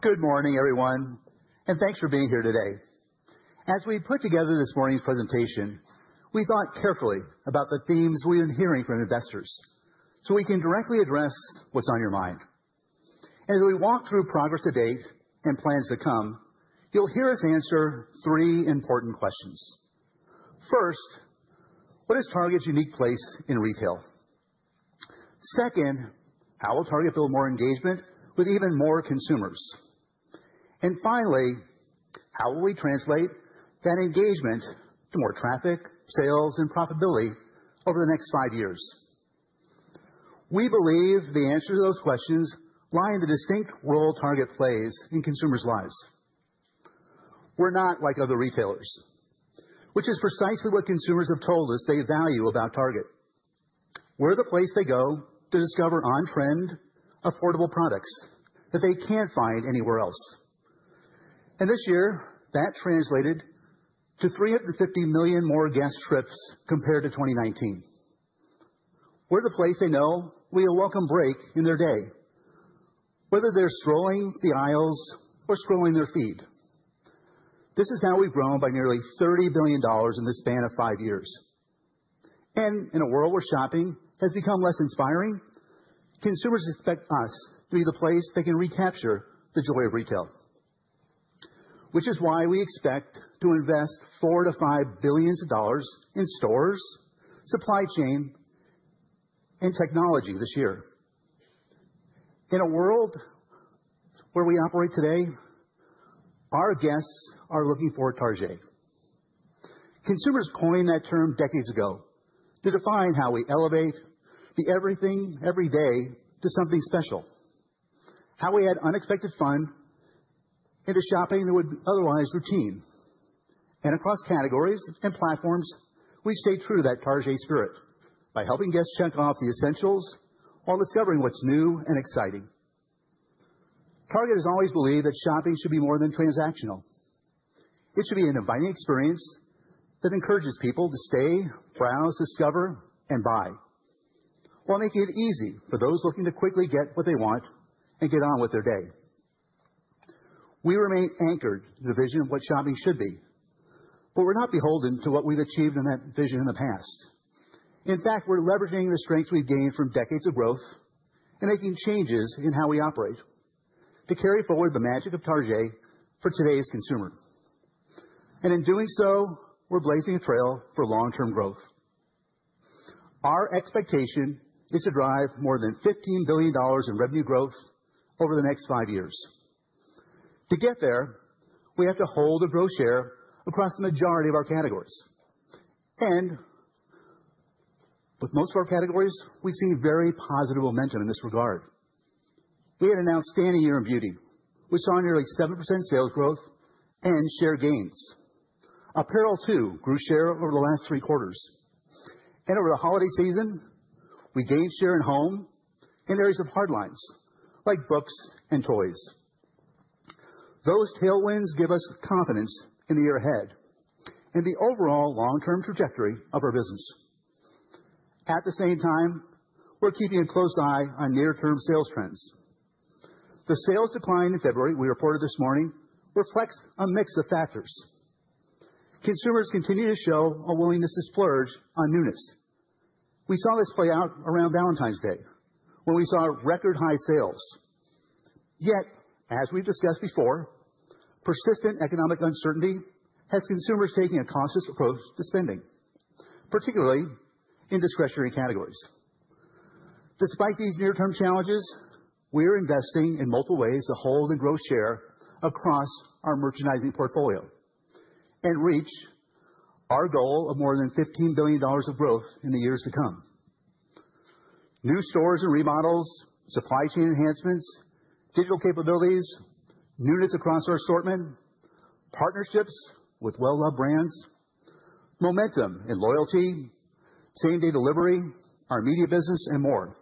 Good morning, everyone, and thanks for being here today. As we put together this morning's presentation, we thought carefully about the themes we've been hearing from investors so we can directly address what's on your mind. As we walk through progress to date and plans to come, you'll hear us answer three important questions. First, what is Target's unique place in retail? Second, how will Target build more engagement with even more consumers? And finally, how will we translate that engagement to more traffic, sales, and profitability over the next five years? We believe the answers to those questions lie in the distinct role Target plays in consumers' lives. We're not like other retailers, which is precisely what consumers have told us they value about Target. We're the place they go to discover on-trend, affordable products that they can't find anywhere else. This year, that translated to 350 million more guest trips compared to 2019. We're the place they know will be a welcome break in their day, whether they're strolling the aisles or scrolling their feed. This is how we've grown by nearly $30 billion in this span of five years. In a world where shopping has become less inspiring, consumers expect us to be the place they can recapture the joy of retail, which is why we expect to invest $4 billion to $5 billion in stores, supply chain, and technology this year. In the world in which we operate today, our guests turn to Target. Consumers coined that term decades ago to define how we elevate the everyday everything to something special, how we add unexpected fun into shopping that would otherwise be routine. And across categories and platforms, we've stayed true to that Target spirit by helping guests check off the essentials while discovering what's new and exciting. Target has always believed that shopping should be more than transactional. It should be an inviting experience that encourages people to stay, browse, discover, and buy, while making it easy for those looking to quickly get what they want and get on with their day. We remain anchored to the vision of what shopping should be, but we're not beholden to what we've achieved in that vision in the past. In fact, we're leveraging the strengths we've gained from decades of growth and making changes in how we operate to carry forward the magic of Target for today's consumer. And in doing so, we're blazing a trail for long-term growth. Our expectation is to drive more than $15 billion in revenue growth over the next five years. To get there, we have to grow our share across the majority of our categories. And with most of our categories, we've seen very positive momentum in this regard. We had an outstanding year in beauty. We saw nearly 7% sales growth and share gains. Apparel grew share over the last three quarters. And over the holiday season, we gained share in home and areas of Hardlines like books and toys. Those tailwinds give us confidence in the year ahead and the overall long-term trajectory of our business. At the same time, we're keeping a close eye on near-term sales trends. The sales decline in February we reported this morning reflects a mix of factors. Consumers continue to show a willingness to splurge on newness. We saw this play out around Valentine's Day, when we saw record-high sales. Yet, as we've discussed before, persistent economic uncertainty has consumers taking a cautious approach to spending, particularly in discretionary categories. Despite these near-term challenges, we're investing in multiple ways to hold and grow share across our merchandising portfolio and reach our goal of more than $15 billion of growth in the years to come. New stores and remodels, supply chain enhancements, digital capabilities, newness across our assortment, partnerships with well-loved brands, momentum and loyalty, Same-Day Delivery, our media business, and more.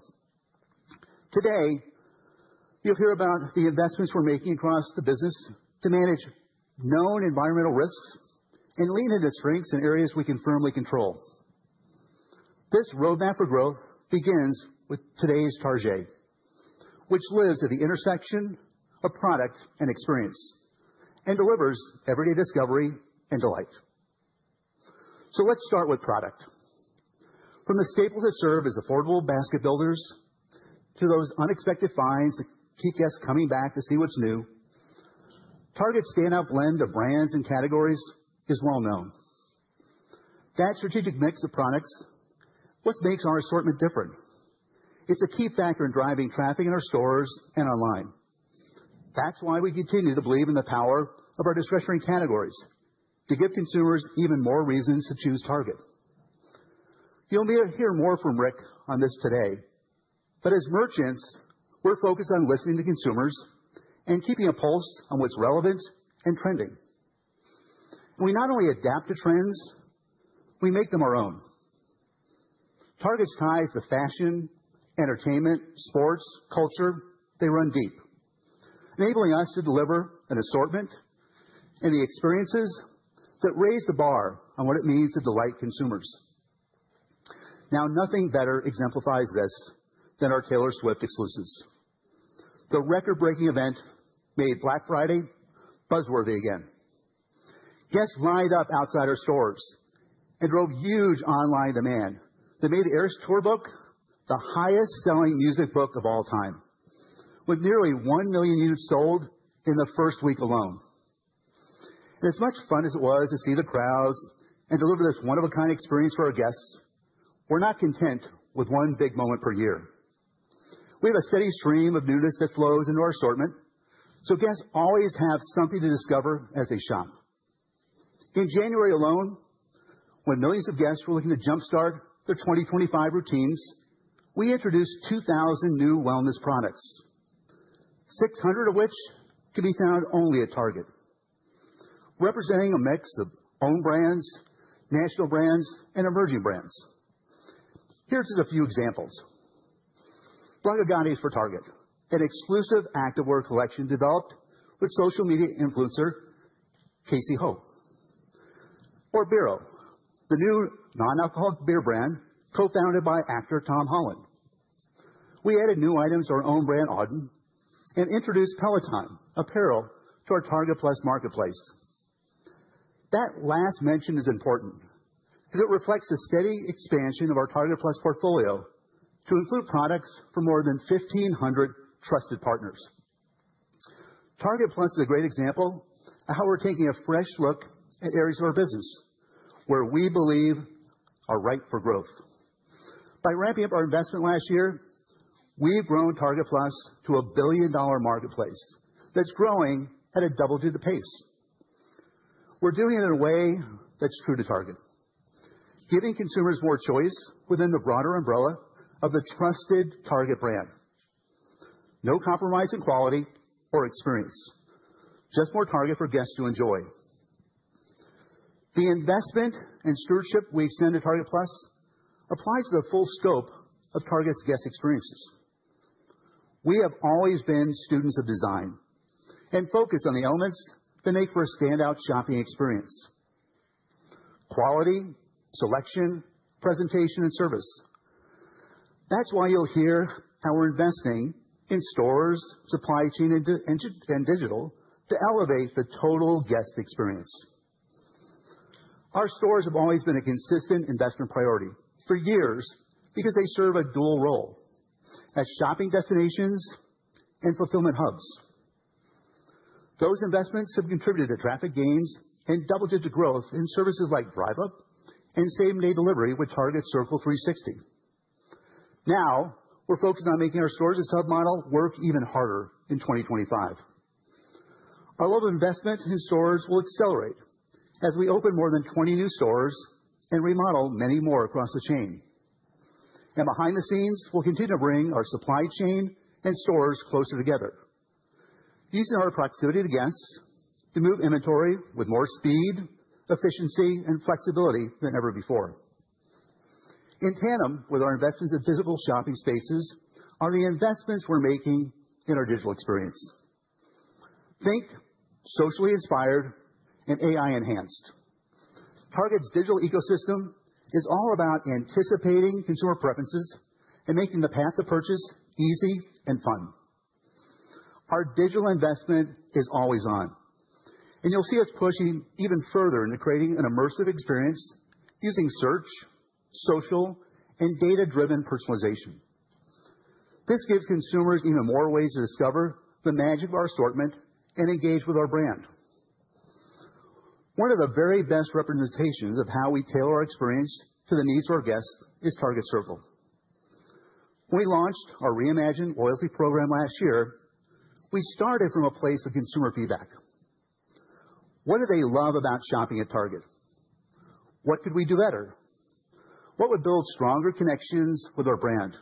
Today, you'll hear about the investments we're making across the business to manage known environmental risks and lean into strengths in areas we can firmly control. This roadmap for growth begins with today's Target, which lives at the intersection of product and experience and delivers everyday discovery and delight. So let's start with product. From the staples that serve as affordable basket builders to those unexpected finds that keep guests coming back to see what's new, Target's standout blend of brands and categories is well-known. That strategic mix of products is what makes our assortment different. It's a key factor in driving traffic in our stores and online. That's why we continue to believe in the power of our discretionary categories to give consumers even more reasons to choose Target. You'll hear more from Rick on this today. But as merchants, we're focused on listening to consumers and keeping a pulse on what's relevant and trending. We not only adapt to trends. We make them our own. Target's ties to fashion, entertainment, sports, and culture run deep, enabling us to deliver an assortment and the experiences that raise the bar on what it means to delight consumers. Now, nothing better exemplifies this than our Taylor Swift exclusives. The record-breaking event made Black Friday buzzworthy again. Guests lined up outside our stores and drove huge online demand that made the Eras Tour Book the highest-selling music book of all time, with nearly one million units sold in the first week alone. And as much fun as it was to see the crowds and deliver this one-of-a-kind experience for our guests, we're not content with one big moment per year. We have a steady stream of newness that flows into our assortment, so guests always have something to discover as they shop. In January alone, when millions of guests were looking to jump-start their 2025 routines, we introduced 2,000 new wellness products, 600 of which can be found only at Target, representing a mix of own brands, national brands, and emerging brands. Here are just a few examples. Blogilates for Target, an exclusive activewear collection developed with social media influencer Cassey Ho. BERO, the new non-alcoholic beer brand co-founded by actor Tom Holland. We added new items to our own brand, Auden, and introduced Peloton apparel to our Target Plus marketplace. That last mention is important because it reflects the steady expansion of our Target Plus portfolio to include products from more than 1,500 trusted partners. Target Plus is a great example of how we're taking a fresh look at areas of our business where we believe are ripe for growth. By ramping up our investment last year, we've grown Target Plus to a billion-dollar marketplace that's growing at a double-digit pace. We're doing it in a way that's true to Target, giving consumers more choice within the broader umbrella of the trusted Target brand. No compromise in quality or experience, just more Target for guests to enjoy. The investment and stewardship we extend to Target Plus applies to the full scope of Target's guest experiences. We have always been students of design and focused on the elements that make for a standout shopping experience: quality, selection, presentation, and service. That's why you'll hear how we're investing in stores, supply chain, and digital to elevate the total guest experience. Our stores have always been a consistent investment priority for years because they serve a dual role as shopping destinations and fulfillment hubs. Those investments have contributed to traffic gains and double-digit growth in services like Drive Up and Same-Day Delivery with Target Circle 360. Now, we're focused on making our stores remodel work even harder in 2025. Our level of investment in stores will accelerate as we open more than 20 new stores and remodel many more across the chain. And behind the scenes, we'll continue to bring our supply chain and stores closer together, using our proximity to guests to move inventory with more speed, efficiency, and flexibility than ever before. In tandem with our investments in physical shopping spaces are the investments we're making in our digital experience. Think socially inspired and AI-enhanced. Target's digital ecosystem is all about anticipating consumer preferences and making the path to purchase easy and fun. Our digital investment is always on, and you'll see us pushing even further into creating an immersive experience using search, social, and data-driven personalization. This gives consumers even more ways to discover the magic of our assortment and engage with our brand. One of the very best representations of how we tailor our experience to the needs of our guests is Target Circle. When we launched our reimagined loyalty program last year, we started from a place of consumer feedback. What do they love about shopping at Target? What could we do better? What would build stronger connections with our brand?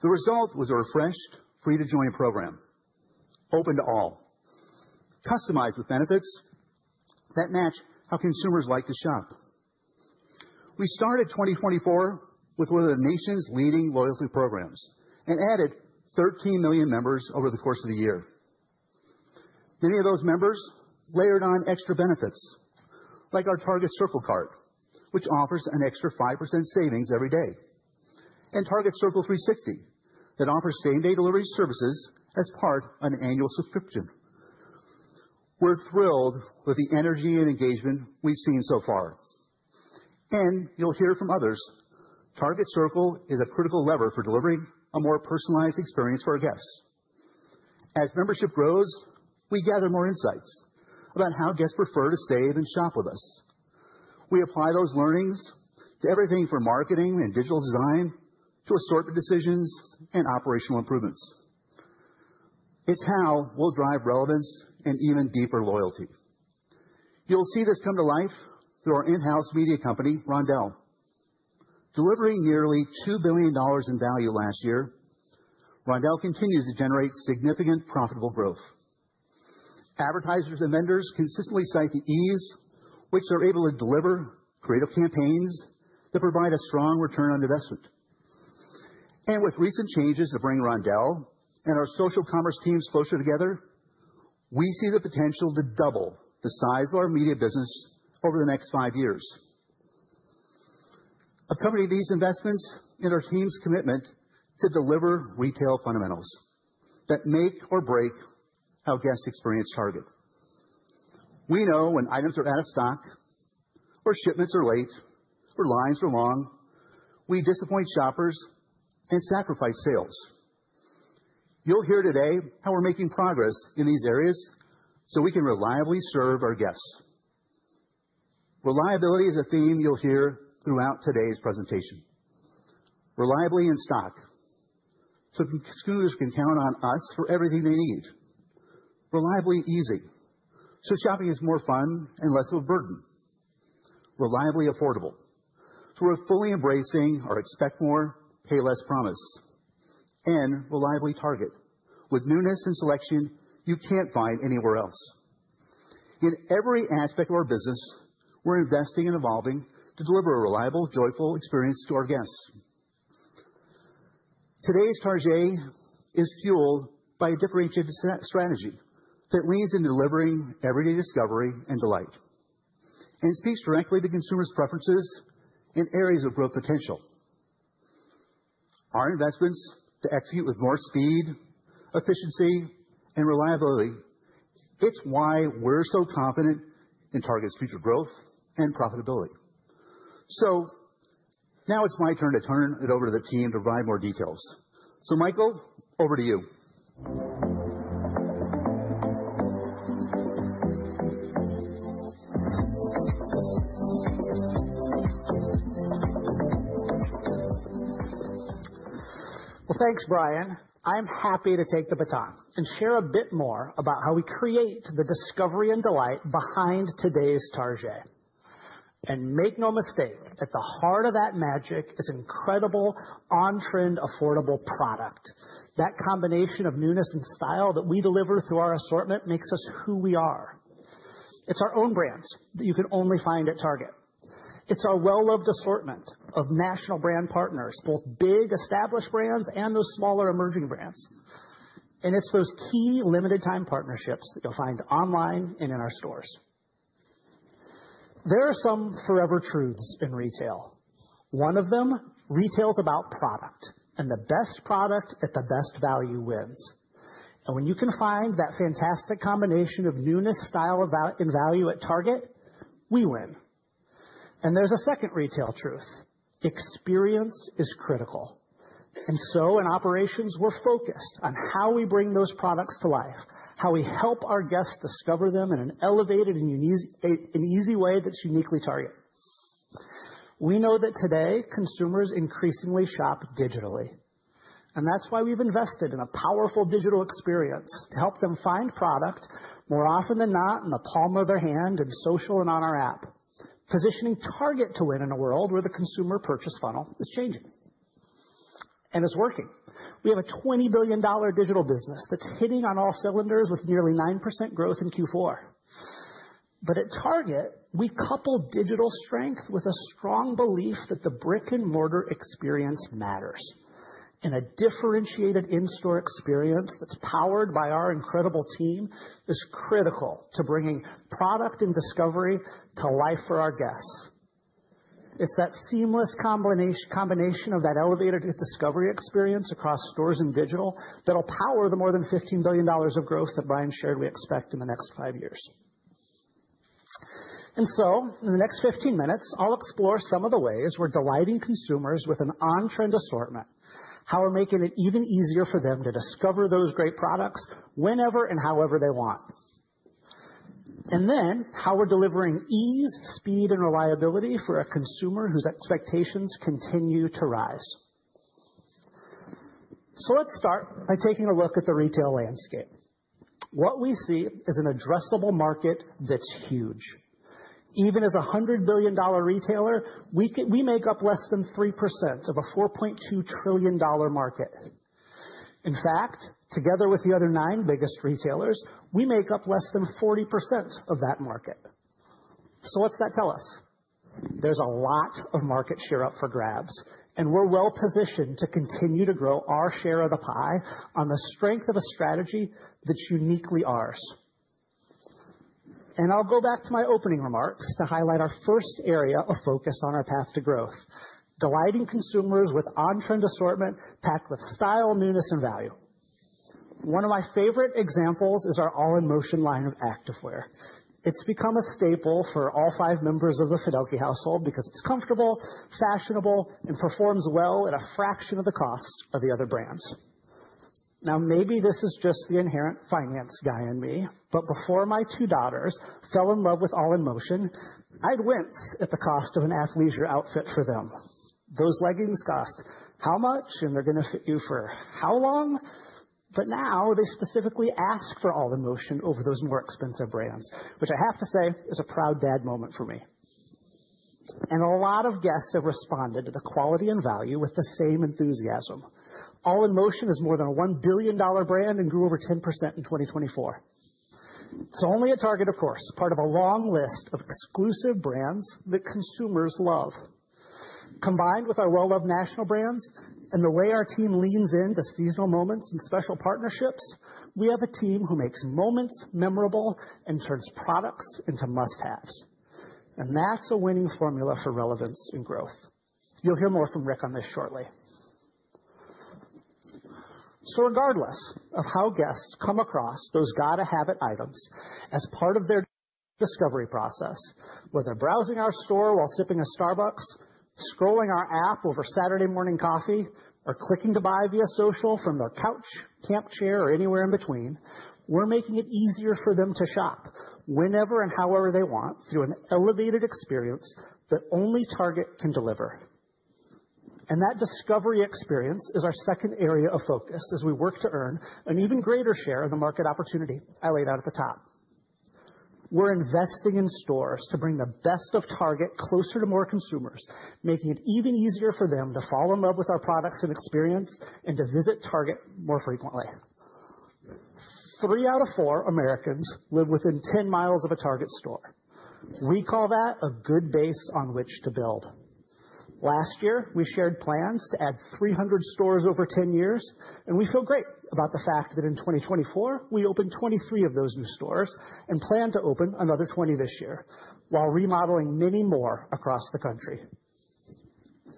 The result was a refreshed, free-to-join program, open to all, customized with benefits that match how consumers like to shop. We started 2024 with one of the nation's leading loyalty programs and added 13 million members over the course of the year. Many of those members layered on extra benefits, like our Target Circle Card, which offers an extra 5% savings every day, and Target Circle 360 that offers Same-Day Delivery services as part of an annual subscription. We're thrilled with the energy and engagement we've seen so far. You'll hear from others, Target Circle is a critical lever for delivering a more personalized experience for our guests. As membership grows, we gather more insights about how guests prefer to save and shop with us. We apply those learnings to everything from marketing and digital design to assortment decisions and operational improvements. It's how we'll drive relevance and even deeper loyalty. You'll see this come to life through our in-house media company, Roundel. Delivering nearly $2 billion in value last year, Roundel continues to generate significant profitable growth. Advertisers and vendors consistently cite the ease with which they're able to deliver creative campaigns that provide a strong return on investment. With recent changes that bring Roundel and our social commerce team closer together, we see the potential to double the size of our media business over the next five years. Accompanying these investments in our team's commitment to deliver retail fundamentals that make or break our guest experience at Target. We know when items are out of stock, or shipments are late, or lines are long, we disappoint shoppers and sacrifice sales. You'll hear today how we're making progress in these areas so we can reliably serve our guests. Reliability is a theme you'll hear throughout today's presentation. Reliably in stock so consumers can count on us for everything they need. Reliably easy so shopping is more fun and less of a burden. Reliably affordable so we're fully embracing our expect more, pay less promise. And reliably Target with newness and selection you can't find anywhere else. In every aspect of our business, we're investing and evolving to deliver a reliable, joyful experience to our guests. Today's Target is fueled by a differentiated strategy that leans into delivering everyday discovery and delight, and it speaks directly to consumers' preferences and areas of growth potential. Our investments to execute with more speed, efficiency, and reliability. It's why we're so confident in Target's future growth and profitability. So now it's my turn to turn it over to the team to provide more details. So Michael, over to you. Well, thanks, Brian. I'm happy to take the baton and share a bit more about how we create the discovery and delight behind today's Target. And make no mistake, at the heart of that magic is an incredible on-trend affordable product. That combination of newness and style that we deliver through our assortment makes us who we are. It's our own brands that you can only find at Target. It's our well-loved assortment of national brand partners, both big established brands and those smaller emerging brands. And it's those key limited-time partnerships that you'll find online and in our stores. There are some forever truths in retail. One of them relates to product, and the best product at the best value wins. And when you can find that fantastic combination of newness, style, and value at Target, we win. And there's a second retail truth. Experience is critical. And so in operations, we're focused on how we bring those products to life, how we help our guests discover them in an elevated and easy way that's uniquely Target. We know that today, consumers increasingly shop digitally. That's why we've invested in a powerful digital experience to help them find product more often than not in the palm of their hand and social and on our app, positioning Target to win in a world where the consumer purchase funnel is changing. It's working. We have a $20 billion digital business that's hitting on all cylinders with nearly 9% growth in Q4. But at Target, we couple digital strength with a strong belief that the brick-and-mortar experience matters. A differentiated in-store experience that's powered by our incredible team is critical to bringing product and discovery to life for our guests. It's that seamless combination of that elevated discovery experience across stores and digital that'll power the more than $15 billion of growth that Brian shared we expect in the next five years. In the next 15 minutes, I'll explore some of the ways we're delighting consumers with an on-trend assortment, how we're making it even easier for them to discover those great products whenever and however they want, and then how we're delivering ease, speed, and reliability for a consumer whose expectations continue to rise. Let's start by taking a look at the retail landscape. What we see is an addressable market that's huge. Even as a $100 billion retailer, we make up less than 3% of a $4.2 trillion market. In fact, together with the other nine biggest retailers, we make up less than 40% of that market. What's that tell us? There's a lot of market share up for grabs, and we're well-positioned to continue to grow our share of the pie on the strength of a strategy that's uniquely ours. And I'll go back to my opening remarks to highlight our first area of focus on our path to growth, delighting consumers with on-trend assortment packed with style, newness, and value. One of my favorite examples is our All in Motion line of activewear. It's become a staple for all five members of the Fiddelke household because it's comfortable, fashionable, and performs well at a fraction of the cost of the other brands. Now, maybe this is just the inherent finance guy in me, but before my two daughters fell in All in Motion, I'd wince at the cost of an athleisure outfit for them. Those leggings cost how much, and they're going to fit you for how long? But now they specifically All in Motion over those more expensive brands, which I have to say is a proud dad moment for me. A lot of guests have responded to the quality and value with the All in Motion is more than a $1 billion brand and grew over 10% in 2024. It's only at Target, of course, part of a long list of exclusive brands that consumers love. Combined with our well-loved national brands and the way our team leans into seasonal moments and special partnerships, we have a team who makes moments memorable and turns products into must-haves. And that's a winning formula for relevance and growth. You'll hear more from Rick on this shortly. So regardless of how guests come across those got-to-have-it items as part of their discovery process, whether browsing our store while sipping a Starbucks, scrolling our app over Saturday morning coffee, or clicking to buy via social from their couch, camp chair, or anywhere in between, we're making it easier for them to shop whenever and however they want through an elevated experience that only Target can deliver. And that discovery experience is our second area of focus as we work to earn an even greater share of the market opportunity I laid out at the top. We're investing in stores to bring the best of Target closer to more consumers, making it even easier for them to fall in love with our products and experience and to visit Target more frequently. Three out of four Americans live within 10 miles of a Target store. We call that a good base on which to build. Last year, we shared plans to add 300 stores over 10 years, and we feel great about the fact that in 2024, we opened 23 of those new stores and plan to open another 20 this year while remodeling many more across the country.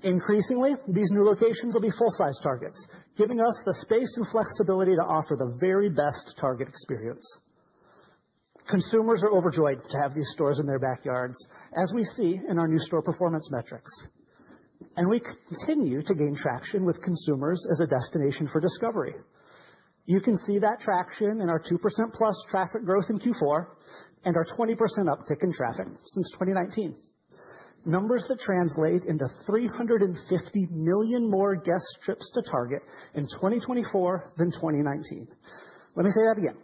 Increasingly, these new locations will be full-size Targets, giving us the space and flexibility to offer the very best Target experience. Consumers are overjoyed to have these stores in their backyards, as we see in our new store performance metrics. And we continue to gain traction with consumers as a destination for discovery. You can see that traction in our 2% plus traffic growth in Q4 and our 20% uptick in traffic since 2019, numbers that translate into 350 million more guest trips to Target in 2024 than 2019. Let me say that again,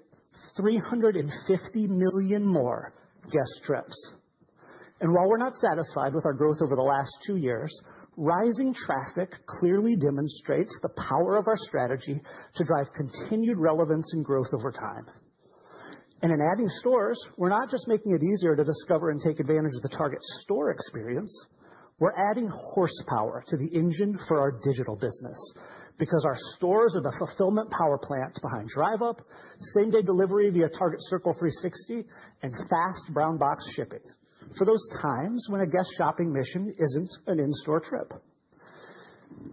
350 million more guest trips. And while we're not satisfied with our growth over the last two years, rising traffic clearly demonstrates the power of our strategy to drive continued relevance and growth over time. And in adding stores, we're not just making it easier to discover and take advantage of the Target store experience. We're adding horsepower to the engine for our digital business because our stores are the fulfillment power plant behind Drive Up, Same-Day delivery via Target Circle 360, and fast brown box Shipt for those times when a guest shopping mission isn't an in-store trip.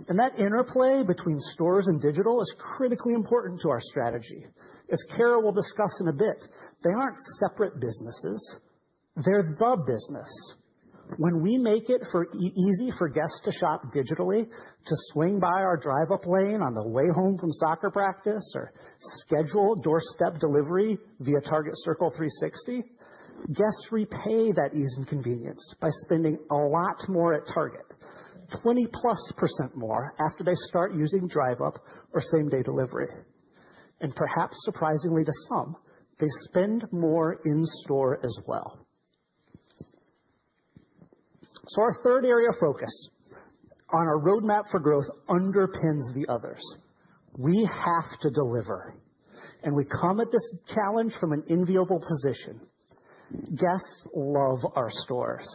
And that interplay between stores and digital is critically important to our strategy. As Cara will discuss in a bit, they aren't separate businesses. They're the business. When we make it easy for guests to shop digitally, to swing by our Drive Up lane on the way home from soccer practice or schedule doorstep delivery via Target Circle 360, guests repay that ease and convenience by spending a lot more at Target, 20+% more after they start using Drive Up or Same-Day Delivery. And perhaps surprisingly to some, they spend more in-store as well. So our third area of focus on our roadmap for growth underpins the others. We have to deliver. And we come at this challenge from an enviable position. Guests love our stores,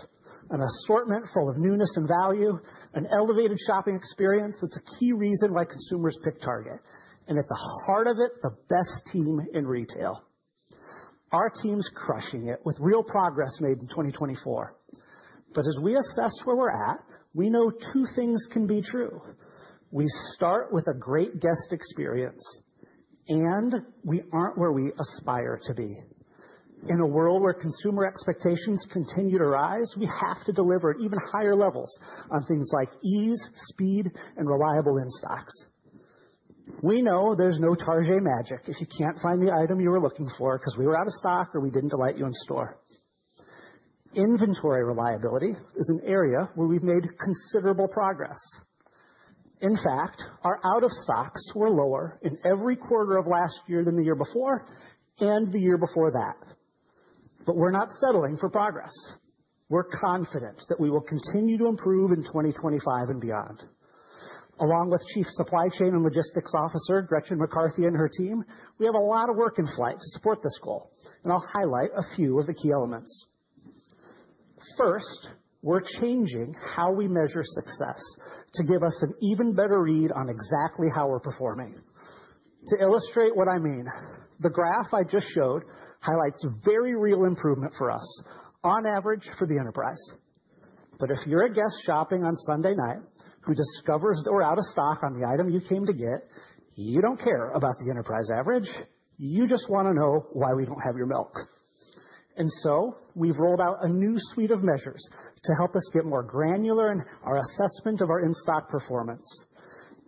an assortment full of newness and value, an elevated shopping experience that's a key reason why consumers pick Target. And at the heart of it, the best team in retail. Our team's crushing it with real progress made in 2024. But as we assess where we're at, we know two things can be true. We start with a great guest experience, and we aren't where we aspire to be. In a world where consumer expectations continue to rise, we have to deliver at even higher levels on things like ease, speed, and reliable in-stocks. We know there's no Target magic if you can't find the item you were looking for because we were out of stock or we didn't delight you in store. Inventory reliability is an area where we've made considerable progress. In fact, our out-of-stocks were lower in every quarter of last year than the year before and the year before that. But we're not settling for progress. We're confident that we will continue to improve in 2025 and beyond. Along with Chief Supply Chain and Logistics Officer Gretchen McCarthy and her team, we have a lot of work in flight to support this goal. And I'll highlight a few of the key elements. First, we're changing how we measure success to give us an even better read on exactly how we're performing. To illustrate what I mean, the graph I just showed highlights very real improvement for us, on average for the enterprise. But if you're a guest shopping on Sunday night who discovers that we're out of stock on the item you came to get, you don't care about the enterprise average. You just want to know why we don't have your milk. And so we've rolled out a new suite of measures to help us get more granular in our assessment of our in-stock performance.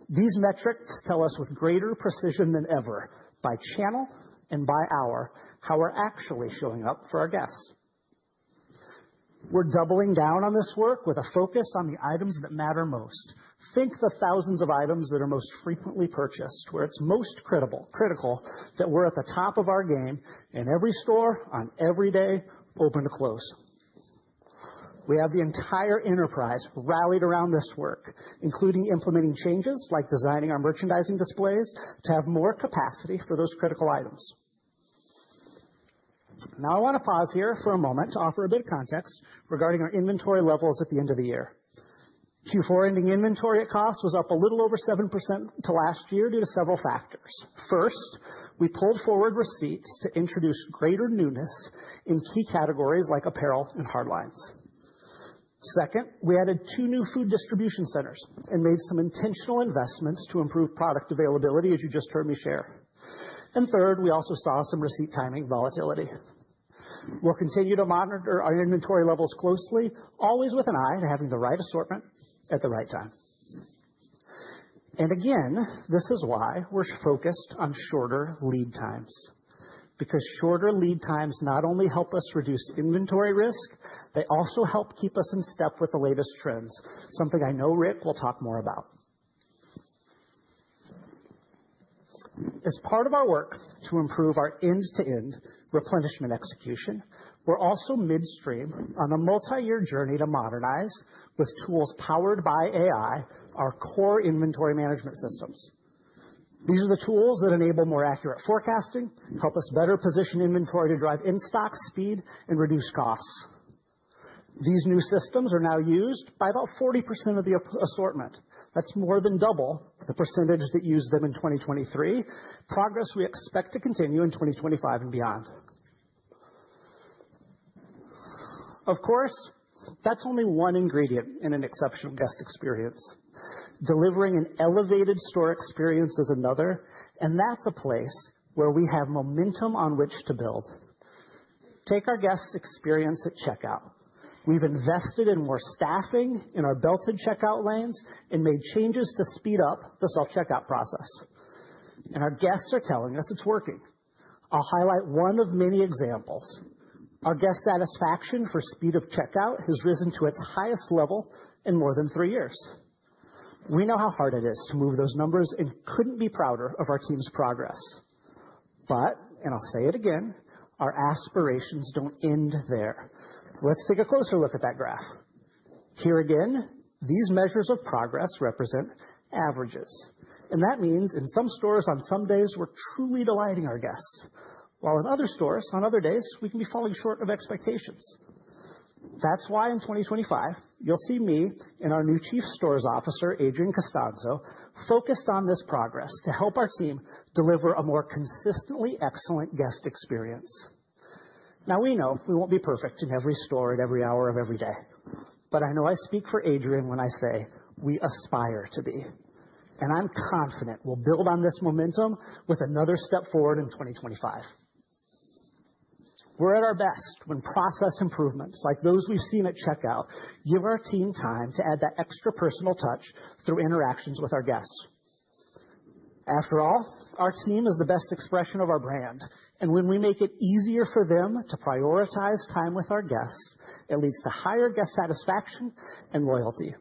These metrics tell us with greater precision than ever by channel and by hour how we're actually showing up for our guests. We're doubling down on this work with a focus on the items that matter most. Think the thousands of items that are most frequently purchased, where it's most critical that we're at the top of our game in every store on every day, open to close. We have the entire enterprise rallied around this work, including implementing changes like designing our merchandising displays to have more capacity for those critical items. Now I want to pause here for a moment to offer a bit of context regarding our inventory levels at the end of the year. Q4 ending inventory at cost was up a little over 7% to last year due to several factors. First, we pulled forward receipts to introduce greater newness in key categories like apparel and Hardlines. Second, we added two new food distribution centers and made some intentional investments to improve product availability, as you just heard me share. And third, we also saw some receipt timing volatility. We'll continue to monitor our inventory levels closely, always with an eye to having the right assortment at the right time. And again, this is why we're focused on shorter lead times, because shorter lead times not only help us reduce inventory risk, they also help keep us in step with the latest trends, something I know Rick will talk more about. As part of our work to improve our end-to-end replenishment execution, we're also midstream on a multi-year journey to modernize with tools powered by AI, our core inventory management systems. These are the tools that enable more accurate forecasting, help us better position inventory to drive in-stock speed and reduce costs. These new systems are now used by about 40% of the assortment. That's more than double the percentage that used them in 2023, progress we expect to continue in 2025 and beyond. Of course, that's only one ingredient in an exceptional guest experience. Delivering an elevated store experience is another, and that's a place where we have momentum on which to build. Take our guests' experience at checkout. We've invested in more staffing in our belted checkout lanes and made changes to speed up the self-checkout process, and our guests are telling us it's working. I'll highlight one of many examples. Our guest satisfaction for speed of checkout has risen to its highest level in more than three years. We know how hard it is to move those numbers and couldn't be prouder of our team's progress, but and I'll say it again, our aspirations don't end there. Let's take a closer look at that graph. Here again, these measures of progress represent averages. And that means in some stores on some days, we're truly delighting our guests, while in other stores, on other days, we can be falling short of expectations. That's why in 2025, you'll see me and our new Chief Stores Officer, Adrienne Costanzo, focused on this progress to help our team deliver a more consistently excellent guest experience. Now, we know we won't be perfect in every store at every hour of every day, but I know I speak for Adrienne when I say we aspire to be, and I'm confident we'll build on this momentum with another step forward in 2025. We're at our best when process improvements like those we've seen at checkout give our team time to add that extra personal touch through interactions with our guests. After all, our team is the best expression of our brand. And when we make it easier for them to prioritize time with our guests, it leads to higher guest satisfaction and loyalty.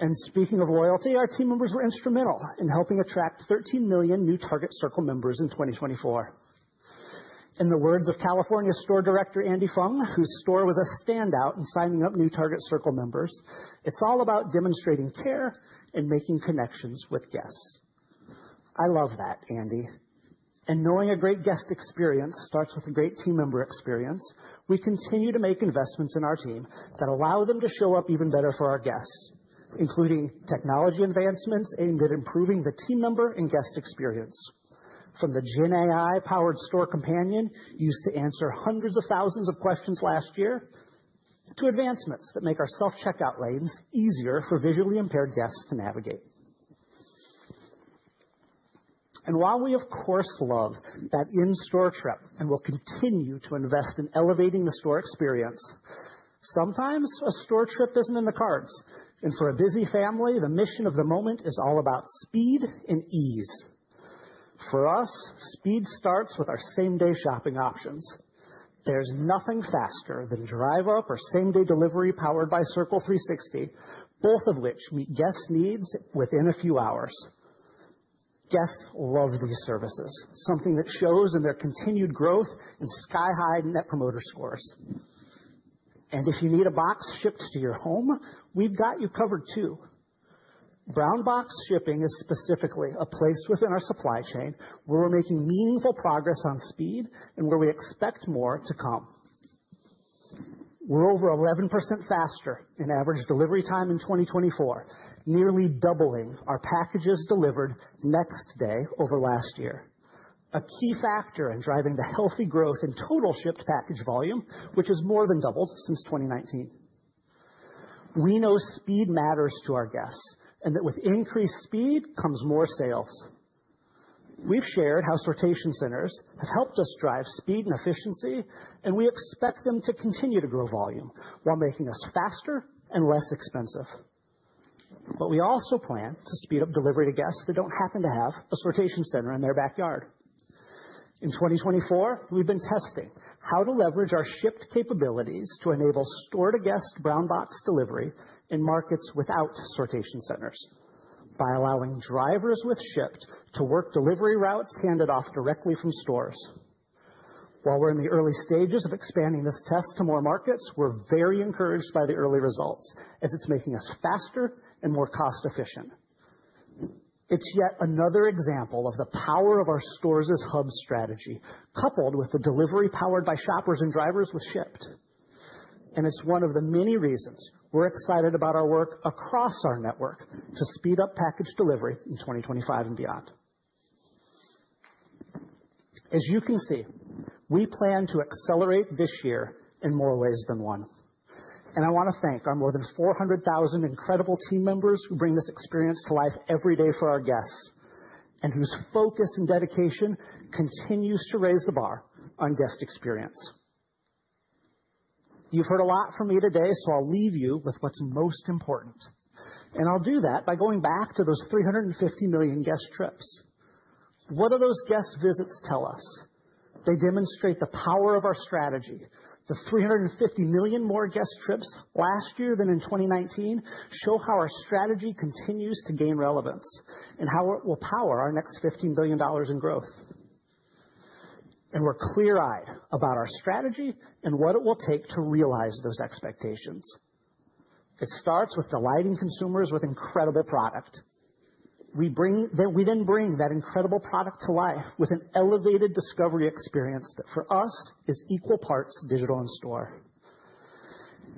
And speaking of loyalty, our team members were instrumental in helping attract 13 million new Target Circle members in 2024. In the words of California store director Andy Fung, whose store was a standout in signing up new Target Circle members, it's all about demonstrating care and making connections with guests. I love that, Andy. Knowing a great guest experience starts with a great team member experience, we continue to make investments in our team that allow them to show up even better for our guests, including technology advancements aimed at improving the team member and guest experience. From the GenAI-powered store companion used to answer hundreds of thousands of questions last year to advancements that make our self-checkout lanes easier for visually impaired guests to navigate. While we, of course, love that in-store trip and will continue to invest in elevating the store experience, sometimes a store trip isn't in the cards. For a busy family, the mission of the moment is all about speed and ease. For us, speed starts with our same-day shopping options. There's nothing faster than Drive Up or Same-Day Delivery powered by Circle 360, both of which meet guest needs within a few hours. Guests love these services, something that shows in their continued growth and sky-high net promoter scores, and if you need a box shipped to your home, we've got you covered too. Brown Box Shipping is specifically a place within our supply chain where we're making meaningful progress on speed and where we expect more to come. We're over 11% faster in average delivery time in 2024, nearly doubling our packages delivered next day over last year, a key factor in driving the healthy growth in total shipped package volume, which has more than doubled since 2019. We know speed matters to our guests and that with increased speed comes more sales. We've shared how sortation centers have helped us drive speed and efficiency, and we expect them to continue to grow volume while making us faster and less expensive. But we also plan to speed up delivery to guests that don't happen to have a sortation center in their backyard. In 2024, we've been testing how to leverage our Shipt capabilities to enable store-to-guest brown box delivery in markets without sortation centers by allowing drivers with Shipt to work delivery routes handed off directly from stores. While we're in the early stages of expanding this test to more markets, we're very encouraged by the early results as it's making us faster and more cost-efficient. It's yet another example of the power of our stores-as-hubs strategy, coupled with the delivery powered by shoppers and drivers with Shipt. And it's one of the many reasons we're excited about our work across our network to speed up package delivery in 2025 and beyond. As you can see, we plan to accelerate this year in more ways than one. I want to thank our more than 400,000 incredible team members who bring this experience to life every day for our guests and whose focus and dedication continues to raise the bar on guest experience. You've heard a lot from me today, so I'll leave you with what's most important. I'll do that by going back to those 350 million guest trips. What do those guest visits tell us? They demonstrate the power of our strategy. The 350 million more guest trips last year than in 2019 show how our strategy continues to gain relevance and how it will power our next $15 billion in growth. We're clear-eyed about our strategy and what it will take to realize those expectations. It starts with delighting consumers with incredible product. We then bring that incredible product to life with an elevated discovery experience that for us is equal parts digital and store.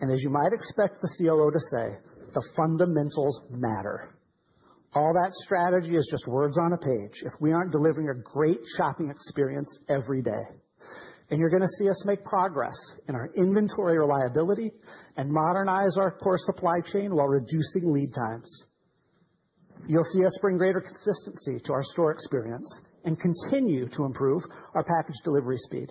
And as you might expect the COO to say, the fundamentals matter. All that strategy is just words on a page if we aren't delivering a great shopping experience every day. And you're going to see us make progress in our inventory reliability and modernize our core supply chain while reducing lead times. You'll see us bring greater consistency to our store experience and continue to improve our package delivery speed.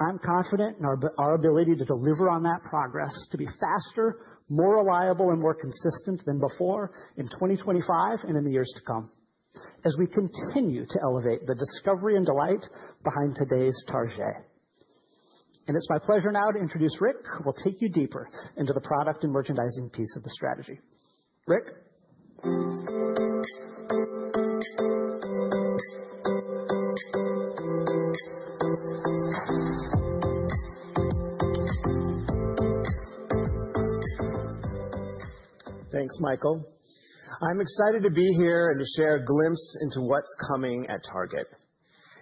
I'm confident in our ability to deliver on that progress to be faster, more reliable, and more consistent than before in 2025 and in the years to come as we continue to elevate the discovery and delight behind today's Target. It's my pleasure now to introduce Rick, who will take you deeper into the product and merchandising piece of the strategy. Rick. Thanks, Michael. I'm excited to be here and to share a glimpse into what's coming at Target.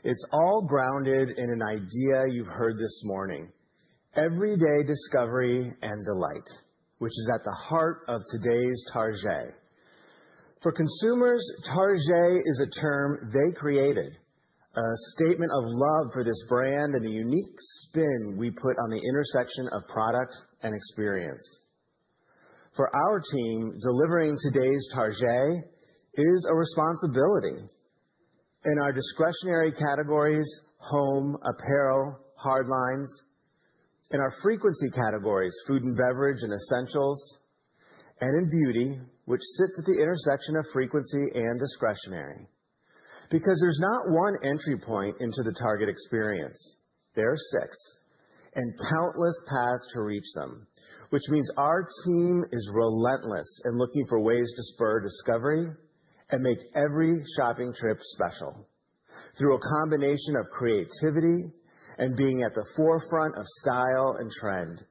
It's all grounded in an idea you've heard this morning, everyday discovery and delight, which is at the heart of today's Target. For consumers, Target is a term they created, a statement of love for this brand and the unique spin we put on the intersection of product and experience. For our team, delivering today's Target is a responsibility in our discretionary categories, home, apparel, hard lines, in our frequency categories, food and beverage and essentials, and in beauty, which sits at the intersection of frequency and discretionary. Because there's not one entry point into the Target experience. There are six and countless paths to reach them, which means our team is relentless in looking for ways to spur discovery and make every shopping trip special through a combination of creativity and being at the forefront of style and trend.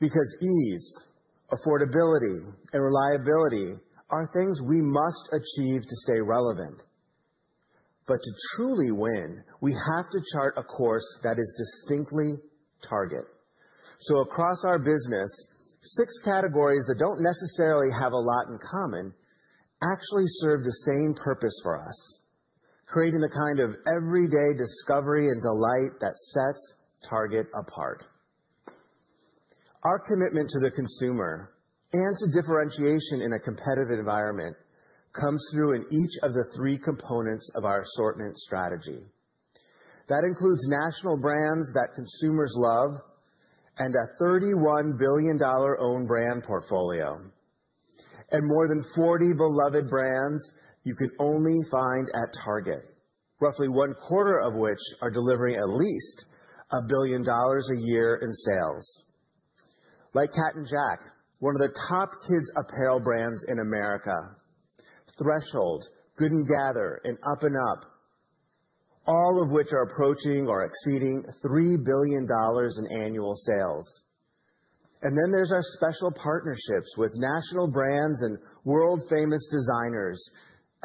Because ease, affordability, and reliability are things we must achieve to stay relevant. But to truly win, we have to chart a course that is distinctly Target. So across our business, six categories that don't necessarily have a lot in common actually serve the same purpose for us, creating the kind of everyday discovery and delight that sets Target apart. Our commitment to the consumer and to differentiation in a competitive environment comes through in each of the three components of our assortment strategy. That includes national brands that consumers love and a $31 billion owned brand portfolio and more than 40 beloved brands you can only find at Target, roughly one quarter of which are delivering at least a billion dollars a year in sales. Like Cat & Jack, one of the top kids' apparel brands in America, Threshold, Good & Gather, and up&up, all of which are approaching or exceeding $3 billion in annual sales. And then there's our special partnerships with national brands and world-famous designers,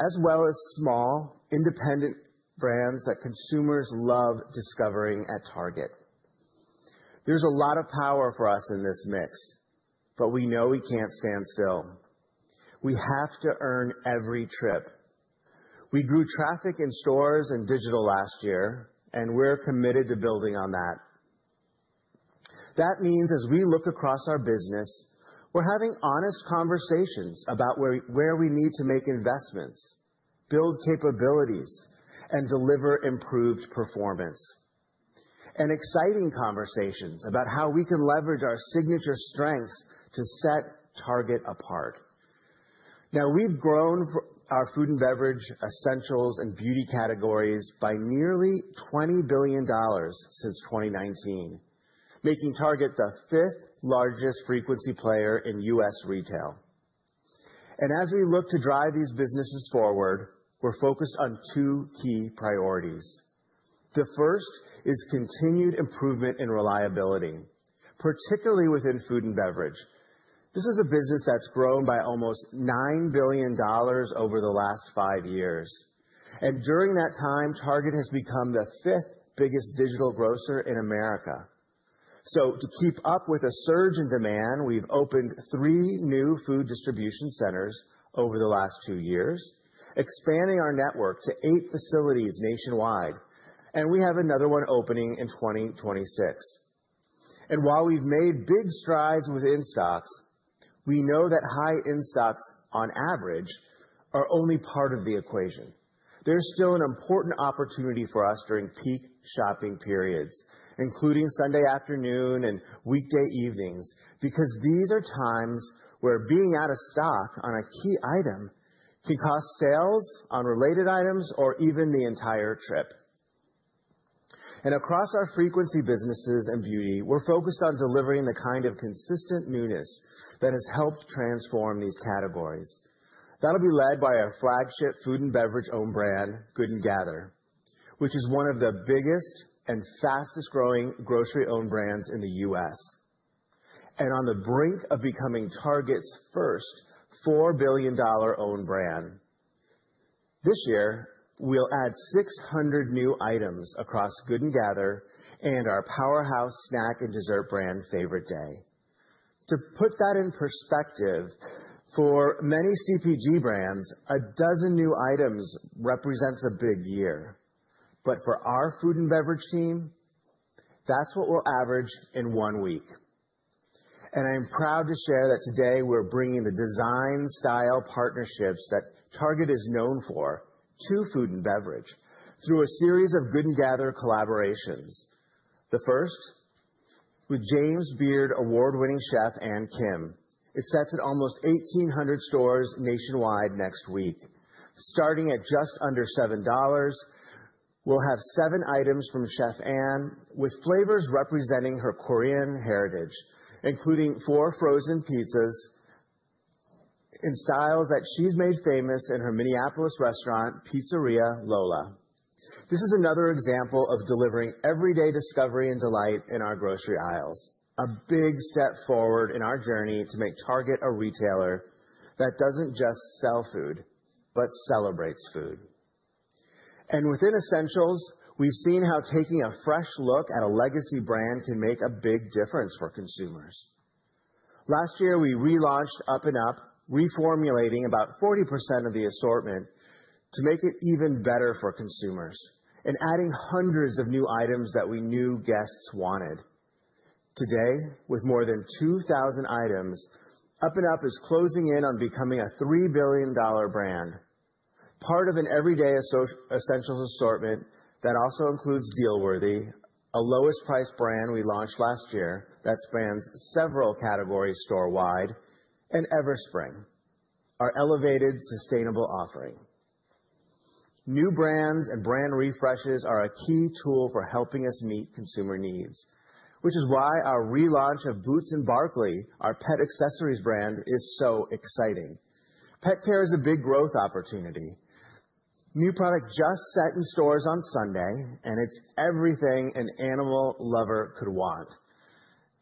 as well as small independent brands that consumers love discovering at Target. There's a lot of power for us in this mix, but we know we can't stand still. We have to earn every trip. We grew traffic in stores and digital last year, and we're committed to building on that. That means as we look across our business, we're having honest conversations about where we need to make investments, build capabilities, and deliver improved performance, and exciting conversations about how we can leverage our signature strengths to set Target apart. Now, we've grown our food and beverage essentials and beauty categories by nearly $20 billion since 2019, making Target the 5th largest frequency player in U.S. retail. And as we look to drive these businesses forward, we're focused on two key priorities. The first is continued improvement in reliability, particularly within food and beverage. This is a business that's grown by almost $9 billion over the last five years. And during that time, Target has become the fifth biggest digital grocer in America. So to keep up with a surge in demand, we've opened three new food distribution centers over the last two years, expanding our network to eight facilities nationwide. And we have another one opening in 2026. And while we've made big strides with in-stocks, we know that high in-stocks on average are only part of the equation. There's still an important opportunity for us during peak shopping periods, including Sunday afternoon and weekday evenings, because these are times where being out of stock on a key item can cost sales on related items or even the entire trip. And across our frequency businesses and beauty, we're focused on delivering the kind of consistent newness that has helped transform these categories. That'll be led by our flagship food and beverage owned brand, Good & Gather, which is one of the biggest and fastest-growing grocery-owned brands in the U.S. And on the brink of becoming Target's first $4 billion owned brand. This year, we'll add 600 new items across Good & Gather and our powerhouse snack and dessert brand, Favorite Day. To put that in perspective, for many CPG brands, a dozen new items represents a big year. But for our food and beverage team, that's what we'll average in one week. And I'm proud to share that today we're bringing the design style partnerships that Target is known for to food and beverage through a series of Good & Gather collaborations. The first, with James Beard award-winning chef Ann Kim, hits shelves at almost 1,800 stores nationwide next week. Starting at just under $7, we'll have seven items from chef Ann, with flavors representing her Korean heritage, including four frozen pizzas in styles that she's made famous in her Minneapolis restaurant, Pizzeria Lola. This is another example of delivering everyday discovery and delight in our grocery aisles, a big step forward in our journey to make Target a retailer that doesn't just sell food, but celebrates food. And within essentials, we've seen how taking a fresh look at a legacy brand can make a big difference for consumers. Last year, we relaunched up&up, reformulating about 40% of the assortment to make it even better for consumers and adding hundreds of new items that we knew guests wanted. Today, with more than 2,000 items, up&up is closing in on becoming a $3 billion brand, part of an everyday essentials assortment that also includes Dealworthy, a lowest-priced brand we launched last year that spans several categories store-wide, and Everspring, our elevated sustainable offering. New brands and brand refreshes are a key tool for helping us meet consumer needs, which is why our relaunch of Boots & Barkley, our pet accessories brand, is so exciting. Pet care is a big growth opportunity. New product just set in stores on Sunday, and it's everything an animal lover could want,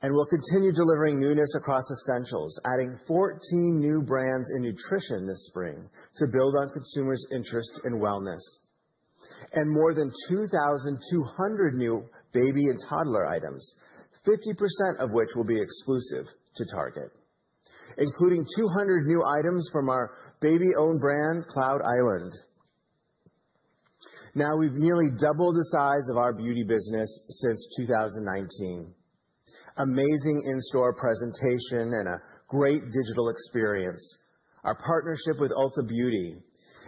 and we'll continue delivering newness across essentials, adding 14 new brands in nutrition this spring to build on consumers' interest in wellness, and more than 2,200 new baby and toddler items, 50% of which will be exclusive to Target, including 200 new items from our baby-owned brand, Cloud Island. Now we've nearly doubled the size of our beauty business since 2019. Amazing in-store presentation and a great digital experience, our partnership with Ulta Beauty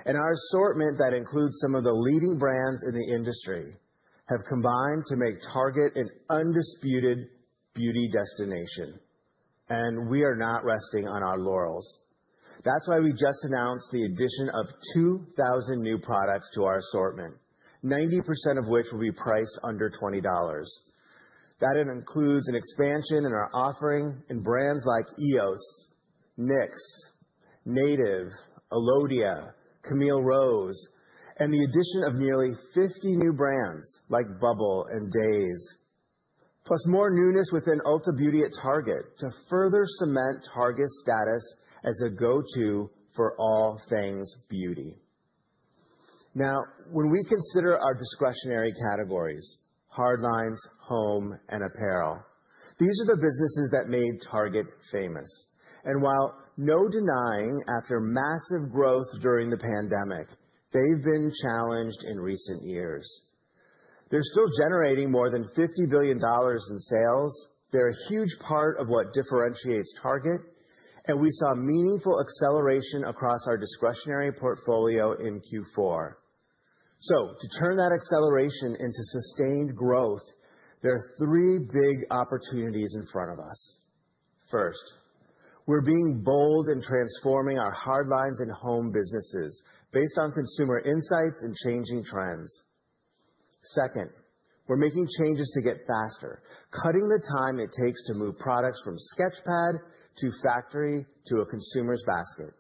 and our assortment that includes some of the leading brands in the industry have combined to make Target an undisputed beauty destination. And we are not resting on our laurels. That's why we just announced the addition of 2,000 new products to our assortment, 90% of which will be priced under $20. That includes an expansion in our offering in brands like eos, NYX, Native, Alodia, Camille Rose, and the addition of nearly 50 new brands like Bubble and Dae, plus more newness within Ulta Beauty at Target to further cement Target's status as a go-to for all things beauty. Now, when we consider our discretionary categories, hardlines, home, and apparel, these are the businesses that made Target famous. And while no denying, after massive growth during the pandemic, they've been challenged in recent years. They're still generating more than $50 billion in sales. They're a huge part of what differentiates Target. And we saw meaningful acceleration across our discretionary portfolio in Q4. So to turn that acceleration into sustained growth, there are three big opportunities in front of us. First, we're being bold and transforming our hardlines and home businesses based on consumer insights and changing trends. Second, we're making changes to get faster, cutting the time it takes to move products from sketchpad to factory to a consumer's basket.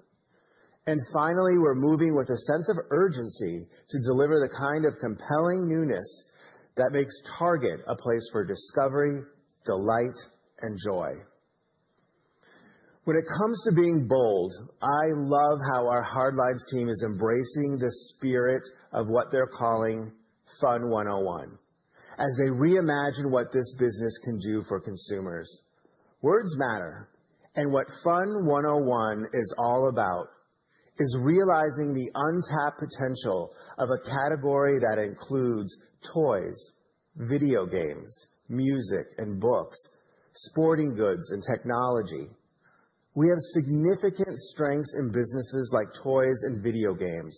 And finally, we're moving with a sense of urgency to deliver the kind of compelling newness that makes Target a place for discovery, delight, and joy. When it comes to being bold, I love how our hardlines team is embracing the spirit of what they're calling Fun 101 as they reimagine what this business can do for consumers. Words matter. And what Fun 101 is all about is realizing the untapped potential of a category that includes toys, video games, music and books, sporting goods, and technology. We have significant strengths in businesses like toys and video games,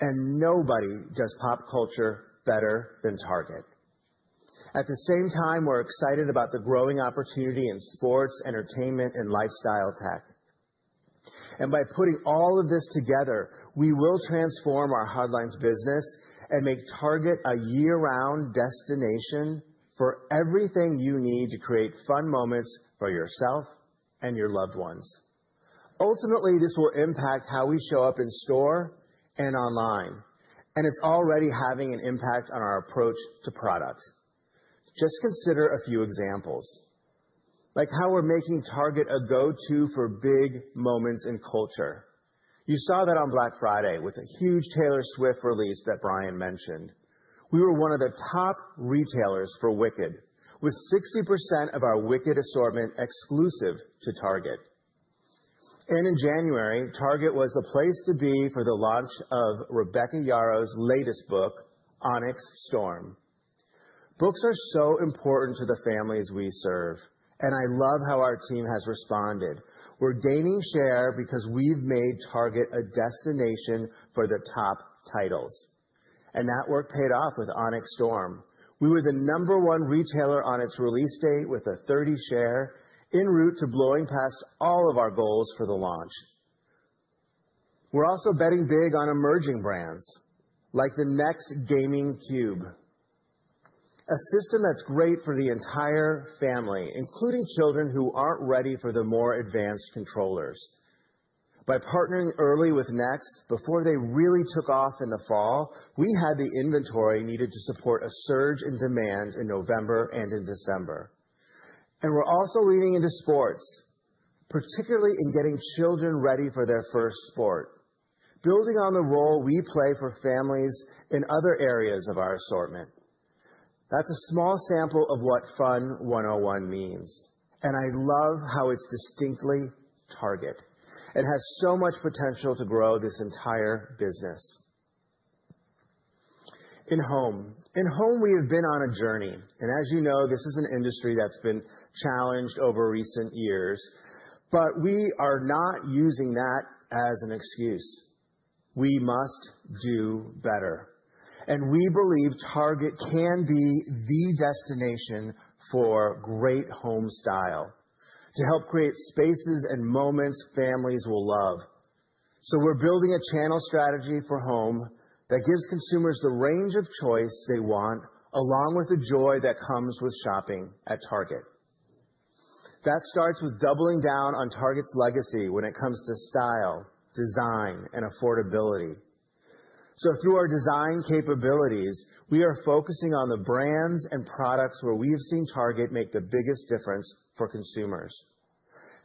and nobody does pop culture better than Target. At the same time, we're excited about the growing opportunity in sports, entertainment, and lifestyle tech, and by putting all of this together, we will transform our hardlines business and make Target a year-round destination for everything you need to create fun moments for yourself and your loved ones. Ultimately, this will impact how we show up in store and online, and it's already having an impact on our approach to product. Just consider a few examples, like how we're making Target a go-to for big moments in culture. You saw that on Black Friday with a huge Taylor Swift release that Brian mentioned. We were one of the top retailers for Wicked, with 60% of our Wicked assortment exclusive to Target. In January, Target was the place to be for the launch of Rebecca Yarros's latest book, Onyx Storm. Books are so important to the families we serve. I love how our team has responded. We're gaining share because we've made Target a destination for the top titles. That work paid off with Onyx Storm. We were the number one retailer on its release date with a 30% share en route to blowing past all of our goals for the launch. We're also betting big on emerging brands like the Nex gaming cube, a system that's great for the entire family, including children who aren't ready for the more advanced controllers. By partnering early with Nex before they really took off in the fall, we had the inventory needed to support a surge in demand in November and in December. We're also leaning into sports, particularly in getting children ready for their first sport, building on the role we play for families in other areas of our assortment. That's a small sample of what Fun 101 means. I love how it's distinctly Target and has so much potential to grow this entire business. In home, we have been on a journey. As you know, this is an industry that's been challenged over recent years. We are not using that as an excuse. We must do better. We believe Target can be the destination for great home style to help create spaces and moments families will love. We're building a channel strategy for home that gives consumers the range of choice they want, along with the joy that comes with shopping at Target. That starts with doubling down on Target's legacy when it comes to style, design, and affordability. So through our design capabilities, we are focusing on the brands and products where we have seen Target make the biggest difference for consumers,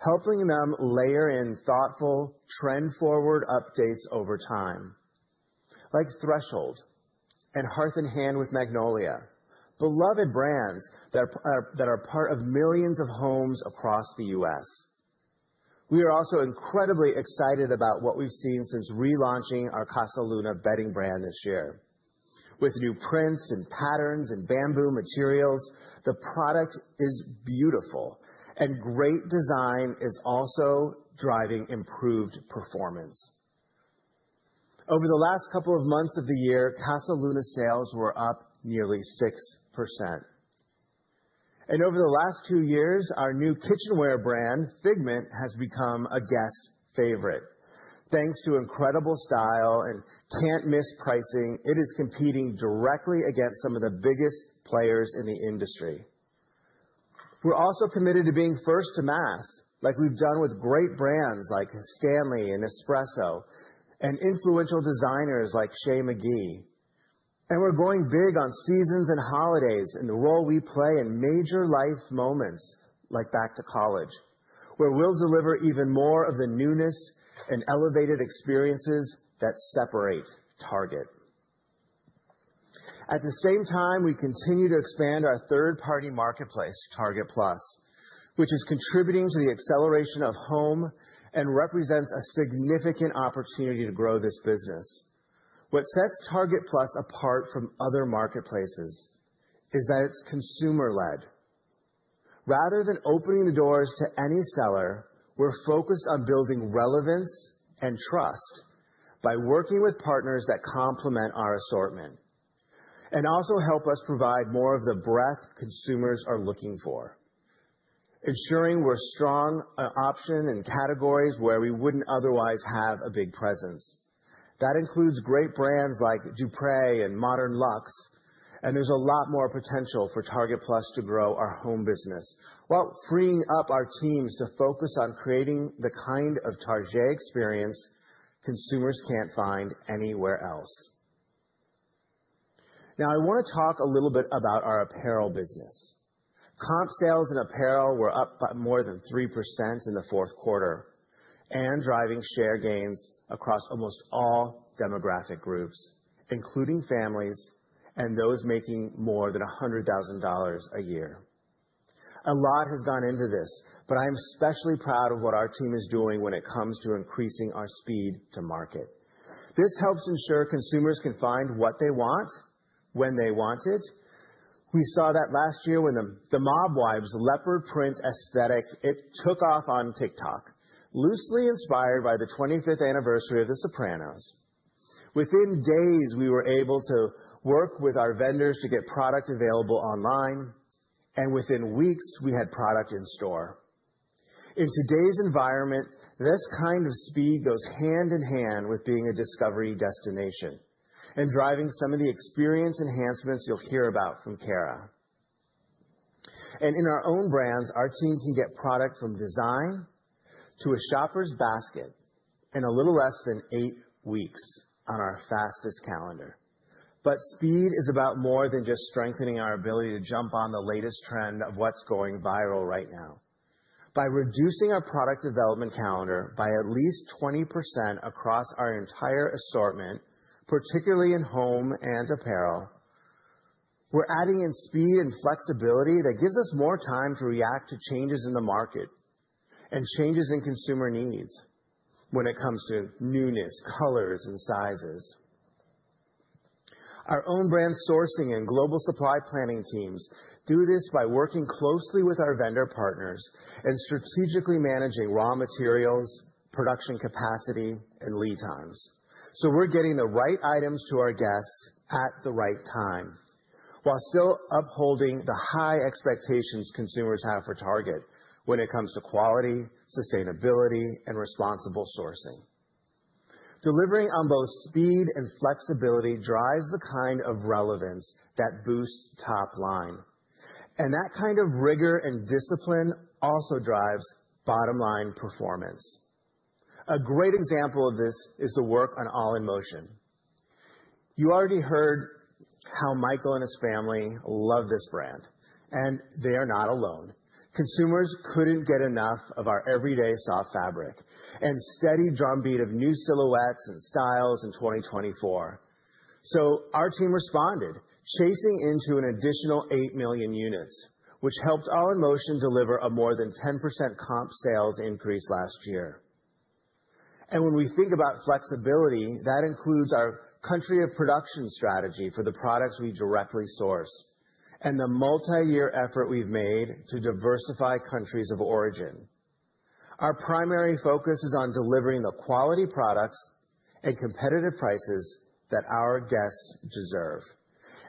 helping them layer in thoughtful, trend-forward updates over time, like Threshold and Hearth & Hand with Magnolia, beloved brands that are part of millions of homes across the U.S. We are also incredibly excited about what we've seen since relaunching our Casaluna bedding brand this year with new prints and patterns and bamboo materials. The product is beautiful, and great design is also driving improved performance. Over the last couple of months of the year, Casaluna sales were up nearly 6%. And over the last two years, our new kitchenware brand, Figment, has become a guest favorite. Thanks to incredible style and can't-miss pricing, it is competing directly against some of the biggest players in the industry. We're also committed to being first to mass, like we've done with great brands like Stanley and Nespresso and influential designers like Shea McGee, and we're going big on seasons and holidays in the role we play in major life moments like back to college, where we'll deliver even more of the newness and elevated experiences that separate Target. At the same time, we continue to expand our third-party marketplace, Target Plus, which is contributing to the acceleration of home and represents a significant opportunity to grow this business. What sets Target Plus apart from other marketplaces is that it's consumer-led. Rather than opening the doors to any seller, we're focused on building relevance and trust by working with partners that complement our assortment and also help us provide more of the breadth consumers are looking for, ensuring we're a strong option in categories where we wouldn't otherwise have a big presence. That includes great brands like Dupray and ModernLuxe, and there's a lot more potential for Target Plus to grow our home business while freeing up our teams to focus on creating the kind of Target experience consumers can't find anywhere else. Now, I want to talk a little bit about our apparel business. Comp sales in apparel were up by more than 3% in the fourth quarter, and driving share gains across almost all demographic groups, including families and those making more than $100,000 a year. A lot has gone into this, but I am especially proud of what our team is doing when it comes to increasing our speed to market. This helps ensure consumers can find what they want when they want it. We saw that last year when the Mob Wives leopard print aesthetic took off on TikTok, loosely inspired by the 25th anniversary of the Sopranos. Within days, we were able to work with our vendors to get product available online. And within weeks, we had product in store. In today's environment, this kind of speed goes hand in hand with being a discovery destination and driving some of the experience enhancements you'll hear about from Cara. And in our own brands, our team can get product from design to a shopper's basket in a little less than eight weeks on our fastest calendar. But speed is about more than just strengthening our ability to jump on the latest trend of what's going viral right now. By reducing our product development calendar by at least 20% across our entire assortment, particularly in home and apparel, we're adding in speed and flexibility that gives us more time to react to changes in the market and changes in consumer needs when it comes to newness, colors, and sizes. Our own brand sourcing and global supply planning teams do this by working closely with our vendor partners and strategically managing raw materials, production capacity, and lead times. So we're getting the right items to our guests at the right time while still upholding the high expectations consumers have for Target when it comes to quality, sustainability, and responsible sourcing. Delivering on both speed and flexibility drives the kind of relevance that boosts top line. That kind of rigor and discipline also drives bottom-line performance. A great example of this is the work on All in Motion. You already heard how Michael and his family love this brand. And they are not alone. Consumers couldn't get enough of our everyday soft fabric and steady drumbeat of new silhouettes and styles in 2024. So our team responded, chasing into an additional eight million units, which helped All in Motion deliver a more than 10% comp sales increase last year. And when we think about flexibility, that includes our country of production strategy for the products we directly source and the multi-year effort we've made to diversify countries of origin. Our primary focus is on delivering the quality products at competitive prices that our guests deserve.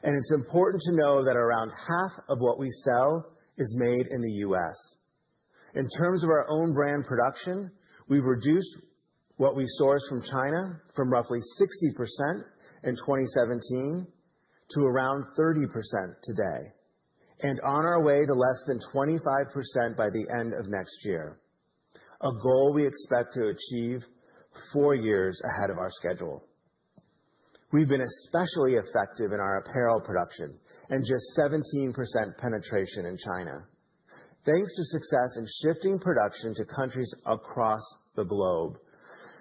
And it's important to know that around half of what we sell is made in the U.S. In terms of our own brand production, we've reduced what we source from China from roughly 60% in 2017 to around 30% today and on our way to less than 25% by the end of next year, a goal we expect to achieve four years ahead of our schedule. We've been especially effective in our apparel production and just 17% penetration in China, thanks to success in shifting production to countries across the globe.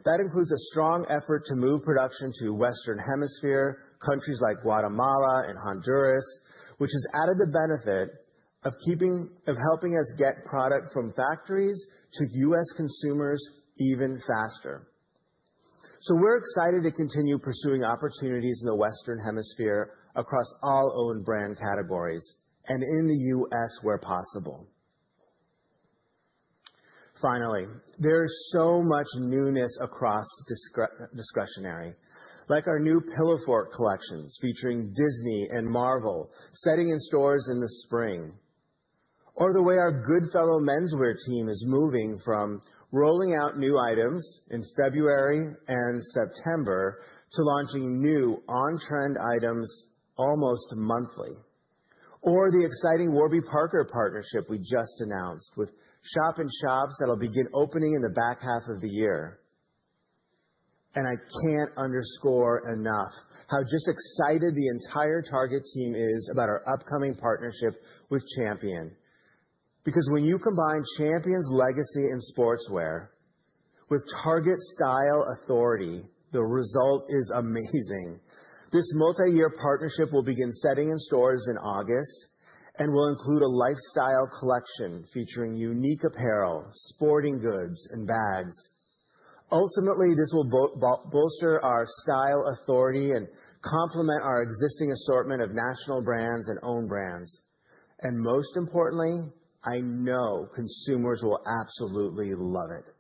That includes a strong effort to move production to Western Hemisphere, countries like Guatemala and Honduras, which has added the benefit of helping us get product from factories to U.S. consumers even faster. So we're excited to continue pursuing opportunities in the Western Hemisphere across all owned brand categories and in the U.S. where possible. Finally, there is so much newness across discretionary, like our new Pillowfort collections featuring Disney and Marvel setting in stores in the spring, or the way our Goodfellow menswear team is moving from rolling out new items in February and September to launching new on-trend items almost monthly, or the exciting Warby Parker partnership we just announced with shop-in-shops that'll begin opening in the back half of the year, and I can't underscore enough how just excited the entire Target team is about our upcoming partnership with Champion, because when you combine Champion's legacy in sportswear with Target style authority, the result is amazing. This multi-year partnership will begin setting in stores in August and will include a lifestyle collection featuring unique apparel, sporting goods, and bags. Ultimately, this will bolster our style authority and complement our existing assortment of national brands and own brands. Most importantly, I know consumers will absolutely love it.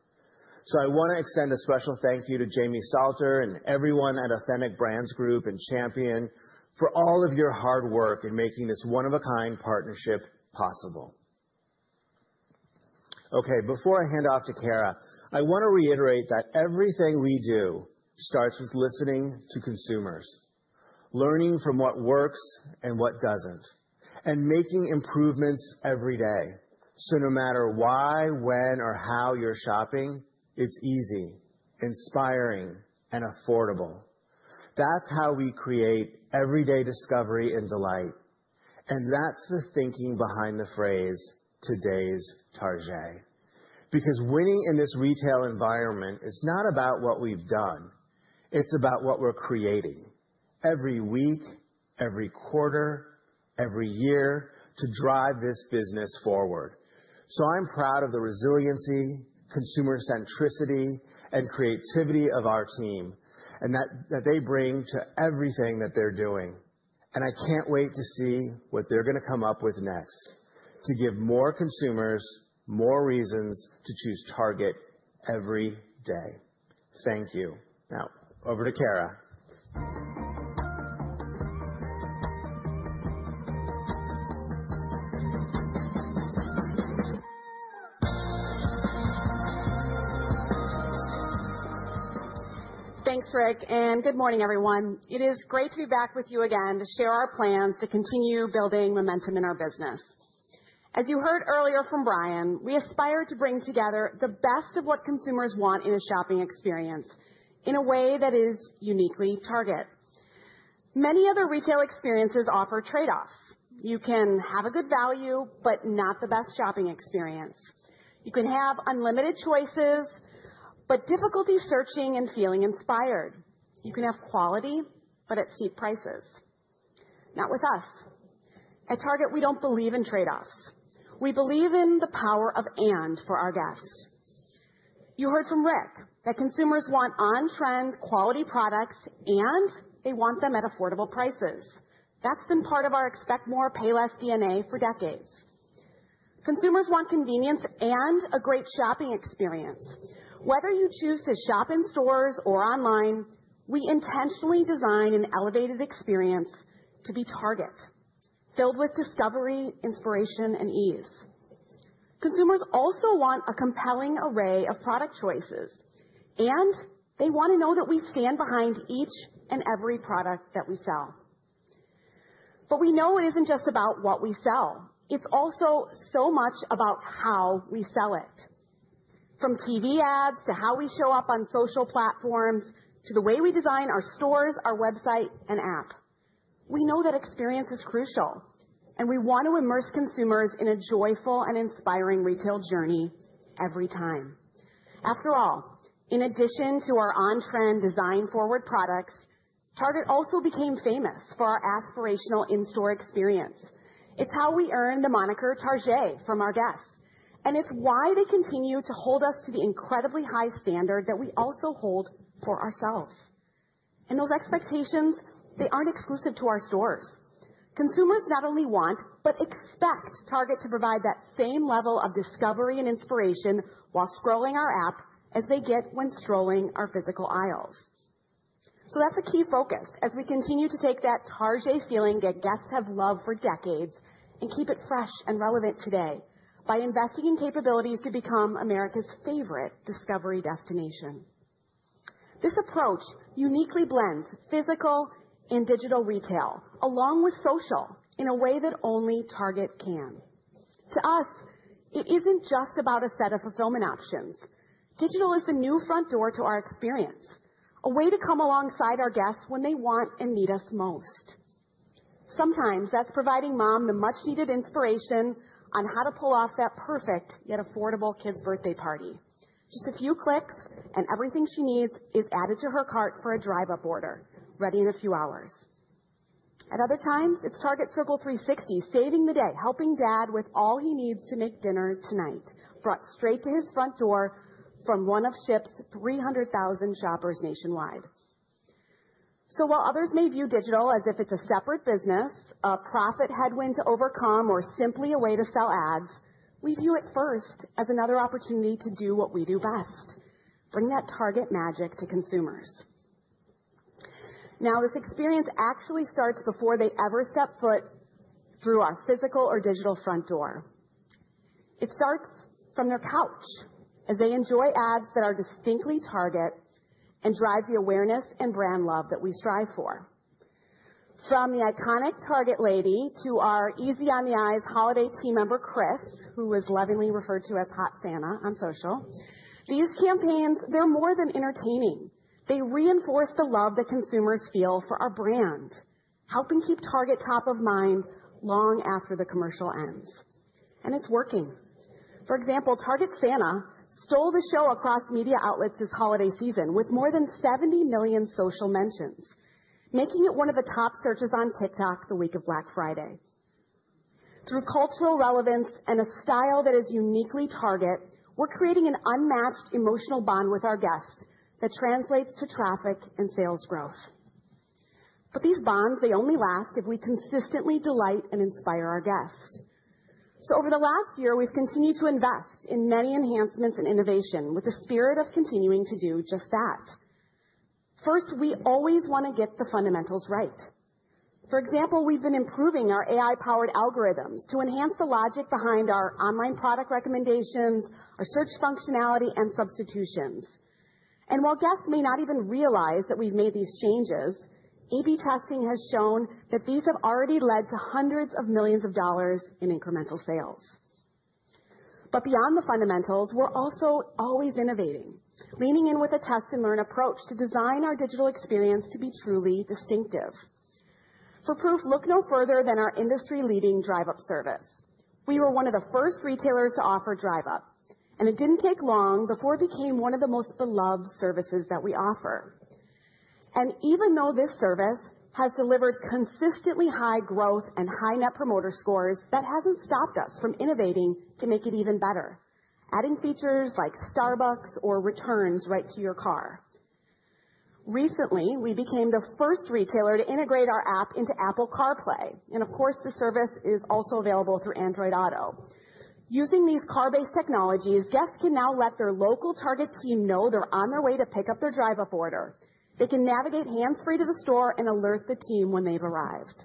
So I want to extend a special thank you to Jamie Salter and everyone at Authentic Brands Group and Champion for all of your hard work in making this one-of-a-kind partnership possible. Okay, before I hand off to Cara, I want to reiterate that everything we do starts with listening to consumers, learning from what works and what doesn't, and making improvements every day. So no matter why, when, or how you're shopping, it's easy, inspiring, and affordable. That's how we create everyday discovery and delight. And that's the thinking behind the phrase "Today's Target," because winning in this retail environment is not about what we've done. It's about what we're creating every week, every quarter, every year to drive this business forward. So I'm proud of the resiliency, consumer centricity, and creativity of our team and that they bring to everything that they're doing. And I can't wait to see what they're going to come up with next to give more consumers more reasons to choose Target every day. Thank you. Now, over to Cara. Thanks, Rick. And good morning, everyone. It is great to be back with you again to share our plans to continue building momentum in our business. As you heard earlier from Brian, we aspire to bring together the best of what consumers want in a shopping experience in a way that is uniquely Target. Many other retail experiences offer trade-offs. You can have a good value, but not the best shopping experience. You can have unlimited choices, but difficulty searching and feeling inspired. You can have quality, but at steep prices. Not with us. At Target, we don't believe in trade-offs. We believe in the power of "and" for our guests. You heard from Rick that consumers want on-trend quality products, and they want them at affordable prices. That's been part of our "Expect More, Pay Less" DNA for decades. Consumers want convenience and a great shopping experience. Whether you choose to shop in stores or online, we intentionally design an elevated experience to be Target, filled with discovery, inspiration, and ease. Consumers also want a compelling array of product choices, and they want to know that we stand behind each and every product that we sell. But we know it isn't just about what we sell. It's also so much about how we sell it. From TV ads to how we show up on social platforms to the way we design our stores, our website, and app, we know that experience is crucial, and we want to immerse consumers in a joyful and inspiring retail journey every time. After all, in addition to our on-trend design-forward products, Target also became famous for our aspirational in-store experience. It's how we earn the moniker "Tarjé" from our guests. And it's why they continue to hold us to the incredibly high standard that we also hold for ourselves. And those expectations, they aren't exclusive to our stores. Consumers not only want, but expect Target to provide that same level of discovery and inspiration while scrolling our app as they get when strolling our physical aisles. So that's a key focus as we continue to take that Target feeling that guests have loved for decades and keep it fresh and relevant today by investing in capabilities to become America's favorite discovery destination. This approach uniquely blends physical and digital retail along with social in a way that only Target can. To us, it isn't just about a set of fulfillment options. Digital is the new front door to our experience, a way to come alongside our guests when they want and need us most. Sometimes that's providing mom the much-needed inspiration on how to pull off that perfect yet affordable kid's birthday party. Just a few clicks and everything she needs is added to her cart for a Drive Up order, ready in a few hours. At other times, it's Target Circle 360 saving the day, helping dad with all he needs to make dinner tonight, brought straight to his front door from one of Shipt's 300,000 shoppers nationwide. So while others may view digital as if it's a separate business, a profit headwind to overcome, or simply a way to sell ads, we view it first as another opportunity to do what we do best: bring that Target magic to consumers. Now, this experience actually starts before they ever step foot through our physical or digital front door. It starts from their couch as they enjoy ads that are distinctly Target and drive the awareness and brand love that we strive for. From the iconic Target Lady to our easy-on-the-eyes holiday team member, Chris, who is lovingly referred to as Hot Santa on social, these campaigns, they're more than entertaining. They reinforce the love that consumers feel for our brand, helping keep Target top of mind long after the commercial ends, and it's working. For example, Target Santa stole the show across media outlets this holiday season with more than 70 million social mentions, making it one of the top searches on TikTok the week of Black Friday. Through cultural relevance and a style that is uniquely Target, we're creating an unmatched emotional bond with our guests that translates to traffic and sales growth, but these bonds, they only last if we consistently delight and inspire our guests, so over the last year, we've continued to invest in many enhancements and innovation with the spirit of continuing to do just that. First, we always want to get the fundamentals right. For example, we've been improving our AI-powered algorithms to enhance the logic behind our online product recommendations, our search functionality, and substitutions. And while guests may not even realize that we've made these changes, A/B testing has shown that these have already led to hundreds of millions of dollars in incremental sales. But beyond the fundamentals, we're also always innovating, leaning in with a test-and-learn approach to design our digital experience to be truly distinctive. For proof, look no further than our industry-leading drive-up service. We were one of the first retailers to offer Drive Up, and it didn't take long before it became one of the most beloved services that we offer. And even though this service has delivered consistently high growth and high net promoter scores, that hasn't stopped us from innovating to make it even better, adding features like Starbucks or returns right to your car. Recently, we became the first retailer to integrate our app into Apple CarPlay, and of course, the service is also available through Android Auto. Using these car-based technologies, guests can now let their local Target team know they're on their way to pick up their Drive Up order. They can navigate hands-free to the store and alert the team when they've arrived.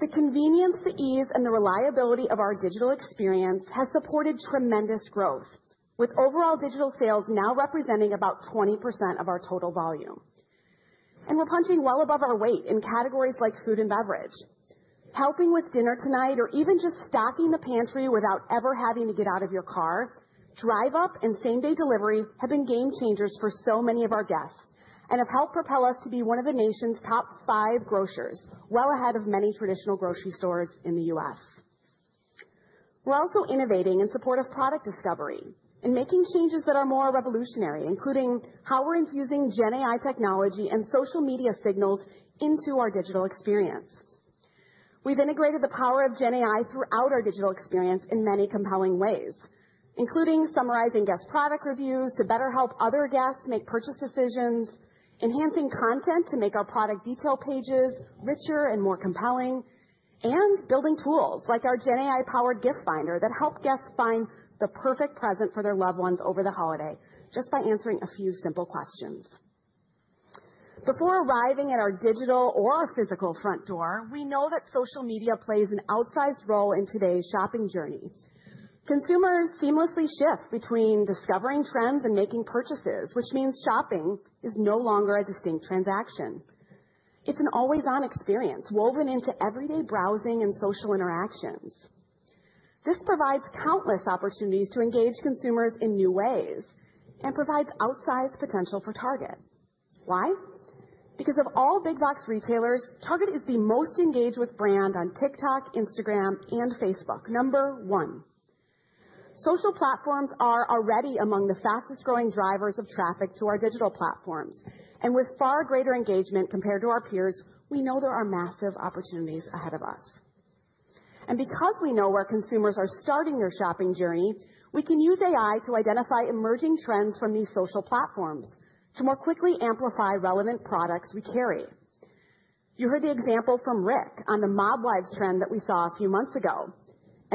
The convenience, the ease, and the reliability of our digital experience have supported tremendous growth, with overall digital sales now representing about 20% of our total volume, and we're punching well above our weight in categories like food and beverage. Helping with dinner tonight or even just stocking the pantry without ever having to get out of your car, Drive Up, and Same-Day Delivery have been game changers for so many of our guests and have helped propel us to be one of the nation's top five grocers, well ahead of many traditional grocery stores in the U.S. We're also innovating in support of product discovery and making changes that are more revolutionary, including how we're infusing GenAI technology and social media signals into our digital experience. We've integrated the power of GenAI throughout our digital experience in many compelling ways, including summarizing guest product reviews to better help other guests make purchase decisions, enhancing content to make our product detail pages richer and more compelling, and building tools like our GenAI-powered Gift Finder that help guests find the perfect present for their loved ones over the holiday just by answering a few simple questions. Before arriving at our digital or our physical front door, we know that social media plays an outsized role in today's shopping journey. Consumers seamlessly shift between discovering trends and making purchases, which means shopping is no longer a distinct transaction. It's an always-on experience woven into everyday browsing and social interactions. This provides countless opportunities to engage consumers in new ways and provides outsized potential for Target. Why? Because of all big-box retailers, Target is the most engaged with brand on TikTok, Instagram, and Facebook, number one. Social platforms are already among the fastest-growing drivers of traffic to our digital platforms. And with far greater engagement compared to our peers, we know there are massive opportunities ahead of us. And because we know where consumers are starting their shopping journey, we can use AI to identify emerging trends from these social platforms to more quickly amplify relevant products we carry. You heard the example from Rick on the Mob Wives trend that we saw a few months ago.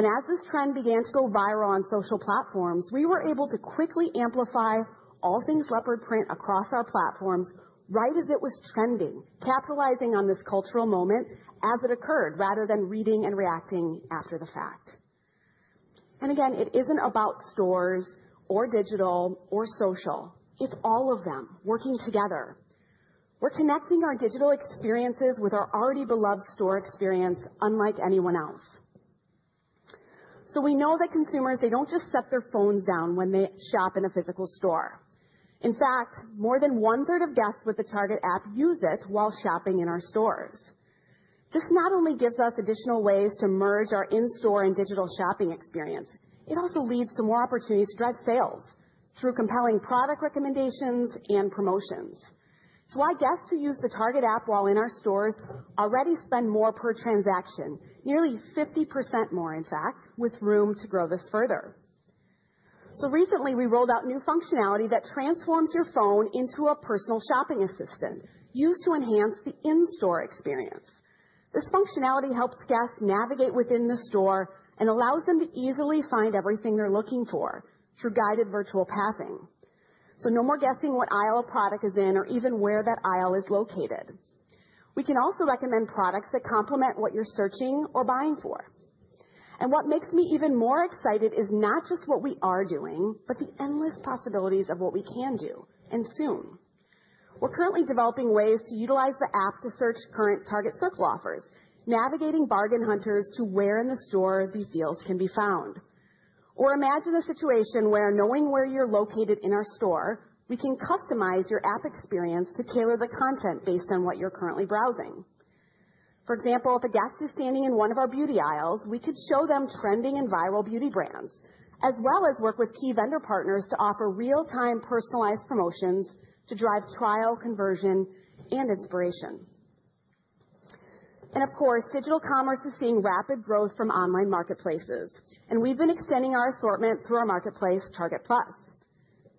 And as this trend began to go viral on social platforms, we were able to quickly amplify all things leopard print across our platforms right as it was trending, capitalizing on this cultural moment as it occurred rather than reading and reacting after the fact. And again, it isn't about stores or digital or social. It's all of them working together. We're connecting our digital experiences with our already beloved store experience unlike anyone else. So we know that consumers, they don't just set their phones down when they shop in a physical store. In fact, more than one-third of guests with the Target app use it while shopping in our stores. This not only gives us additional ways to merge our in-store and digital shopping experience, it also leads to more opportunities to drive sales through compelling product recommendations and promotions. It's why guests who use the Target app while in our stores already spend more per transaction, nearly 50% more, in fact, with room to grow this further. So recently, we rolled out new functionality that transforms your phone into a personal shopping assistant used to enhance the in-store experience. This functionality helps guests navigate within the store and allows them to easily find everything they're looking for through guided virtual pathing, so no more guessing what aisle a product is in or even where that aisle is located. We can also recommend products that complement what you're searching or buying for, and what makes me even more excited is not just what we are doing, but the endless possibilities of what we can do and soon. We're currently developing ways to utilize the app to search current Target Circle offers, navigating bargain hunters to where in the store these deals can be found, or imagine a situation where knowing where you're located in our store, we can customize your app experience to tailor the content based on what you're currently browsing. For example, if a guest is standing in one of our beauty aisles, we could show them trending and viral beauty brands, as well as work with key vendor partners to offer real-time personalized promotions to drive trial conversion and inspiration. And of course, digital commerce is seeing rapid growth from online marketplaces, and we've been extending our assortment through our marketplace, Target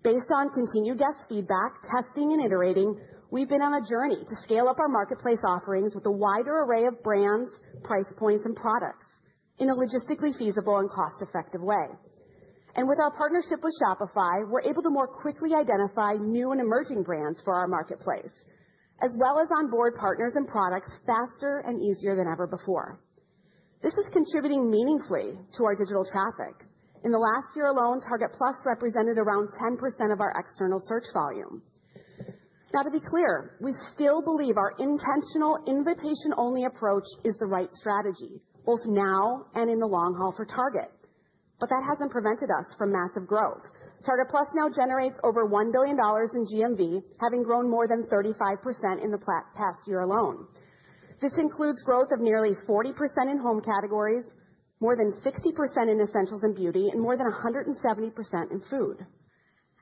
Plus. Based on continued guest feedback, testing, and iterating, we've been on a journey to scale up our marketplace offerings with a wider array of brands, price points, and products in a logistically feasible and cost-effective way. And with our partnership with Shopify, we're able to more quickly identify new and emerging brands for our marketplace, as well as onboard partners and products faster and easier than ever before. This is contributing meaningfully to our digital traffic. In the last year alone, Target Plus represented around 10% of our external search volume. Now, to be clear, we still believe our intentional invitation-only approach is the right strategy, both now and in the long haul for Target, but that hasn't prevented us from massive growth. Target Plus now generates over $1 billion in GMV, having grown more than 35% in the past year alone. This includes growth of nearly 40% in home categories, more than 60% in essentials and beauty, and more than 170% in food,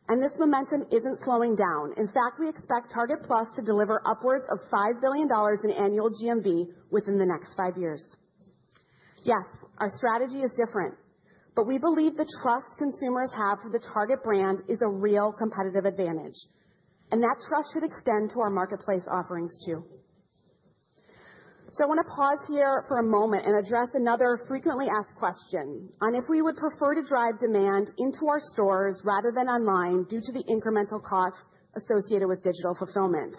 and this momentum isn't slowing down. In fact, we expect Target Plus to deliver upwards of $5 billion in annual GMV within the next five years. Yes, our strategy is different, but we believe the trust consumers have for the Target brand is a real competitive advantage, and that trust should extend to our marketplace offerings too. So I want to pause here for a moment and address another frequently asked question on if we would prefer to drive demand into our stores rather than online due to the incremental costs associated with digital fulfillment.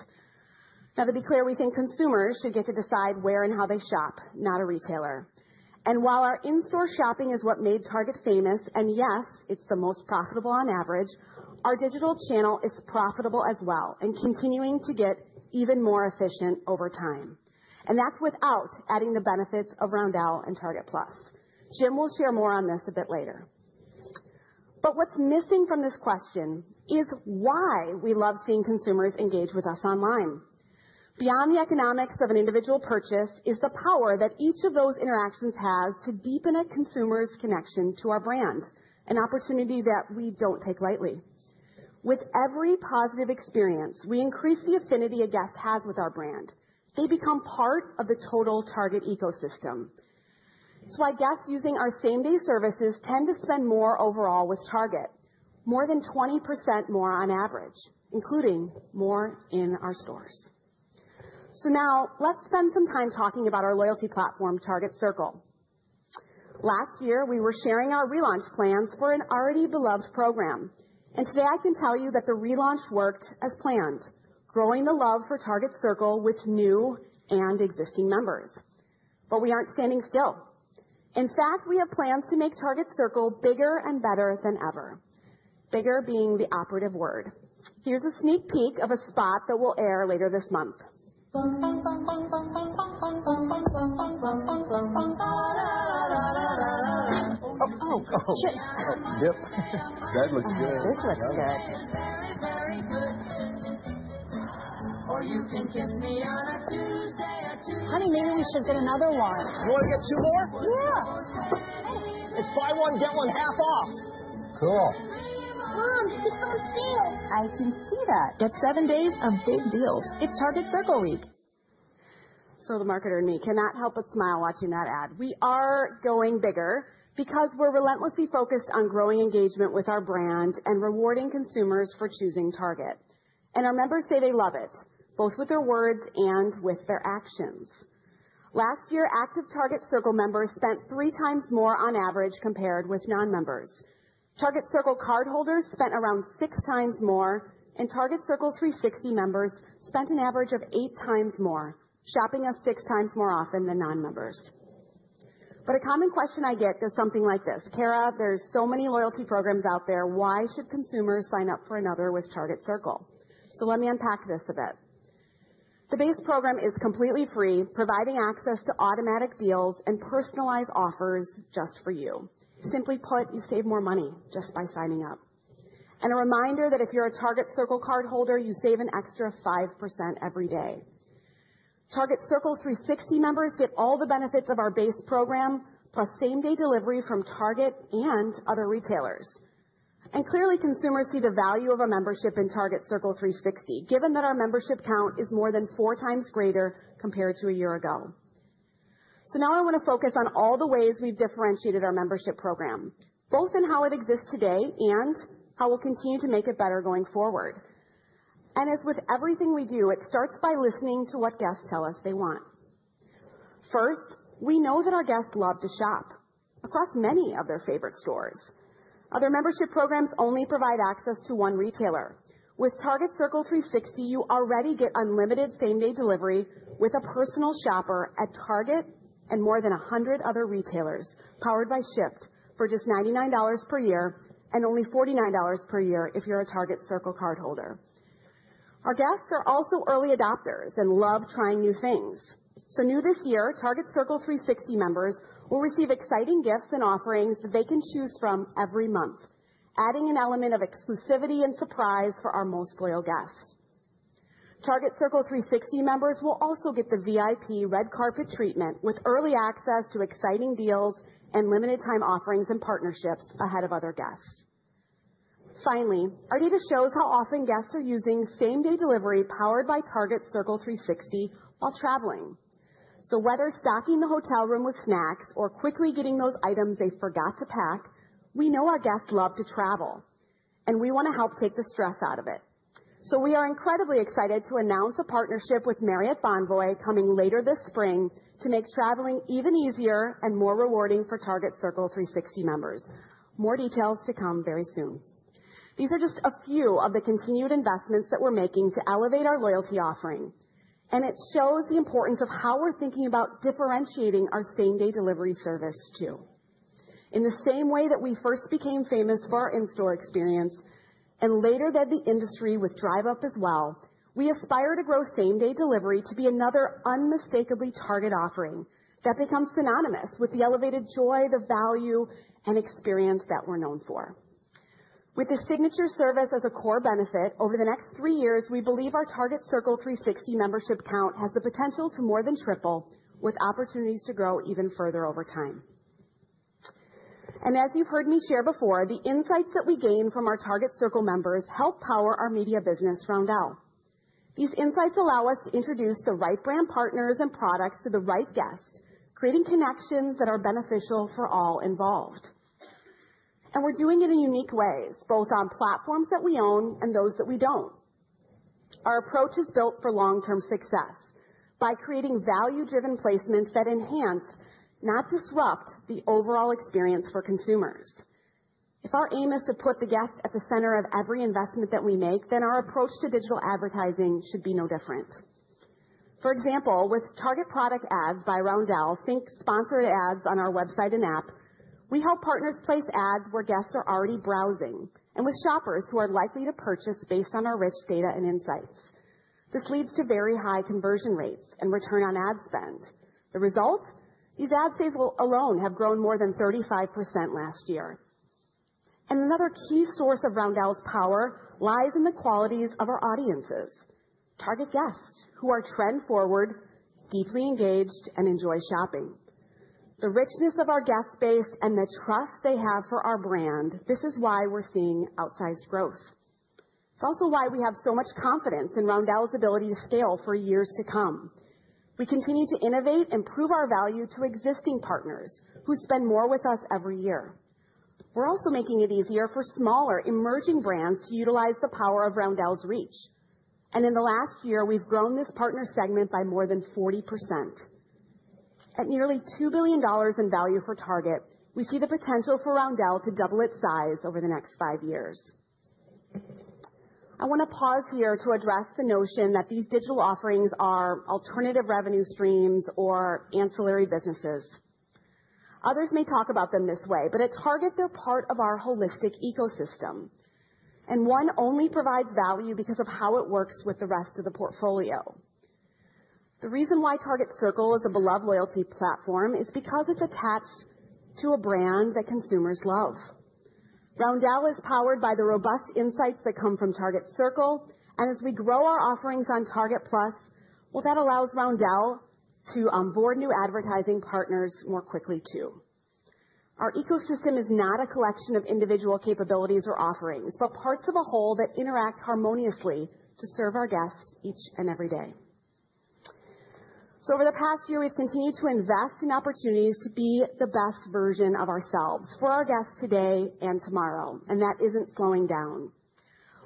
Now, to be clear, we think consumers should get to decide where and how they shop, not a retailer. And while our in-store shopping is what made Target famous, and yes, it's the most profitable on average, our digital channel is profitable as well and continuing to get even more efficient over time. And that's without adding the benefits of Roundel and Target Plus. Jim will share more on this a bit later. But what's missing from this question is why we love seeing consumers engage with us online. Beyond the economics of an individual purchase is the power that each of those interactions has to deepen a consumer's connection to our brand, an opportunity that we don't take lightly. With every positive experience, we increase the affinity a guest has with our brand. They become part of the total Target ecosystem. It's why guests using our same-day services tend to spend more overall with Target, more than 20% more on average, including more in our stores, so now let's spend some time talking about our loyalty platform, Target Circle. Last year, we were sharing our relaunch plans for an already beloved program, and today, I can tell you that the relaunch worked as planned, growing the love for Target Circle with new and existing members, but we aren't standing still. In fact, we have plans to make Target Circle bigger and better than ever, bigger being the operative word. Here's a sneak peek of a spot that will air later this month. Oh, oh, oh, chips. Yep. That looks good. This looks good. Or you can kiss me on a Tuesday or Tuesday. Honey, maybe we should get another one. You want to get two more? Yeah. It's buy one, get one half off. Cool. Mom, it's on sale. I can see that. Get seven days of big deals. It's Target Circle week. So the marketer in me cannot help but smile watching that ad. We are going bigger because we're relentlessly focused on growing engagement with our brand and rewarding consumers for choosing Target. And our members say they love it, both with their words and with their actions. Last year, active Target Circle members spent three times more on average compared with non-members. Target Circle cardholders spent around six times more, and Target Circle 360 members spent an average of eight times more, shopping us six times more often than non-members. But a common question I get is something like this. Cara, there's so many loyalty programs out there. Why should consumers sign up for another with Target Circle? So let me unpack this a bit. The base program is completely free, providing access to automatic deals and personalized offers just for you. Simply put, you save more money just by signing up. And a reminder that if you're a Target Circle cardholder, you save an extra 5% every day. Target Circle 360 members get all the benefits of our base program, plus Same-Day Delivery from Target and other retailers. And clearly, consumers see the value of a membership in Target Circle 360, given that our membership count is more than four times greater compared to a year ago. So now I want to focus on all the ways we've differentiated our membership program, both in how it exists today and how we'll continue to make it better going forward. And as with everything we do, it starts by listening to what guests tell us they want. First, we know that our guests love to shop across many of their favorite stores. Other membership programs only provide access to one retailer. With Target Circle 360, you already get unlimited same-day delivery with a personal shopper at Target and more than 100 other retailers powered by Shipt for just $99 per year and only $49 per year if you're a Target Circle Card cardholder. Our guests are also early adopters and love trying new things. So new this year, Target Circle 360 members will receive exciting gifts and offerings that they can choose from every month, adding an element of exclusivity and surprise for our most loyal guests. Target Circle 360 members will also get the VIP red carpet treatment with early access to exciting deals and limited-time offerings and partnerships ahead of other guests. Finally, our data shows how often guests are using Same-Day Deliverypowered by Target Circle 360 while traveling. So whether stocking the hotel room with snacks or quickly getting those items they forgot to pack, we know our guests love to travel, and we want to help take the stress out of it. We are incredibly excited to announce a partnership with Marriott Bonvoy coming later this spring to make traveling even easier and more rewarding for Target Circle 360 members. More details to come very soon. These are just a few of the continued investments that we're making to elevate our loyalty offering. It shows the importance of how we're thinking about differentiating our Same-Day Delivery service too. In the same way that we first became famous for our in-store experience and later led the industry with Drive Up as well, we aspire to grow Same-Day Delivery to be another unmistakably Target offering that becomes synonymous with the elevated joy, the value, and experience that we're known for. With the signature service as a core benefit, over the next three years, we believe our Target Circle 360 membership count has the potential to more than triple, with opportunities to grow even further over time. And as you've heard me share before, the insights that we gain from our Target Circle members help power our media business Roundel. These insights allow us to introduce the right brand partners and products to the right guest, creating connections that are beneficial for all involved. And we're doing it in unique ways, both on platforms that we own and those that we don't. Our approach is built for long-term success by creating value-driven placements that enhance, not disrupt, the overall experience for consumers. If our aim is to put the guest at the center of every investment that we make, then our approach to digital advertising should be no different. For example, with Target Product Ads by Roundel, think sponsored ads on our website and app, we help partners place ads where guests are already browsing and with shoppers who are likely to purchase based on our rich data and insights. This leads to very high conversion rates and return on ad spend. The result? These ad sales alone have grown more than 35% last year. And another key source of Roundel's power lies in the qualities of our audiences, target guests who are trend-forward, deeply engaged, and enjoy shopping. The richness of our guest base and the trust they have for our brand, this is why we're seeing outsized growth. It's also why we have so much confidence in Roundel's ability to scale for years to come. We continue to innovate and prove our value to existing partners who spend more with us every year. We're also making it easier for smaller emerging brands to utilize the power of Roundel's reach. And in the last year, we've grown this partner segment by more than 40%. At nearly $2 billion in value for Target, we see the potential for Roundel to double its size over the next five years. I want to pause here to address the notion that these digital offerings are alternative revenue streams or ancillary businesses. Others may talk about them this way, but at Target, they're part of our holistic ecosystem. And one only provides value because of how it works with the rest of the portfolio. The reason why Target Circle is a beloved loyalty platform is because it's attached to a brand that consumers love. Roundel is powered by the robust insights that come from Target Circle. As we grow our offerings on Target Plus, well, that allows Roundel to onboard new advertising partners more quickly too. Our ecosystem is not a collection of individual capabilities or offerings, but parts of a whole that interact harmoniously to serve our guests each and every day. Over the past year, we've continued to invest in opportunities to be the best version of ourselves for our guests today and tomorrow. That isn't slowing down.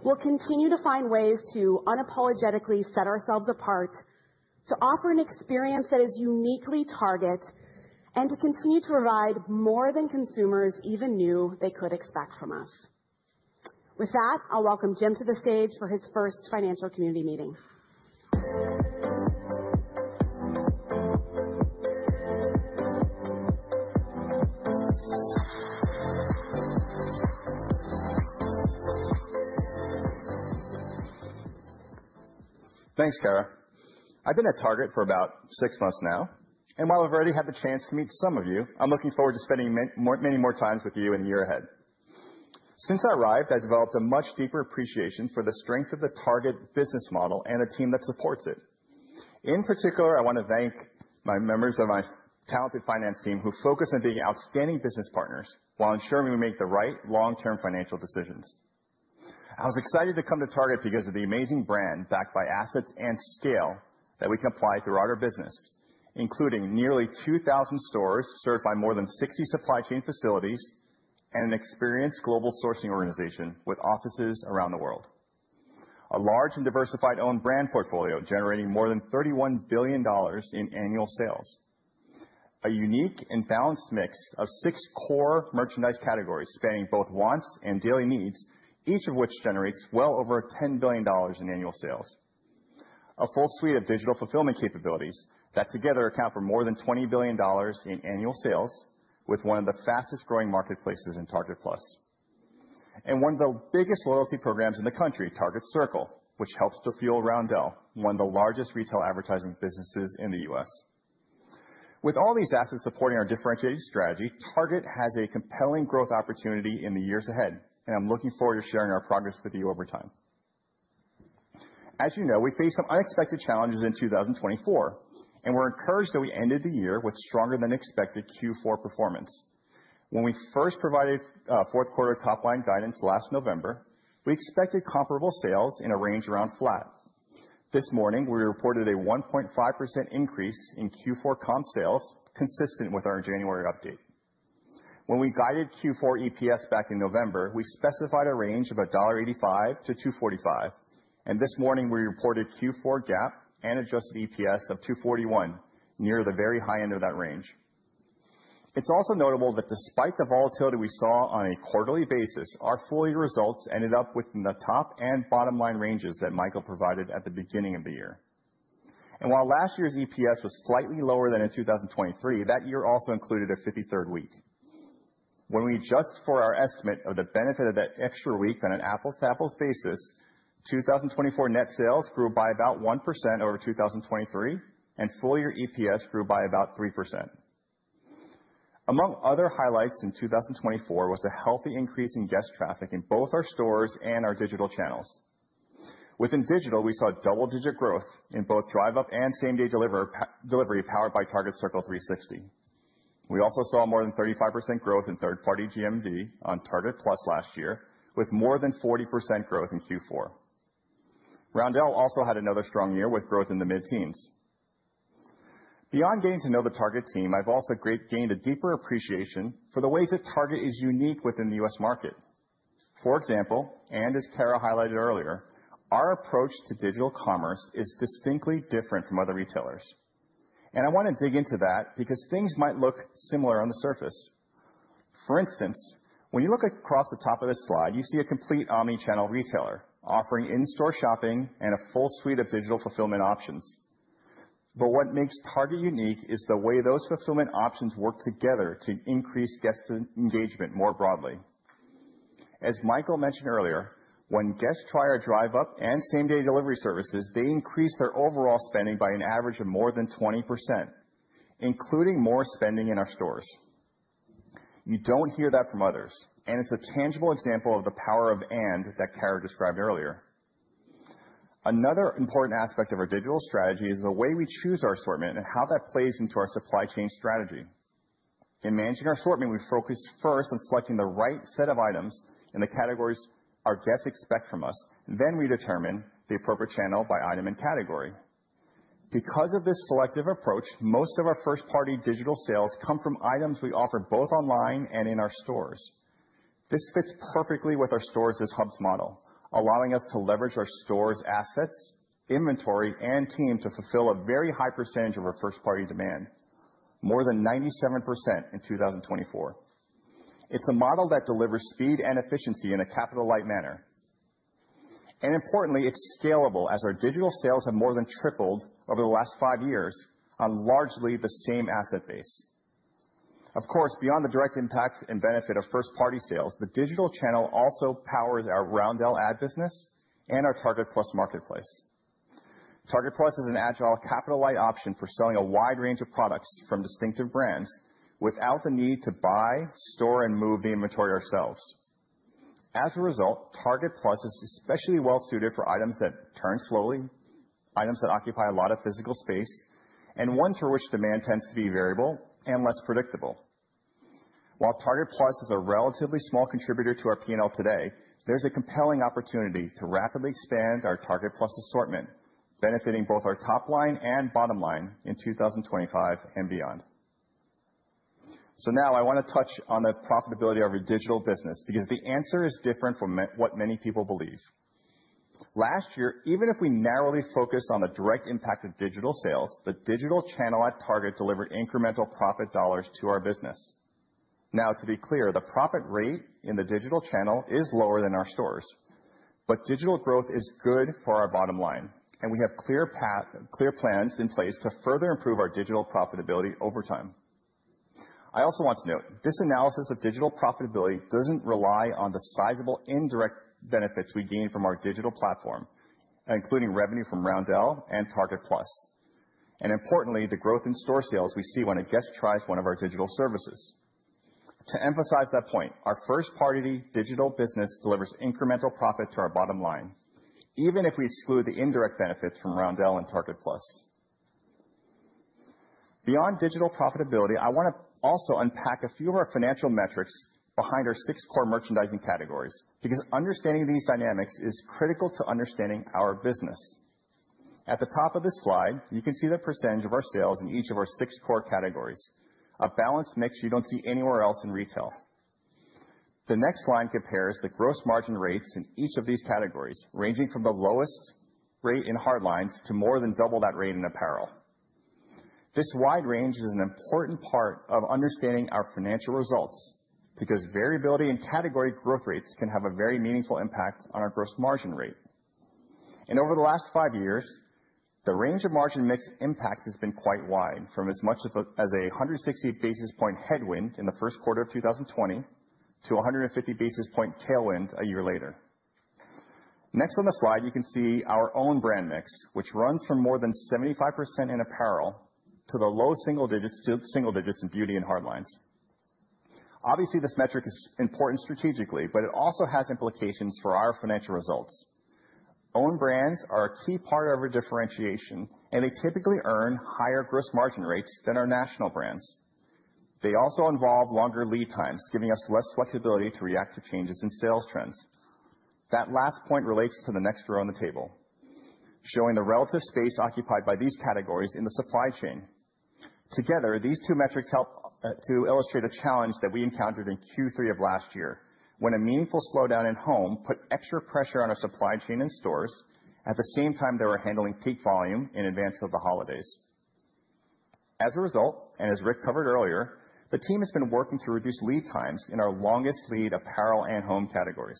We'll continue to find ways to unapologetically set ourselves apart, to offer an experience that is uniquely Target, and to continue to provide more than consumers even knew they could expect from us. With that, I'll welcome Jim to the stage for his first financial community meeting. Thanks, Cara. I've been at Target for about six months now. While I've already had the chance to meet some of you, I'm looking forward to spending many more times with you in the year ahead. Since I arrived, I developed a much deeper appreciation for the strength of the Target business model and the team that supports it. In particular, I want to thank my members of my talented finance team who focus on being outstanding business partners while ensuring we make the right long-term financial decisions. I was excited to come to Target because of the amazing brand backed by assets and scale that we can apply throughout our business, including nearly 2,000 stores served by more than 60 supply chain facilities and an experienced global sourcing organization with offices around the world. A large and diversified owned brand portfolio generating more than $31 billion in annual sales. A unique and balanced mix of six core merchandise categories spanning both wants and daily needs, each of which generates well over $10 billion in annual sales. A full suite of digital fulfillment capabilities that together account for more than $20 billion in annual sales, with one of the fastest growing marketplaces in Target Plus, and one of the biggest loyalty programs in the country, Target Circle, which helps to fuel Roundel, one of the largest retail advertising businesses in the U.S. With all these assets supporting our differentiating strategy, Target has a compelling growth opportunity in the years ahead, and I'm looking forward to sharing our progress with you over time. As you know, we faced some unexpected challenges in 2024, and we're encouraged that we ended the year with stronger than expected Q4 performance. When we first provided fourth quarter top-line guidance last November, we expected comparable sales in a range around flat. This morning, we reported a 1.5% increase in Q4 comp sales, consistent with our January update. When we guided Q4 EPS back in November, we specified a range of $1.85 to $2.45. And this morning, we reported Q4 GAAP and adjusted EPS of $2.41, near the very high end of that range. It's also notable that despite the volatility we saw on a quarterly basis, our full year results ended up within the top and bottom line ranges that Michael provided at the beginning of the year. And while last year's EPS was slightly lower than in 2023, that year also included a 53rd week. When we adjust for our estimate of the benefit of that extra week on an apples-to-apples basis, 2024 net sales grew by about 1% over 2023, and full year EPS grew by about 3%. Among other highlights in 2024 was a healthy increase in guest traffic in both our stores and our digital channels. Within digital, we saw double-digit growth in both Drive Up and same-day delivery powered by Target Circle 360. We also saw more than 35% growth in third-party GMV on Target Plus last year, with more than 40% growth in Q4. Roundel also had another strong year with growth in the mid-teens. Beyond getting to know the Target team, I've also gained a deeper appreciation for the ways that Target is unique within the U.S. market. For example, and as Cara highlighted earlier, our approach to digital commerce is distinctly different from other retailers. And I want to dig into that because things might look similar on the surface. For instance, when you look across the top of this slide, you see a complete omnichannel retailer offering in-store shopping and a full suite of digital fulfillment options. But what makes Target unique is the way those fulfillment options work together to increase guest engagement more broadly. As Michael mentioned earlier, when guests try our Drive Up and Same-Day Delivery services, they increase their overall spending by an average of more than 20%, including more spending in our stores. You don't hear that from others, and it's a tangible example of the power of "and" that Cara described earlier. Another important aspect of our digital strategy is the way we choose our assortment and how that plays into our supply chain strategy. In managing our assortment, we focus first on selecting the right set of items and the categories our guests expect from us. Then we determine the appropriate channel by item and category. Because of this selective approach, most of our first-party digital sales come from items we offer both online and in our stores. This fits perfectly with our Stores-as-Hubs model, allowing us to leverage our stores' assets, inventory, and team to fulfill a very high percentage of our first-party demand, more than 97% in 2024. It's a model that delivers speed and efficiency in a capital-light manner. And importantly, it's scalable as our digital sales have more than tripled over the last five years on largely the same asset base. Of course, beyond the direct impact and benefit of first-party sales, the digital channel also powers our Roundel ad business and our Target Plus marketplace. Target Plus is an agile capital-light option for selling a wide range of products from distinctive brands without the need to buy, store, and move the inventory ourselves. As a result, Target Plus is especially well-suited for items that turn slowly, items that occupy a lot of physical space, and ones for which demand tends to be variable and less predictable. While Target Plus is a relatively small contributor to our P&L today, there's a compelling opportunity to rapidly expand our Target Plus assortment, benefiting both our top line and bottom line in 2025 and beyond. So now I want to touch on the profitability of our digital business because the answer is different from what many people believe. Last year, even if we narrowly focused on the direct impact of digital sales, the digital channel at Target delivered incremental profit dollars to our business. Now, to be clear, the profit rate in the digital channel is lower than our stores, but digital growth is good for our bottom line, and we have clear plans in place to further improve our digital profitability over time. I also want to note this analysis of digital profitability doesn't rely on the sizable indirect benefits we gain from our digital platform, including revenue from Roundel and Target Plus, and importantly, the growth in store sales we see when a guest tries one of our digital services. To emphasize that point, our first-party digital business delivers incremental profit to our bottom line, even if we exclude the indirect benefits from Roundel and Target Plus. Beyond digital profitability, I want to also unpack a few of our financial metrics behind our six core merchandising categories because understanding these dynamics is critical to understanding our business. At the top of this slide, you can see the percentage of our sales in each of our six core categories, a balanced mix you don't see anywhere else in retail. The next line compares the gross margin rates in each of these categories, ranging from the lowest rate in hardlines to more than double that rate in apparel. This wide range is an important part of understanding our financial results because variability in category growth rates can have a very meaningful impact on our gross margin rate. Over the last five years, the range of margin mix impact has been quite wide, from as much as a 160 basis points headwind in the first quarter of 2020 to 150 basis points tailwind a year later. Next on the slide, you can see our own brand mix, which runs from more than 75% in apparel to the low single digits in beauty and hardlines. Obviously, this metric is important strategically, but it also has implications for our financial results. Owned brands are a key part of our differentiation, and they typically earn higher gross margin rates than our national brands. They also involve longer lead times, giving us less flexibility to react to changes in sales trends. That last point relates to the next row on the table, showing the relative space occupied by these categories in the supply chain. Together, these two metrics help to illustrate a challenge that we encountered in Q3 of last year when a meaningful slowdown in home put extra pressure on our supply chain and stores at the same time they were handling peak volume in advance of the holidays. As a result, and as Rick covered earlier, the team has been working to reduce lead times in our longest lead apparel and home categories.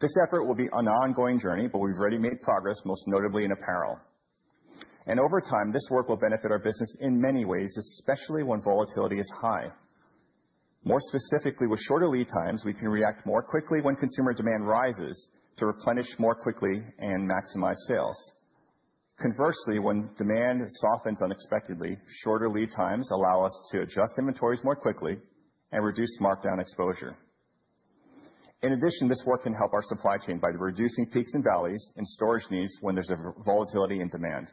This effort will be an ongoing journey, but we've already made progress, most notably in apparel, and over time, this work will benefit our business in many ways, especially when volatility is high. More specifically, with shorter lead times, we can react more quickly when consumer demand rises to replenish more quickly and maximize sales. Conversely, when demand softens unexpectedly, shorter lead times allow us to adjust inventories more quickly and reduce markdown exposure. In addition, this work can help our supply chain by reducing peaks and valleys in storage needs when there's a volatility in demand.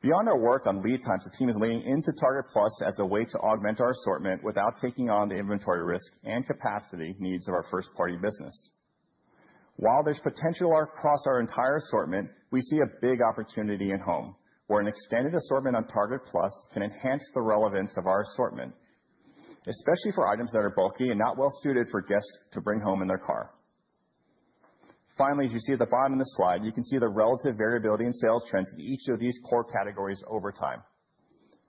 Beyond our work on lead times, the team is leaning into Target Plus as a way to augment our assortment without taking on the inventory risk and capacity needs of our first-party business. While there's potential across our entire assortment, we see a big opportunity in home, where an extended assortment on Target Plus can enhance the relevance of our assortment, especially for items that are bulky and not well-suited for guests to bring home in their car. Finally, as you see at the bottom of the slide, you can see the relative variability in sales trends in each of these core categories over time.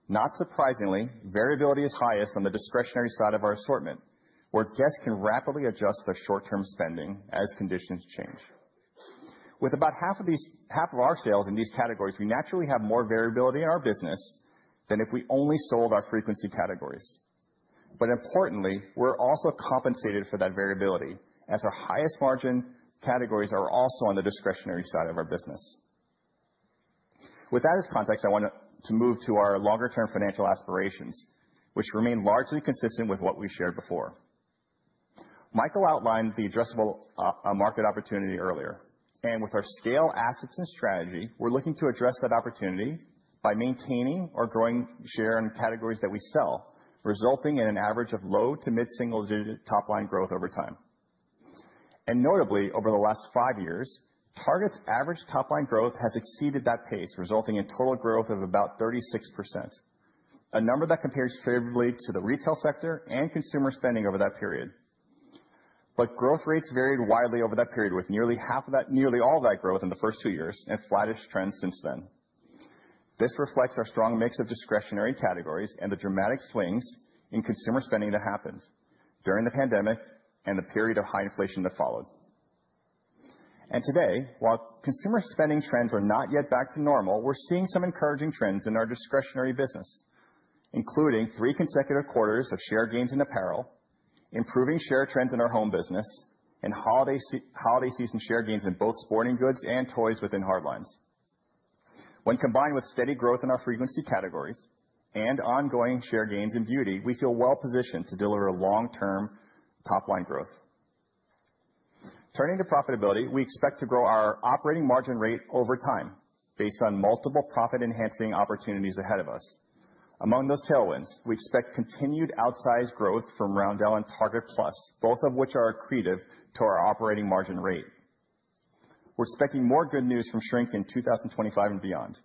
Not surprisingly, variability is highest on the discretionary side of our assortment, where guests can rapidly adjust their short-term spending as conditions change. With about half of our sales in these categories, we naturally have more variability in our business than if we only sold our frequency categories, but importantly, we're also compensated for that variability as our highest margin categories are also on the discretionary side of our business. With that as context, I want to move to our longer-term financial aspirations, which remain largely consistent with what we shared before. Michael outlined the addressable market opportunity earlier, and with our scale assets and strategy, we're looking to address that opportunity by maintaining or growing share in categories that we sell, resulting in an average of low to mid-single digit top-line growth over time. Notably, over the last five years, Target's average top-line growth has exceeded that pace, resulting in total growth of about 36%, a number that compares favorably to the retail sector and consumer spending over that period. Growth rates varied widely over that period, with nearly all of that growth in the first two years and flattish trends since then. This reflects our strong mix of discretionary categories and the dramatic swings in consumer spending that happened during the pandemic and the period of high inflation that followed. Today, while consumer spending trends are not yet back to normal, we're seeing some encouraging trends in our discretionary business, including three consecutive quarters of share gains in apparel, improving share trends in our home business, and holiday season share gains in both sporting goods and toys within hardlines. When combined with steady growth in our frequency categories and ongoing share gains in beauty, we feel well-positioned to deliver long-term top-line growth. Turning to profitability, we expect to grow our operating margin rate over time based on multiple profit-enhancing opportunities ahead of us. Among those tailwinds, we expect continued outsized growth from Roundel and Target Plus, both of which are accretive to our operating margin rate. We're expecting more good news from shrink in 2025 and beyond.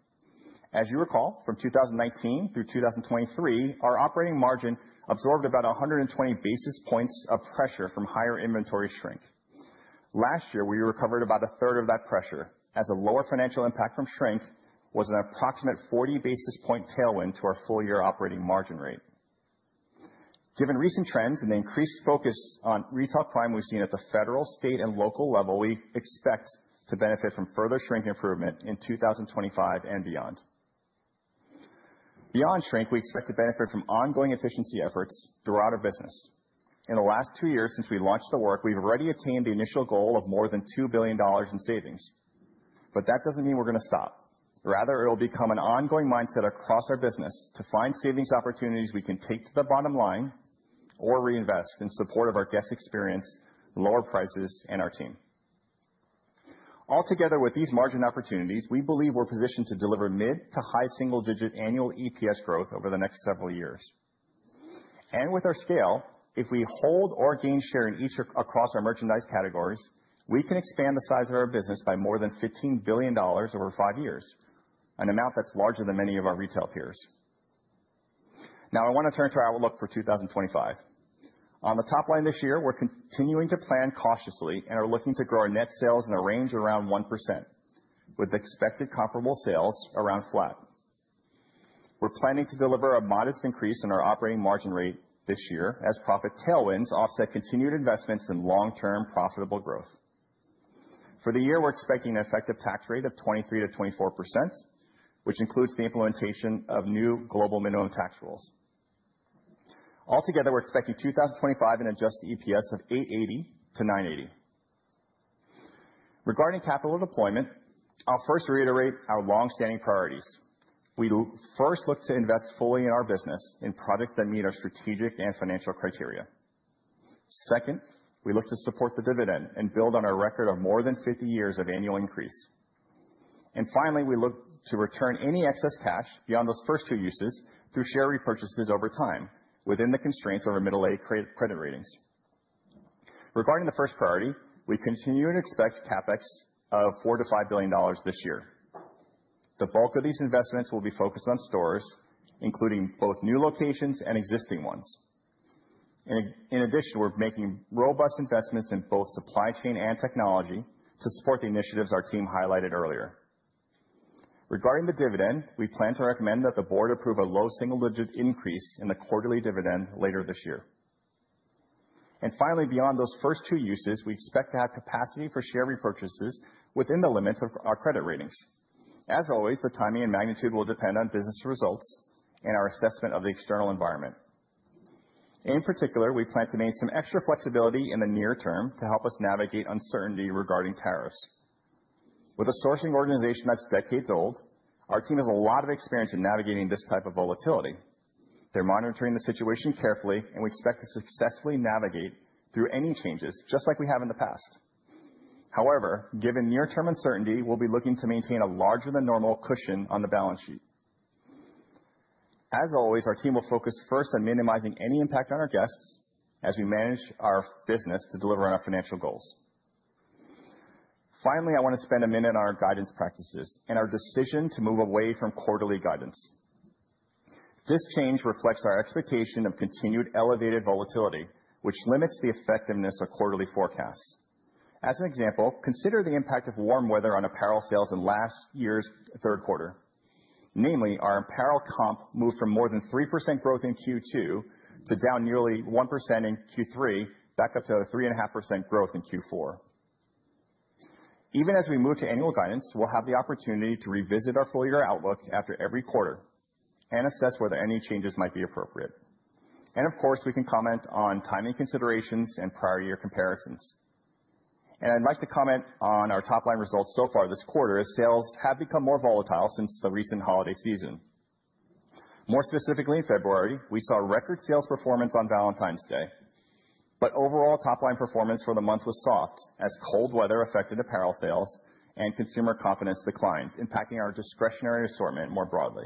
As you recall, from 2019 through 2023, our operating margin absorbed about 120 basis points of pressure from higher inventory shrink. Last year, we recovered about a third of that pressure as a lower financial impact from shrink was an approximate 40 basis point tailwind to our full year operating margin rate. Given recent trends and the increased focus on retail crime we've seen at the federal, state, and local level, we expect to benefit from further shrink improvement in 2025 and beyond. Beyond shrink, we expect to benefit from ongoing efficiency efforts throughout our business. In the last two years since we launched the work, we've already attained the initial goal of more than $2 billion in savings. But that doesn't mean we're going to stop. Rather, it will become an ongoing mindset across our business to find savings opportunities we can take to the bottom line or reinvest in support of our guest experience, lower prices, and our team. Altogether with these margin opportunities, we believe we're positioned to deliver mid to high single digit annual EPS growth over the next several years. With our scale, if we hold or gain share in each across our merchandise categories, we can expand the size of our business by more than $15 billion over five years, an amount that's larger than many of our retail peers. Now, I want to turn to our outlook for 2025. On the top line this year, we're continuing to plan cautiously and are looking to grow our net sales in a range around 1%, with expected comparable sales around flat. We're planning to deliver a modest increase in our operating margin rate this year as profit tailwinds offset continued investments in long-term profitable growth. For the year, we're expecting an effective tax rate of 23% to 24%, which includes the implementation of new global minimum tax rules. Altogether, we're expecting 2025 adjusted EPS of $8.80 to $9.80. Regarding capital deployment, I'll first reiterate our long-standing priorities. We first look to invest fully in our business in products that meet our strategic and financial criteria. Second, we look to support the dividend and build on our record of more than 50 years of annual increase, and finally, we look to return any excess cash beyond those first two uses through share repurchases over time within the constraints of our investment-grade credit ratings. Regarding the first priority, we continue to expect CapEx of $4 to $5 billion this year. The bulk of these investments will be focused on stores, including both new locations and existing ones. In addition, we're making robust investments in both supply chain and technology to support the initiatives our team highlighted earlier. Regarding the dividend, we plan to recommend that the board approve a low single-digit increase in the quarterly dividend later this year. Finally, beyond those first two uses, we expect to have capacity for share repurchases within the limits of our credit ratings. As always, the timing and magnitude will depend on business results and our assessment of the external environment. In particular, we plan to gain some extra flexibility in the near term to help us navigate uncertainty regarding tariffs. With a sourcing organization that's decades old, our team has a lot of experience in navigating this type of volatility. They're monitoring the situation carefully, and we expect to successfully navigate through any changes, just like we have in the past. However, given near-term uncertainty, we'll be looking to maintain a larger than normal cushion on the balance sheet. As always, our team will focus first on minimizing any impact on our guests as we manage our business to deliver on our financial goals. Finally, I want to spend a minute on our guidance practices and our decision to move away from quarterly guidance. This change reflects our expectation of continued elevated volatility, which limits the effectiveness of quarterly forecasts. As an example, consider the impact of warm weather on apparel sales in last year's third quarter. Namely, our apparel comp moved from more than 3% growth in Q2 to down nearly 1% in Q3, back up to 3.5% growth in Q4. Even as we move to annual guidance, we'll have the opportunity to revisit our full year outlook after every quarter and assess whether any changes might be appropriate. And of course, we can comment on timing considerations and prior year comparisons. And I'd like to comment on our top line results so far this quarter as sales have become more volatile since the recent holiday season. More specifically, in February, we saw record sales performance on Valentine's Day. But overall, top line performance for the month was soft as cold weather affected apparel sales and consumer confidence declines, impacting our discretionary assortment more broadly.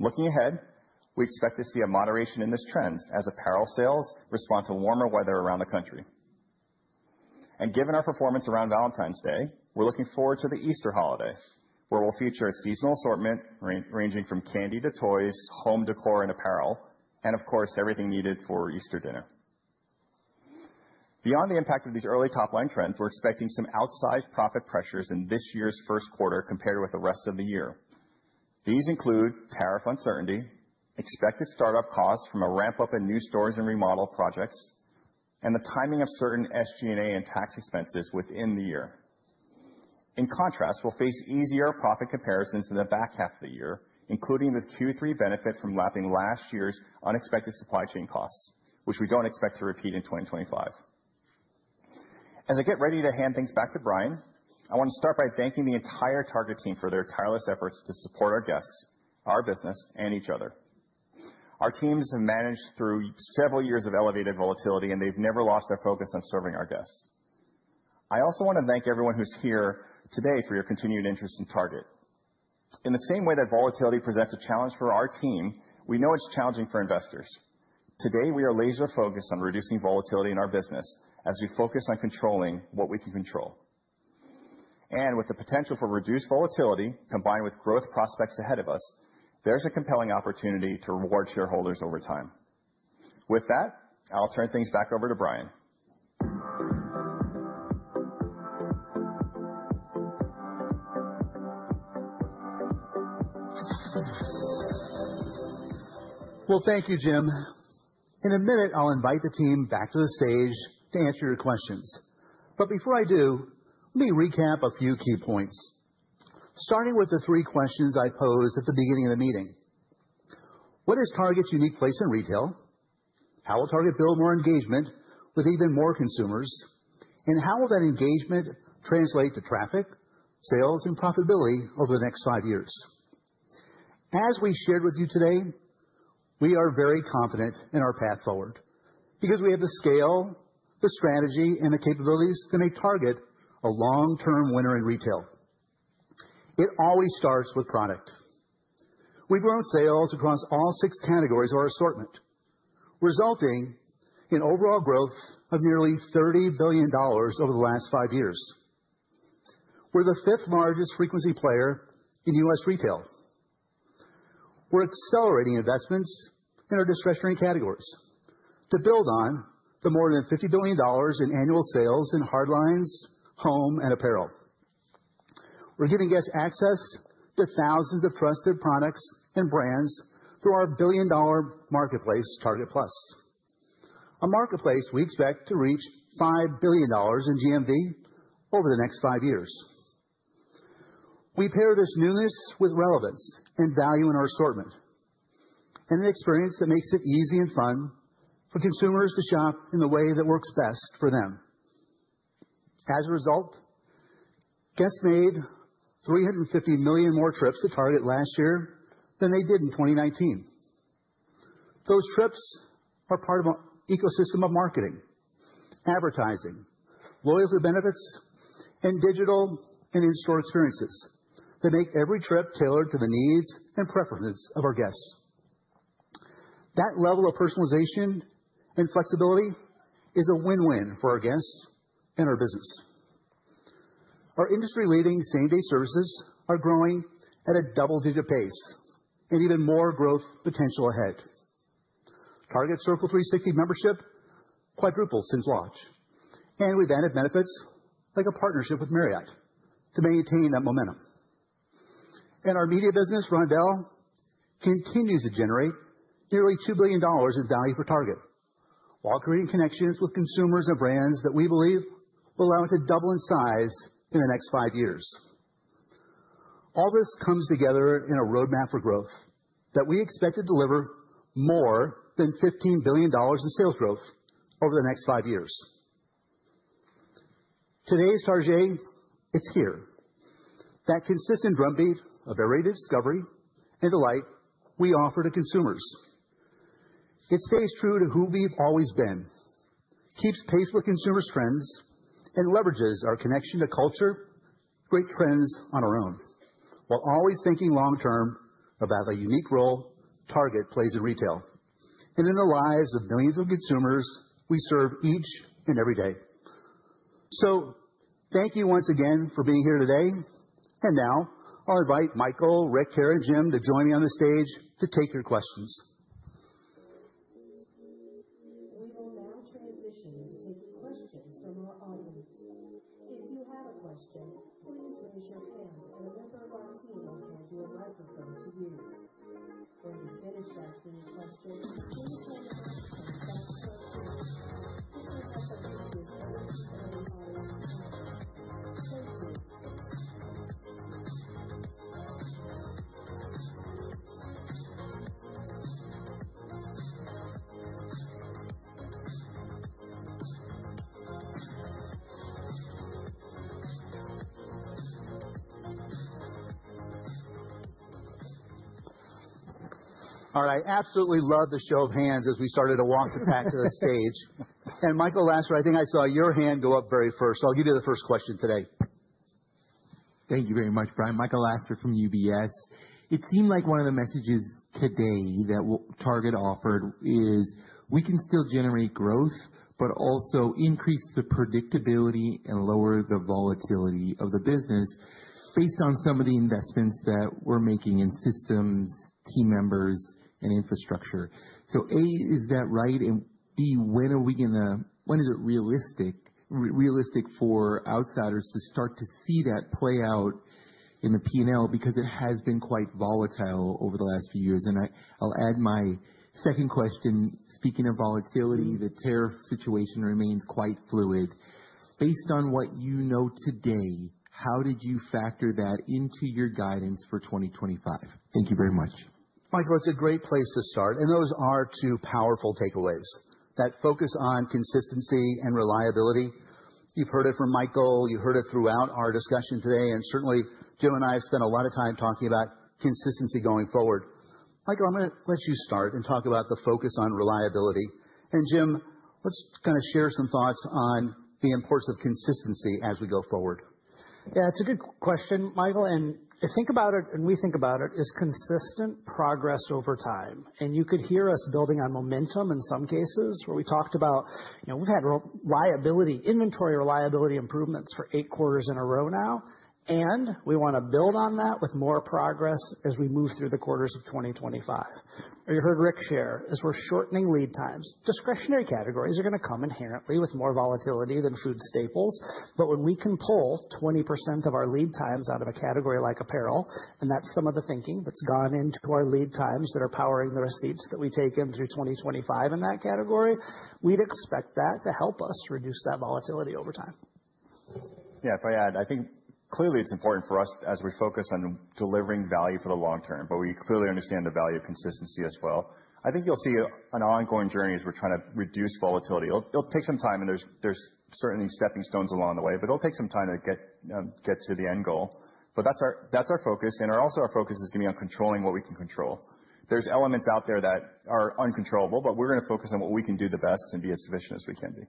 Looking ahead, we expect to see a moderation in this trend as apparel sales respond to warmer weather around the country. And given our performance around Valentine's Day, we're looking forward to the Easter holiday, where we'll feature a seasonal assortment ranging from candy to toys, home decor and apparel, and of course, everything needed for Easter dinner. Beyond the impact of these early top line trends, we're expecting some outsized profit pressures in this year's first quarter compared with the rest of the year. These include tariff uncertainty, expected startup costs from a ramp-up in new stores and remodel projects, and the timing of certain SG&A and tax expenses within the year. In contrast, we'll face easier profit comparisons in the back half of the year, including the Q3 benefit from lapping last year's unexpected supply chain costs, which we don't expect to repeat in 2025. As I get ready to hand things back to Brian, I want to start by thanking the entire Target team for their tireless efforts to support our guests, our business, and each other. Our teams have managed through several years of elevated volatility, and they've never lost their focus on serving our guests. I also want to thank everyone who's here today for your continued interest in Target. In the same way that volatility presents a challenge for our team, we know it's challenging for investors. Today, we are laser-focused on reducing volatility in our business as we focus on controlling what we can control. And with the potential for reduced volatility combined with growth prospects ahead of us, there's a compelling opportunity to reward shareholders over time. With that, I'll turn things back over to Brian. Well, thank you, Jim. In a minute, I'll invite the team back to the stage to answer your questions. But before I do, let me recap a few key points, starting with the three questions I posed at the beginning of the meeting. What is Target's unique place in retail? How will Target build more engagement with even more consumers? And how will that engagement translate to traffic, sales, and profitability over the next five years? As we shared with you today, we are very confident in our path forward because we have the scale, the strategy, and the capabilities to make Target a long-term winner in retail. It always starts with product. We've grown sales across all six categories of our assortment, resulting in overall growth of nearly $30 billion over the last five years. We're the fifth largest frequency player in U.S. retail. We're accelerating investments in our discretionary categories to build on the more than $50 billion in annual sales in hardlines, home, and apparel. We're giving guests access to thousands of trusted products and brands through our billion-dollar marketplace, Target Plus, a marketplace we expect to reach $5 billion in GMV over the next five years. We pair this newness with relevance and value in our assortment and an experience that makes it easy and fun for consumers to shop in the way that works best for them. As a result, guests made 350 million more trips to Target last year than they did in 2019. Those trips are part of an ecosystem of marketing, advertising, loyalty benefits, and digital and in-store experiences that make every trip tailored to the needs and preferences of our guests. That level of personalization and flexibility is a win-win for our guests and our business. Our industry-leading same-day services are growing at a double-digit pace and even more growth potential ahead. Target Circle 360 membership quadrupled since launch, and we've added benefits like a partnership with Marriott to maintain that momentum. And our media business, Roundel, continues to generate nearly $2 billion in value for Target while creating connections with consumers and brands that we believe will allow it to double in size in the next five years. All this comes together in a roadmap for growth that we expect to deliver more than $15 billion in sales growth over the next five years. Today's Target, it's here. That consistent drumbeat of everyday discovery and delight we offer to consumers. It stays true to who we've always been, keeps pace with consumers' trends, and leverages our connection to culture, great trends on our own, while always thinking long-term about the unique role Target plays in retail and in the lives of millions of consumers we serve each and every day. So thank you once again for being here today. And now I'll invite Michael, Rick, Cara, and Jim to join me on the stage to take your questions. We will now transition to taking questions from our audience. If you have a question, please raise your hand, and a member of our team will hand you a microphone to use. When you're finished asking your question, please hold the microphone back towards you. All right. Absolutely loved the show of hands as we started to walk back to the stage. And Michael Lasser, I think I saw your hand go up very first. So I'll give you the first question today. Thank you very much, Brian. Michael Lasser from UBS. It seemed like one of the messages today that Target offered is we can still generate growth, but also increase the predictability and lower the volatility of the business based on some of the investments that we're making in systems, team members, and infrastructure. So A, is that right? And B, when are we going to, when is it realistic for outsiders to start to see that play out in the P&L? Because it has been quite volatile over the last few years, and I'll add my second question. Speaking of volatility, the tariff situation remains quite fluid. Based on what you know today, how did you factor that into your guidance for 2025? Thank you very much. Michael, it's a great place to start, and those are two powerful takeaways that focus on consistency and reliability. You've heard it from Michael. You heard it throughout our discussion today. Certainly, Jim and I have spent a lot of time talking about consistency going forward. Michael, I'm going to let you start and talk about the focus on reliability. Jim, let's kind of share some thoughts on the importance of consistency as we go forward. Yeah, it's a good question, Michael. To think about it, and we think about it, is consistent progress over time. You could hear us building on momentum in some cases where we talked about, you know, we've had inventory reliability improvements for eight quarters in a row now. We want to build on that with more progress as we move through the quarters of 2025. You heard Rick share is we're shortening lead times. Discretionary categories are going to come inherently with more volatility than food staples. But when we can pull 20% of our lead times out of a category like apparel, and that's some of the thinking that's gone into our lead times that are powering the receipts that we take in through 2025 in that category, we'd expect that to help us reduce that volatility over time. Yeah, if I add, I think clearly it's important for us as we focus on delivering value for the long term, but we clearly understand the value of consistency as well. I think you'll see an ongoing journey as we're trying to reduce volatility. It'll take some time, and there's certainly stepping stones along the way, but it'll take some time to get to the end goal. But that's our focus. And also our focus is going to be on controlling what we can control. are elements out there that are uncontrollable, but we're going to focus on what we can do the best and be as efficient as we can be.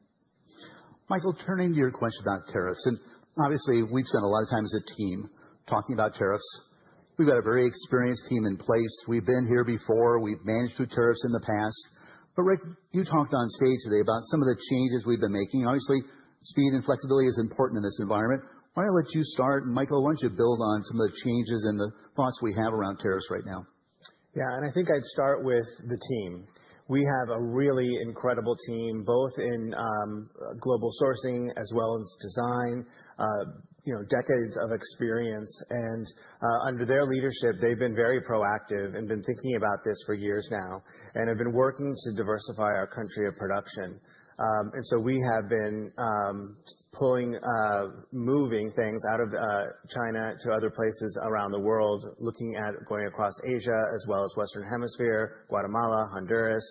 Michael, turning to your question about tariffs, and obviously, we've spent a lot of time as a team talking about tariffs. We've got a very experienced team in place. We've been here before. We've managed through tariffs in the past, but Rick, you talked on stage today about some of the changes we've been making. Obviously, speed and flexibility is important in this environment. Why don't I let you start, and Michael, why don't you build on some of the changes and the thoughts we have around tariffs right now? Yeah, and I think I'd start with the team. We have a really incredible team, both in global sourcing as well as design, you know, decades of experience. And under their leadership, they've been very proactive and been thinking about this for years now and have been working to diversify our country of production. And so we have been pulling, moving things out of China to other places around the world, looking at going across Asia as well as Western Hemisphere, Guatemala, Honduras.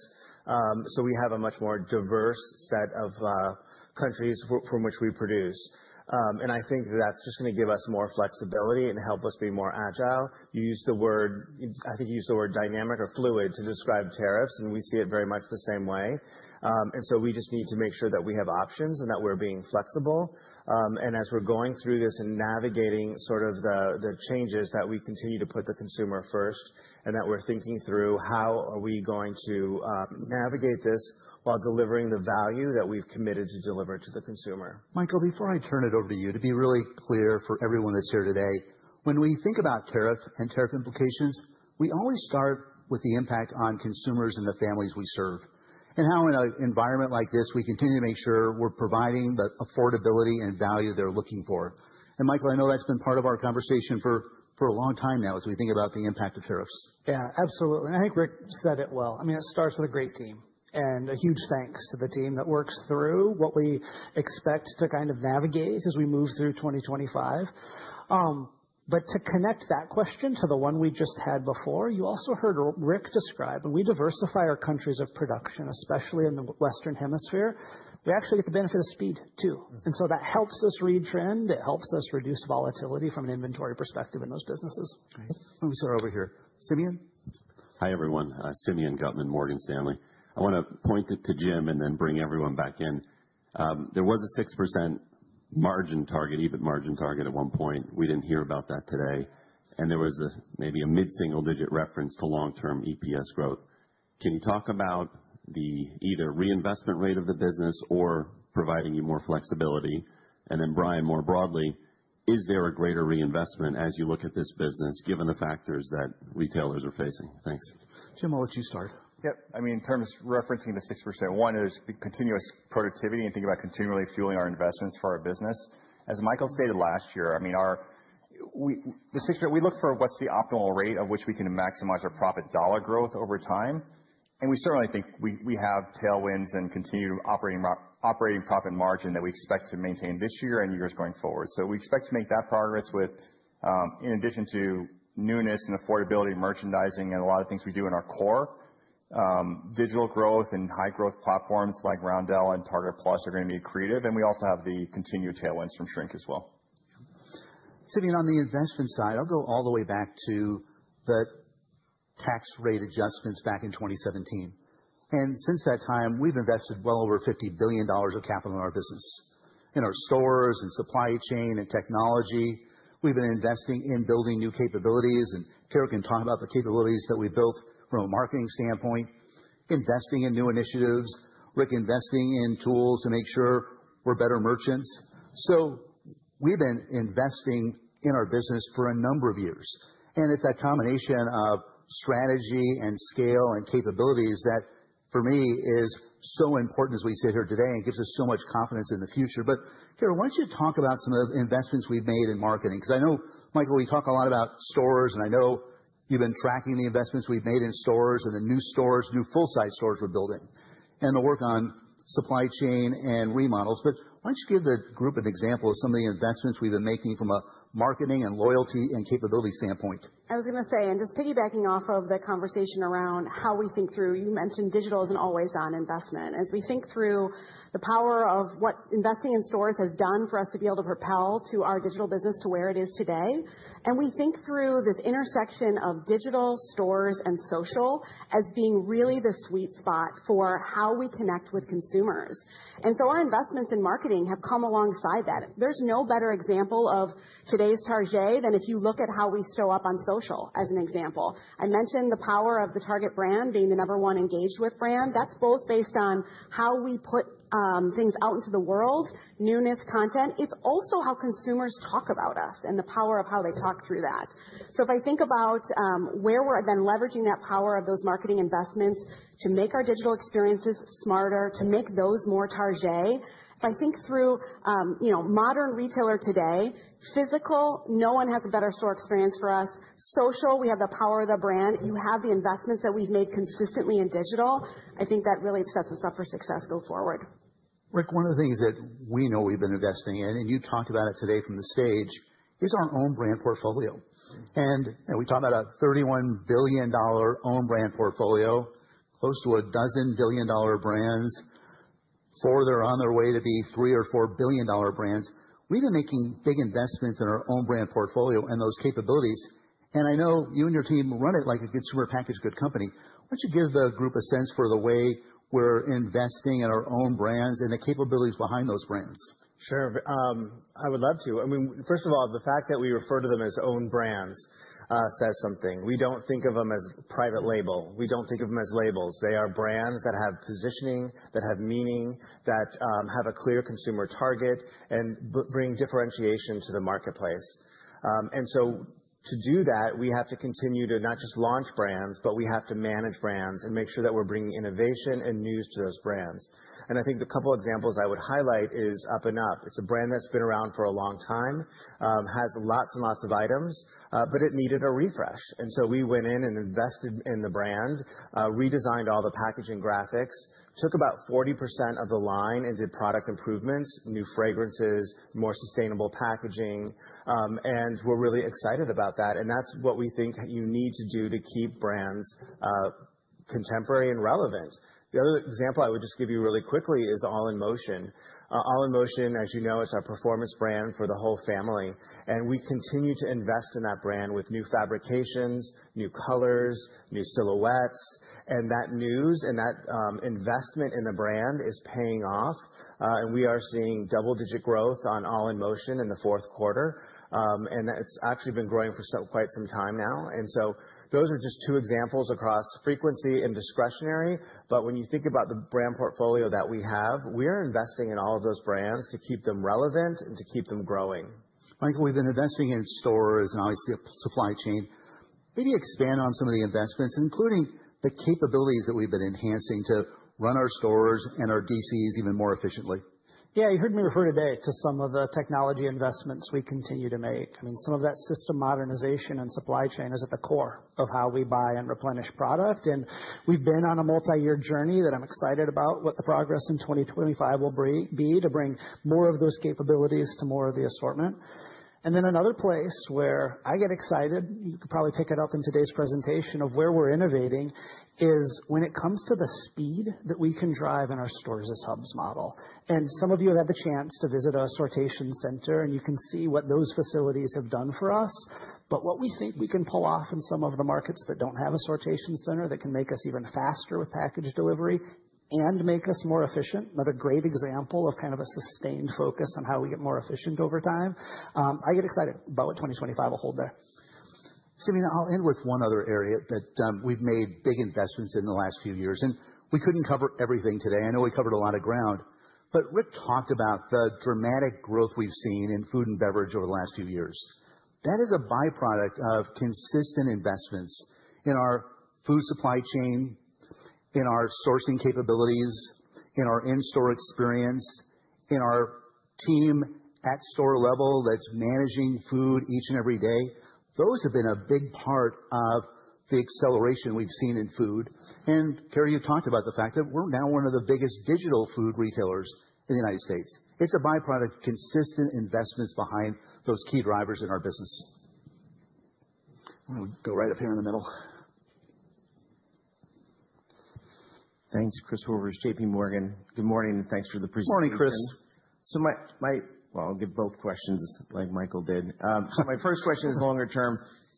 So we have a much more diverse set of countries from which we produce. And I think that that's just going to give us more flexibility and help us be more agile. You used the word, I think you used the word dynamic or fluid to describe tariffs, and we see it very much the same way. And so we just need to make sure that we have options and that we're being flexible. And as we're going through this and navigating sort of the changes that we continue to put the consumer first and that we're thinking through how are we going to navigate this while delivering the value that we've committed to deliver to the consumer. Michael, before I turn it over to you to be really clear for everyone that's here today, when we think about tariff and tariff implications, we always start with the impact on consumers and the families we serve and how in an environment like this we continue to make sure we're providing the affordability and value they're looking for. And Michael, I know that's been part of our conversation for a long time now as we think about the impact of tariffs. Yeah, absolutely. And I think Rick said it well. I mean, it starts with a great team. A huge thanks to the team that works through what we expect to kind of navigate as we move through 2025. But to connect that question to the one we just had before, you also heard Rick describe, and we diversify our countries of production, especially in the Western Hemisphere. We actually get the benefit of speed too. And so that helps us retrend. It helps us reduce volatility from an inventory perspective in those businesses. Great. Let me start over here. Simeon. Hi everyone. Simeon Gutman, Morgan Stanley. I want to point it to Jim and then bring everyone back in. There was a 6% margin target, EBIT margin target at one point. We didn't hear about that today. And there was maybe a mid-single-digit reference to long-term EPS growth. Can you talk about the either reinvestment rate of the business or providing you more flexibility? And then Brian, more broadly, is there a greater reinvestment as you look at this business given the factors that retailers are facing? Thanks. Jim, I'll let you start. Yep. I mean, in terms of referencing the 6%, one is continuous productivity and thinking about continually fueling our investments for our business. As Michael stated last year, I mean, the 6%, we look for what's the optimal rate of which we can maximize our profit dollar growth over time. And we certainly think we have tailwinds and continued operating profit margin that we expect to maintain this year and years going forward. So we expect to make that progress with, in addition to newness and affordability merchandising and a lot of things we do in our core, digital growth and high-growth platforms like Roundel and Target Plus are going to be creative. We also have the continued tailwinds from shrink as well. Simeon, on the investment side, I'll go all the way back to the tax rate adjustments back in 2017. And since that time, we've invested well over $50 billion of capital in our business, in our stores and supply chain and technology. We've been investing in building new capabilities. And Cara can talk about the capabilities that we built from a marketing standpoint, investing in new initiatives, Rick investing in tools to make sure we're better merchants. So we've been investing in our business for a number of years. And it's that combination of strategy and scale and capabilities that for me is so important as we sit here today and gives us so much confidence in the future. But Cara, why don't you talk about some of the investments we've made in marketing? Because I know, Michael, we talk a lot about stores, and I know you've been tracking the investments we've made in stores and the new stores, new full-size stores we're building and the work on supply chain and remodels. But why don't you give the group an example of some of the investments we've been making from a marketing and loyalty and capability standpoint? I was going to say, and just piggybacking off of the conversation around how we think through, you mentioned digital isn't always an investment. As we think through the power of what investing in stores has done for us to be able to propel our digital business to where it is today, and we think through this intersection of digital, stores, and social as being really the sweet spot for how we connect with consumers. And so our investments in marketing have come alongside that. There's no better example of today's Target than if you look at how we show up on social as an example. I mentioned the power of the Target brand being the number one engaged with brand. That's both based on how we put things out into the world, newness, content. It's also how consumers talk about us and the power of how they talk through that. So if I think about where we're then leveraging that power of those marketing investments to make our digital experiences smarter, to make those more Target, if I think through, you know, modern retailer today, physical, no one has a better store experience for us. Social, we have the power of the brand. You have the investments that we've made consistently in digital. I think that really sets us up for success going forward. Rick, one of the things that we know we've been investing in, and you talked about it today from the stage, is our own brand portfolio. And we talked about a $31 billion own brand portfolio, close to a dozen billion dollar brands, further on their way to be three or four billion dollar brands. We've been making big investments in our own brand portfolio and those capabilities. And I know you and your team run it like a consumer packaged goods company. Why don't you give the group a sense for the way we're investing in our own brands and the capabilities behind those brands? Sure. I would love to. I mean, first of all, the fact that we refer to them as own brands says something. We don't think of them as private label. We don't think of them as labels. They are brands that have positioning, that have meaning, that have a clear consumer target and bring differentiation to the marketplace. And so to do that, we have to continue to not just launch brands, but we have to manage brands and make sure that we're bringing innovation and news to those brands. And I think the couple of examples I would highlight is up&up. It's a brand that's been around for a long time, has lots and lots of items, but it needed a refresh. And so we went in and invested in the brand, redesigned all the packaging graphics, took about 40% of the line and did product improvements, new fragrances, more sustainable packaging. And we're really excited about that. And that's what we think you need to do to keep brands contemporary and relevant. The other example I would just give you really quickly is All in Motion. All in Motion, as you know, it's our performance brand for the whole family. And we continue to invest in that brand with new fabrications, new colors, new silhouettes. And that news and that investment in the brand is paying off. And we are seeing double-digit growth on All in Motion in the fourth quarter. And it's actually been growing for quite some time now. And so those are just two examples across frequency and discretionary. But when you think about the brand portfolio that we have, we are investing in all of those brands to keep them relevant and to keep them growing. Michael, we've been investing in stores and obviously supply chain. Maybe expand on some of the investments, including the capabilities that we've been enhancing to run our stores and our DCs even more efficiently. Yeah, you heard me refer today to some of the technology investments we continue to make. I mean, some of that system modernization and supply chain is at the core of how we buy and replenish product. And we've been on a multi-year journey that I'm excited about what the progress in 2025 will be to bring more of those capabilities to more of the assortment. And then another place where I get excited, you could probably pick it up in today's presentation of where we're innovating is when it comes to the speed that we can drive in our Stores-as-Hubs model. And some of you have had the chance to visit a sortation center, and you can see what those facilities have done for us. But what we think we can pull off in some of the markets that don't have a sortation center that can make us even faster with package delivery and make us more efficient, another great example of kind of a sustained focus on how we get more efficient over time. I get excited about what 2025 will hold there. Simeon, I'll end with one other area that we've made big investments in the last few years. And we couldn't cover everything today. I know we covered a lot of ground. But Rick talked about the dramatic growth we've seen in food and beverage over the last few years. That is a byproduct of consistent investments in our food supply chain, in our sourcing capabilities, in our in-store experience, in our team at store level that's managing food each and every day. Those have been a big part of the acceleration we've seen in food. And Cara, you talked about the fact that we're now one of the biggest digital food retailers in the United States. It's a byproduct of consistent investments behind those key drivers in our business. I'm going to go right up here in the middle. Thanks, Chris Horvers, J.P. Morgan. Good morning. And thanks for the presentation. Good morning, Chris. So my, well, I'll give both questions like Michael did. So my first question is longer term.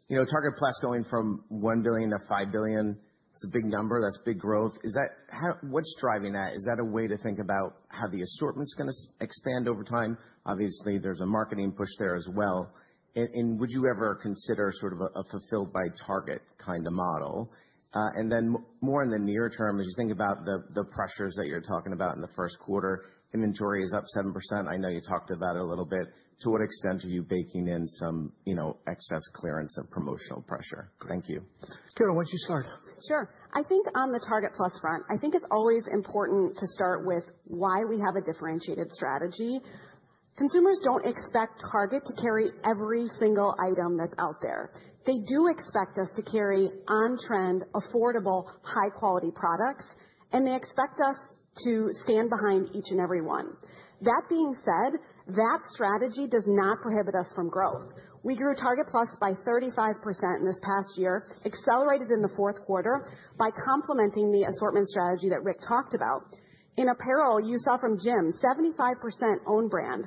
You know, Target Plus going from $1 billion to $5 billion, it's a big number. That's big growth. Is that what's driving that? Is that a way to think about how the assortment's going to expand over time? Obviously, there's a marketing push there as well. And would you ever consider sort of a fulfilled by Target kind of model? And then more in the near term, as you think about the pressures that you're talking about in the first quarter, inventory is up 7%. I know you talked about it a little bit. To what extent are you baking in some, you know, excess clearance and promotional pressure? Thank you. Cara, why don't you start? Sure. I think on the Target Plus front, I think it's always important to start with why we have a differentiated strategy. Consumers don't expect Target to carry every single item that's out there. They do expect us to carry on-trend, affordable, high-quality products, and they expect us to stand behind each and every one. That being said, that strategy does not prohibit us from growth. We grew Target Plus by 35% in this past year, accelerated in the fourth quarter by complementing the assortment strategy that Rick talked about. In apparel, you saw from Jim, 75% own brand.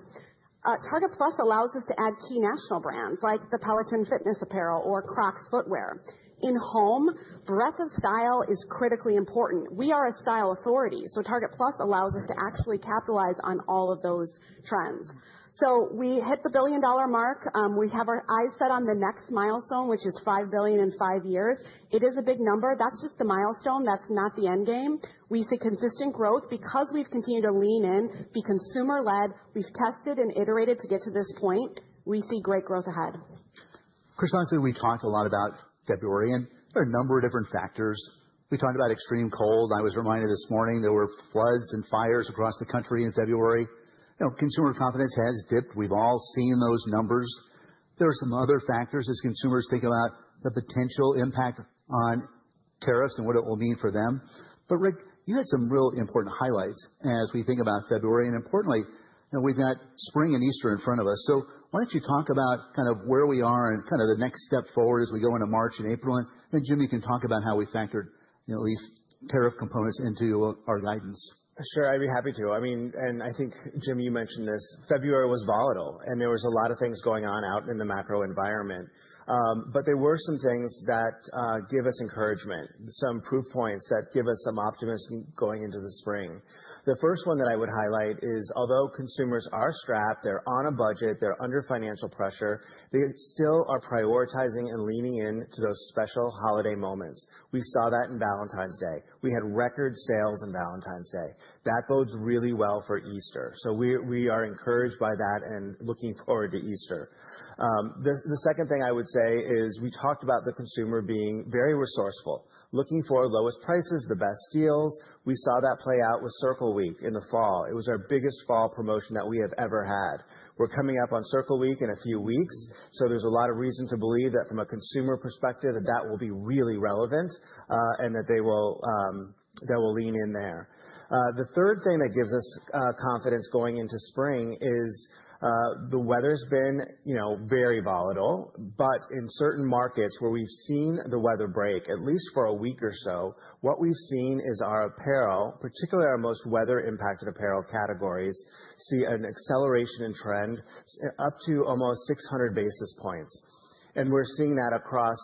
Target Plus allows us to add key national brands like the Peloton fitness apparel or Crocs footwear. In home, breadth of style is critically important. We are a style authority. So Target Plus allows us to actually capitalize on all of those trends. So we hit the $1 billion mark. We have our eyes set on the next milestone, which is $5 billion in five years. It is a big number. That's just the milestone. That's not the end game. We see consistent growth because we've continued to lean in, be consumer-led. We've tested and iterated to get to this point. We see great growth ahead. Chris, obviously, we talked a lot about February, and there are a number of different factors. We talked about extreme cold. I was reminded this morning there were floods and fires across the country in February. You know, consumer confidence has dipped. We've all seen those numbers. There are some other factors as consumers think about the potential impact on tariffs and what it will mean for them, but Rick, you had some real important highlights as we think about February, and importantly, you know, we've got spring and Easter in front of us, so why don't you talk about kind of where we are and kind of the next step forward as we go into March and April, and then Jim, you can talk about how we factored these tariff components into our guidance. Sure, I'd be happy to. I mean, and I think Jim, you mentioned this. February was volatile, and there were a lot of things going on out in the macro environment, but there were some things that give us encouragement, some proof points that give us some optimism going into the spring. The first one that I would highlight is, although consumers are strapped, they're on a budget, they're under financial pressure, they still are prioritizing and leaning into those special holiday moments. We saw that in Valentine's Day. We had record sales on Valentine's Day. That bodes really well for Easter, so we are encouraged by that and looking forward to Easter. The second thing I would say is we talked about the consumer being very resourceful, looking for lowest prices, the best deals. We saw that play out with Circle Week in the fall. It was our biggest fall promotion that we have ever had. We're coming up on Circle Week in a few weeks, so there's a lot of reason to believe that from a consumer perspective, that that will be really relevant and that they will lean in there. The third thing that gives us confidence going into spring is the weather's been, you know, very volatile, but in certain markets where we've seen the weather break, at least for a week or so, what we've seen is our apparel, particularly our most weather-impacted apparel categories, see an acceleration in trend up to almost 600 basis points, and we're seeing that across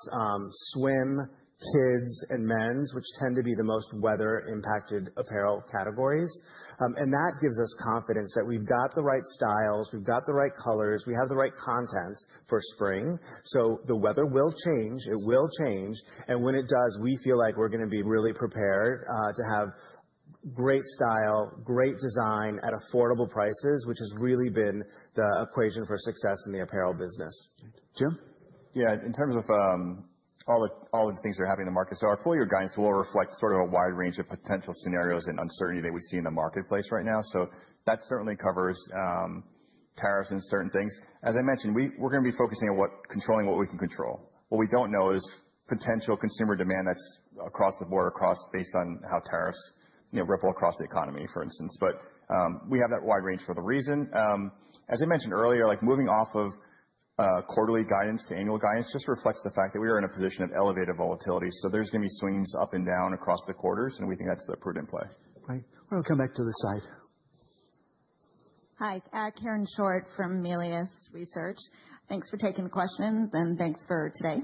swim, kids, and men's, which tend to be the most weather-impacted apparel categories, and that gives us confidence that we've got the right styles, we've got the right colors, we have the right content for spring, so the weather will change, it will change. When it does, we feel like we're going to be really prepared to have great style, great design at affordable prices, which has really been the equation for success in the apparel business. Jim? Yeah, in terms of all the things that are happening in the market, so our full year guidance will reflect sort of a wide range of potential scenarios and uncertainty that we see in the marketplace right now, so that certainly covers tariffs and certain things. As I mentioned, we're going to be focusing on controlling what we can control. What we don't know is potential consumer demand that's across the board, based on how tariffs ripple across the economy, for instance, but we have that wide range for the reason. As I mentioned earlier, like moving off of quarterly guidance to annual guidance just reflects the fact that we are in a position of elevated volatility. So there's going to be swings up and down across the quarters, and we think that's the proven play. Right. We'll come back to the side. Hi, Karen Short from Melius Research. Thanks for taking the questions, and thanks for today.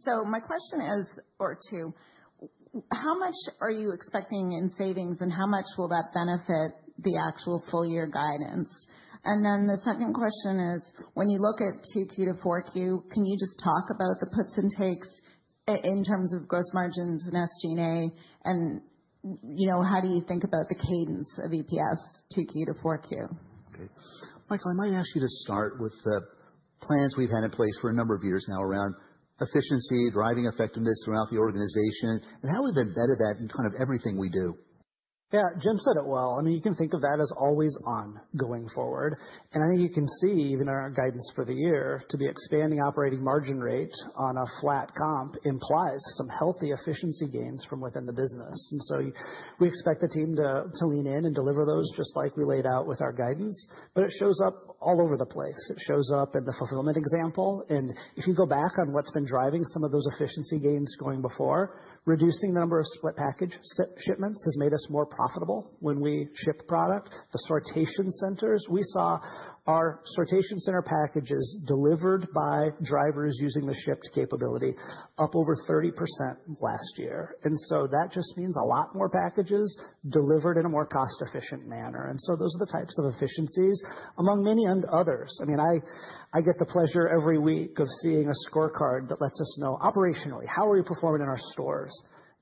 So my question is, or two, how much are you expecting in savings, and how much will that benefit the actual full year guidance? And then the second question is, when you look at 2Q to 4Q, can you just talk about the puts and takes in terms of gross margins and SG&A? And, you know, how do you think about the cadence of EPS 2Q to 4Q? Okay. Michael, I might ask you to start with the plans we've had in place for a number of years now around efficiency, driving effectiveness throughout the organization, and how we've embedded that in kind of everything we do. Yeah, Jim said it well. I mean, you can think of that as always on going forward. And I think you can see even in our guidance for the year to be expanding operating margin rate on a flat comp implies some healthy efficiency gains from within the business. And so we expect the team to lean in and deliver those just like we laid out with our guidance. But it shows up all over the place. It shows up in the fulfillment example. If you go back on what's been driving some of those efficiency gains going before, reducing the number of split package shipments has made us more profitable when we ship product. The sortation centers, we saw our sortation center packages delivered by drivers using the Shipt capability up over 30% last year. And so that just means a lot more packages delivered in a more cost-efficient manner. And so those are the types of efficiencies among many and others. I mean, I get the pleasure every week of seeing a scorecard that lets us know operationally, how are we performing in our stores?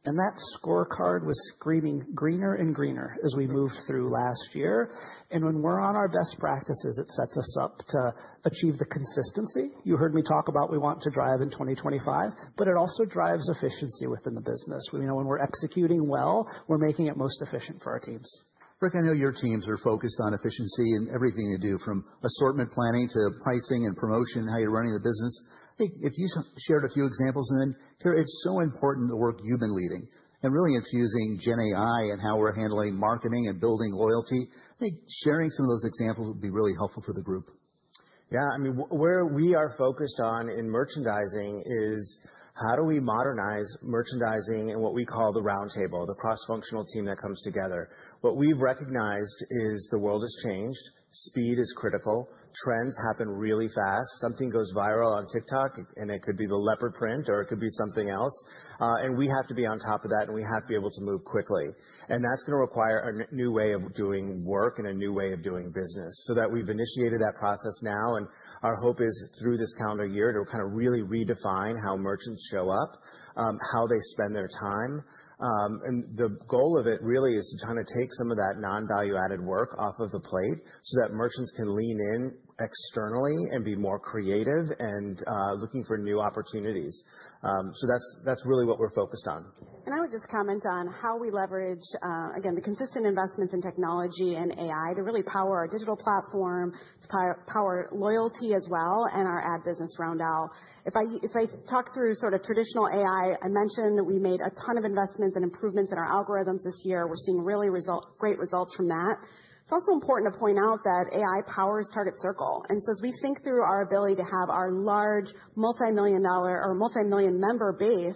And that scorecard was screaming greener and greener as we moved through last year. And when we're on our best practices, it sets us up to achieve the consistency you heard me talk about we want to drive in 2025. But it also drives efficiency within the business. We know when we're executing well, we're making it most efficient for our teams. Rick, I know your teams are focused on efficiency in everything they do, from assortment planning to pricing and promotion, how you're running the business. I think if you shared a few examples, and then Cara, it's so important the work you've been leading and really infusing GenAI and how we're handling marketing and building loyalty. I think sharing some of those examples would be really helpful for the group. Yeah, I mean, where we are focused on in merchandising is how do we modernize merchandising and what we call the roundtable, the cross-functional team that comes together. What we've recognized is the world has changed. Speed is critical. Trends happen really fast. Something goes viral on TikTok, and it could be the leopard print, or it could be something else, and we have to be on top of that, and we have to be able to move quickly, and that's going to require a new way of doing work and a new way of doing business, so that we've initiated that process now, and our hope is through this calendar year to kind of really redefine how merchants show up, how they spend their time, and the goal of it really is to kind of take some of that non-value-added work off of the plate so that merchants can lean in externally and be more creative and looking for new opportunities, so that's really what we're focused on. And I would just comment on how we leverage, again, the consistent investments in technology and AI to really power our digital platform, to power loyalty as well, and our ad business Roundel. If I talk through sort of traditional AI, I mentioned we made a ton of investments and improvements in our algorithms this year. We're seeing really great results from that. It's also important to point out that AI powers Target Circle. And so as we think through our ability to have our large multimillion-dollar or multimillion-member base,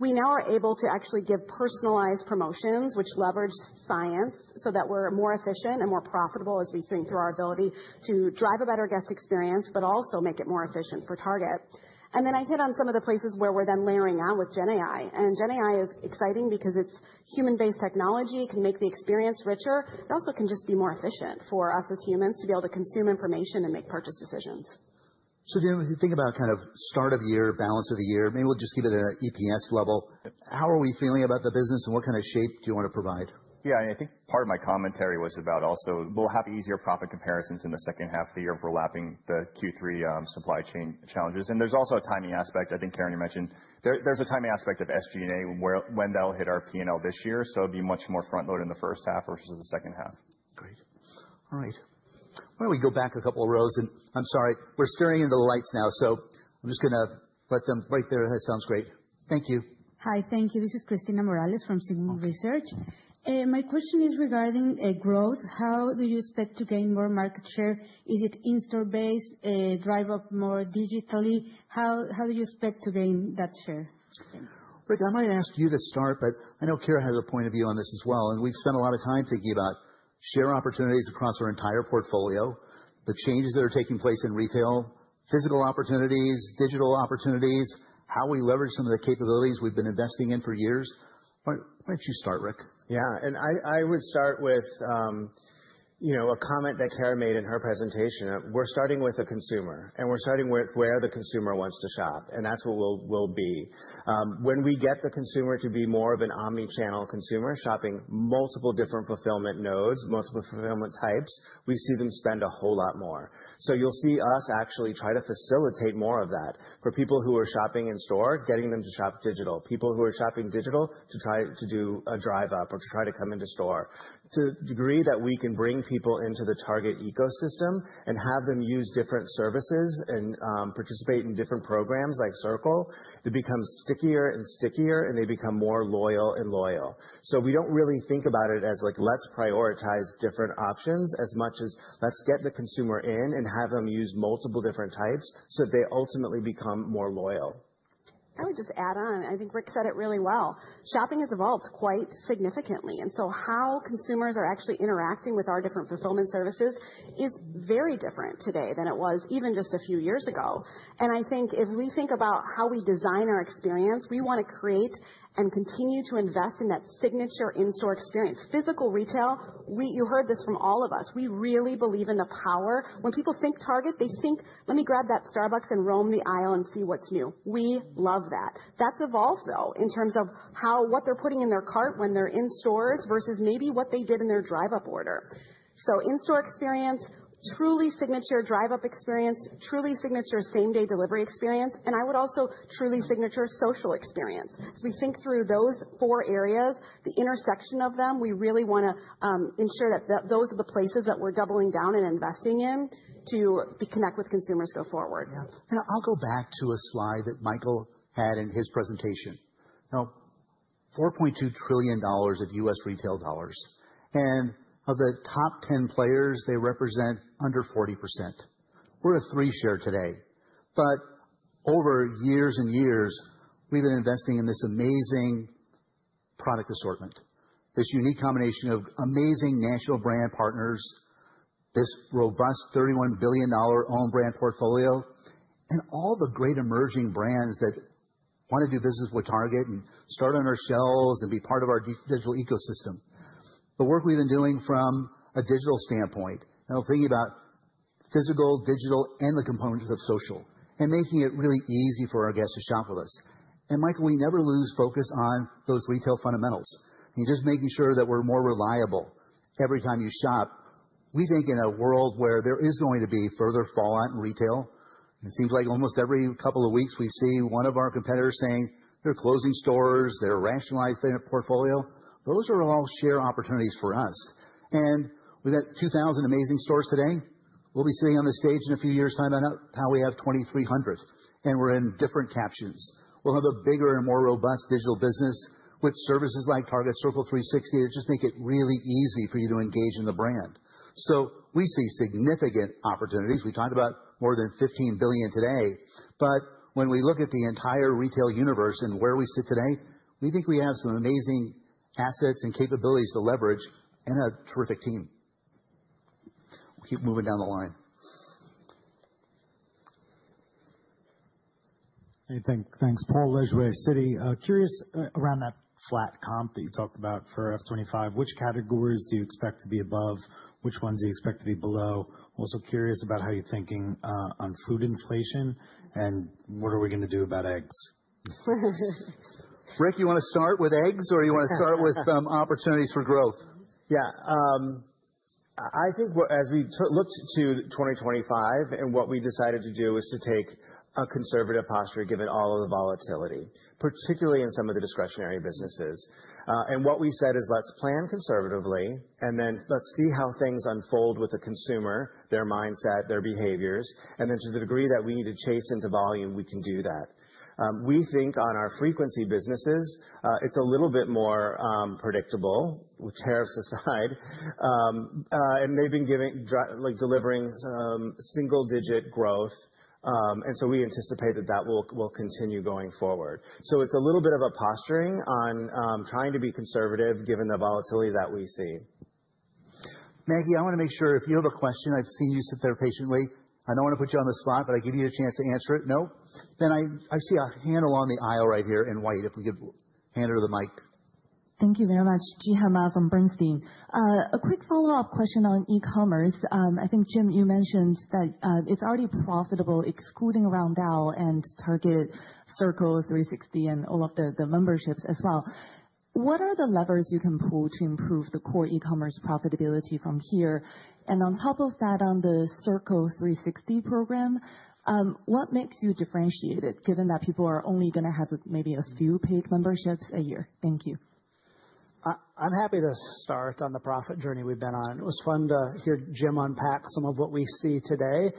we now are able to actually give personalized promotions, which leverage science so that we're more efficient and more profitable as we think through our ability to drive a better guest experience, but also make it more efficient for Target. And then I hit on some of the places where we're then layering out with GenAI. GenAI is exciting because it's human-based technology, can make the experience richer. It also can just be more efficient for us as humans to be able to consume information and make purchase decisions. So Jim, if you think about kind of start of year, balance of the year, maybe we'll just keep it at an EPS level. How are we feeling about the business and what kind of shape do you want to provide? Yeah, I think part of my commentary was about also we'll have easier profit comparisons in the second half of the year overlapping the Q3 supply chain challenges. And there's also a timing aspect. I think Cara, you mentioned there's a timing aspect of SG&A when that'll hit our P&L this year. So it'd be much more frontload in the first half versus the second half. Great. All right. Why don't we go back a couple of rows? And I'm sorry, we're staring into the lights now. So I'm just going to let them right there. That sounds great. Thank you. Hi, thank you. This is Cristina Morales from Signum Research. My question is regarding growth. How do you expect to gain more market share? Is it in-store base, Drive Up more digitally? How do you expect to gain that share? Rick, I might ask you to start, but I know Cara has a point of view on this as well. And we've spent a lot of time thinking about share opportunities across our entire portfolio, the changes that are taking place in retail, physical opportunities, digital opportunities, how we leverage some of the capabilities we've been investing in for years. Why don't you start, Rick? Yeah, and I would start with, you know, a comment that Cara made in her presentation. We're starting with a consumer, and we're starting with where the consumer wants to shop, and that's what we'll be. When we get the consumer to be more of an omnichannel consumer, shopping multiple different fulfillment nodes, multiple fulfillment types, we see them spend a whole lot more. So you'll see us actually try to facilitate more of that for people who are shopping in store, getting them to shop digital, people who are shopping digital to try to do a Drive Up or to try to come into store. To a degree that we can bring people into the Target ecosystem and have them use different services and participate in different programs like Circle, it becomes stickier and stickier, and they become more loyal and loyal. So we don't really think about it as like, let's prioritize different options as much as let's get the consumer in and have them use multiple different types so that they ultimately become more loyal. I would just add on, I think Rick said it really well. Shopping has evolved quite significantly. And so how consumers are actually interacting with our different fulfillment services is very different today than it was even just a few years ago. And I think if we think about how we design our experience, we want to create and continue to invest in that signature in-store experience. Physical retail, you heard this from all of us. We really believe in the power. When people think Target, they think, let me grab that Starbucks and roam the aisle and see what's new. We love that. That's evolved, though, in terms of how what they're putting in their cart when they're in stores versus maybe what they did in their Drive Up order. So in-store experience, truly signature Drive Up experience, truly signature Same-Day Delivery experience. I would also truly signature social experience. As we think through those four areas, the intersection of them, we really want to ensure that those are the places that we're doubling down and investing in to connect with consumers go forward. Yeah. I'll go back to a slide that Michael had in his presentation. Now, $4.2 trillion of U.S. retail dollars. Of the top 10 players, they represent under 40%. We're a 3% share today. Over years and years, we've been investing in this amazing product assortment, this unique combination of amazing national brand partners, this robust $31 billion owned brand portfolio, and all the great emerging brands that want to do business with Target and start on our shelves and be part of our digital ecosystem. The work we've been doing from a digital standpoint, thinking about physical, digital, and the components of social, and making it really easy for our guests to shop with us. Michael, we never lose focus on those retail fundamentals. You're just making sure that we're more reliable every time you shop. We think in a world where there is going to be further fallout in retail. It seems like almost every couple of weeks we see one of our competitors saying they're closing stores, they're rationalizing their portfolio. Those are all share opportunities for us. We've got 2,000 amazing stores today. We'll be sitting on the stage in a few years' time and now we have 2,300. We're in different categories. We'll have a bigger and more robust digital business with services like Target Circle 360 that just make it really easy for you to engage in the brand. We see significant opportunities. We talked about more than $15 billion today. When we look at the entire retail universe and where we sit today, we think we have some amazing assets and capabilities to leverage and a terrific team. We'll keep moving down the line. Hey, thanks. Paul Lejuez, Citi. Curious around that flat comp that you talked about for F25. Which categories do you expect to be above? Which ones do you expect to be below? Also curious about how you're thinking on food inflation and what are we going to do about eggs? Rick, you want to start with eggs or you want to start with opportunities for growth? Yeah. I think as we looked to 2025 and what we decided to do was to take a conservative posture given all of the volatility, particularly in some of the discretionary businesses. And what we said is let's plan conservatively and then let's see how things unfold with the consumer, their mindset, their behaviors. And then to the degree that we need to chase into volume, we can do that. We think on our frequency businesses, it's a little bit more predictable, with tariffs aside. And they've been delivering single-digit growth. And so we anticipate that that will continue going forward. It's a little bit of a posturing on trying to be conservative given the volatility that we see. Maggie, I want to make sure if you have a question. I've seen you sit there patiently. I don't want to put you on the spot, but I give you a chance to answer it. No? Then I see a hand on the aisle right here in white if we could hand her the mic. Thank you very much. Zhihan Ma from Bernstein. A quick follow-up question on e-commerce. I think, Jim, you mentioned that it's already profitable excluding Roundel and Target Circle 360 and all of the memberships as well. What are the levers you can pull to improve the core e-commerce profitability from here? On top of that, on the Target Circle 360 program, what makes you differentiated given that people are only going to have maybe a few paid memberships a year? Thank you. I'm happy to start on the profit journey we've been on. It was fun to hear Jim unpack some of what we see today.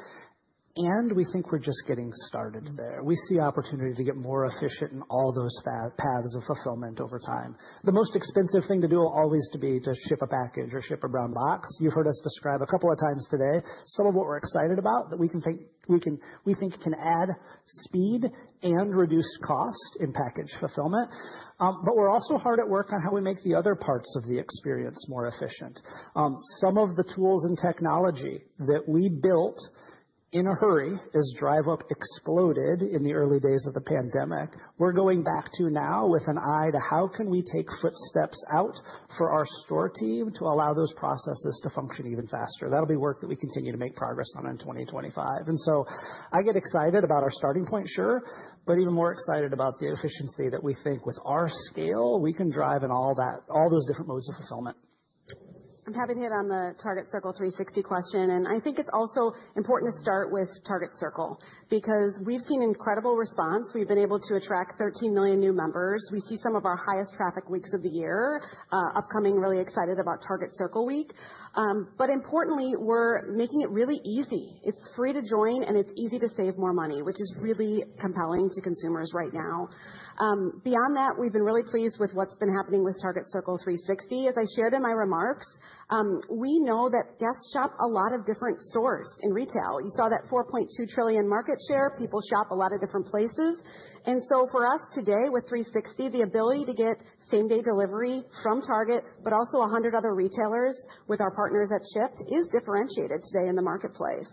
We think we're just getting started there. We see opportunity to get more efficient in all those paths of fulfillment over time. The most expensive thing to do will always be to ship a package or ship a brown box. You've heard us describe a couple of times today some of what we're excited about that we think can add speed and reduce cost in package fulfillment. We're also hard at work on how we make the other parts of the experience more efficient. Some of the tools and technology that we built in a hurry as Drive Up exploded in the early days of the pandemic. We're going back to now with an eye to how we can take steps out for our store team to allow those processes to function even faster. That'll be work that we continue to make progress on in 2025, and so I get excited about our starting point, sure, but even more excited about the efficiency that we think with our scale we can drive in all those different modes of fulfillment. I'm happy to hit on the Target Circle 360 question, and I think it's also important to start with Target Circle because we've seen incredible response. We've been able to attract 13 million new members. We see some of our highest traffic weeks of the year. Upcoming, really excited about Target Circle Week. But importantly, we're making it really easy. It's free to join, and it's easy to save more money, which is really compelling to consumers right now. Beyond that, we've been really pleased with what's been happening with Target Circle 360. As I shared in my remarks, we know that guests shop a lot of different stores in retail. You saw that $4.2 trillion market share. People shop a lot of different places. And so for us today with 360, the ability to get same-day delivery from Target, but also 100 other retailers with our partners at Shipt is differentiated today in the marketplace.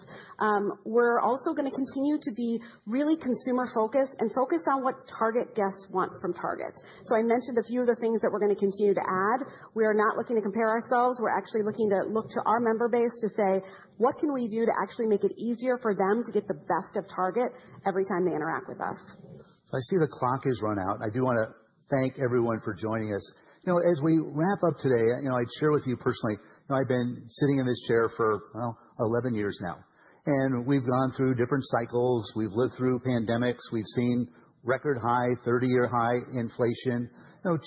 We're also going to continue to be really consumer-focused and focused on what Target guests want from Target. So I mentioned a few of the things that we're going to continue to add. We are not looking to compare ourselves. We're actually looking to our member base to say, what can we do to actually make it easier for them to get the best of Target every time they interact with us? I see the clock has run out. I do want to thank everyone for joining us. As we wrap up today, I'd share with you personally, I've been sitting in this chair for 11 years now, and we've gone through different cycles. We've lived through pandemics. We've seen record high, 30-year high inflation,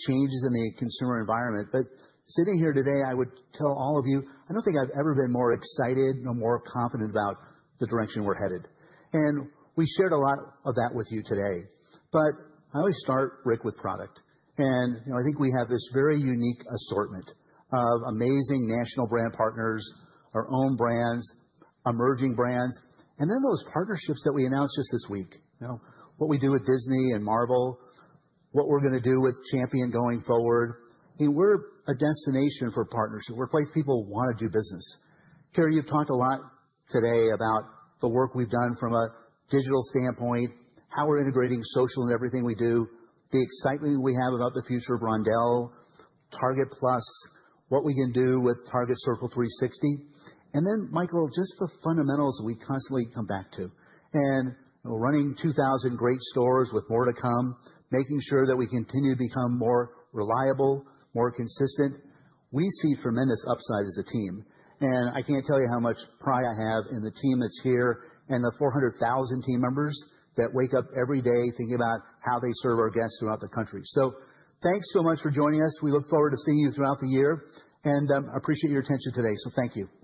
changes in the consumer environment, but sitting here today, I would tell all of you, I don't think I've ever been more excited or more confident about the direction we're headed. And we shared a lot of that with you today, but I always start, Rick, with product. And I think we have this very unique assortment of amazing national brand partners, our own brands, emerging brands, and then those partnerships that we announced just this week. What we do with Disney and Marvel, what we're going to do with Champion going forward. We're a destination for partnerships. We're a place people want to do business. Cara, you've talked a lot today about the work we've done from a digital standpoint, how we're integrating social and everything we do, the excitement we have about the future of Roundel, Target Plus, what we can do with Target Circle 360. And then, Michael, just the fundamentals we constantly come back to. And we're running 2,000 great stores with more to come, making sure that we continue to become more reliable, more consistent. We see tremendous upside as a team. And I can't tell you how much pride I have in the team that's here and the 400,000 team members that wake up every day thinking about how they serve our guests throughout the country. So thanks so much for joining us. We look forward to seeing you throughout the year. And I appreciate your attention today. So thank you.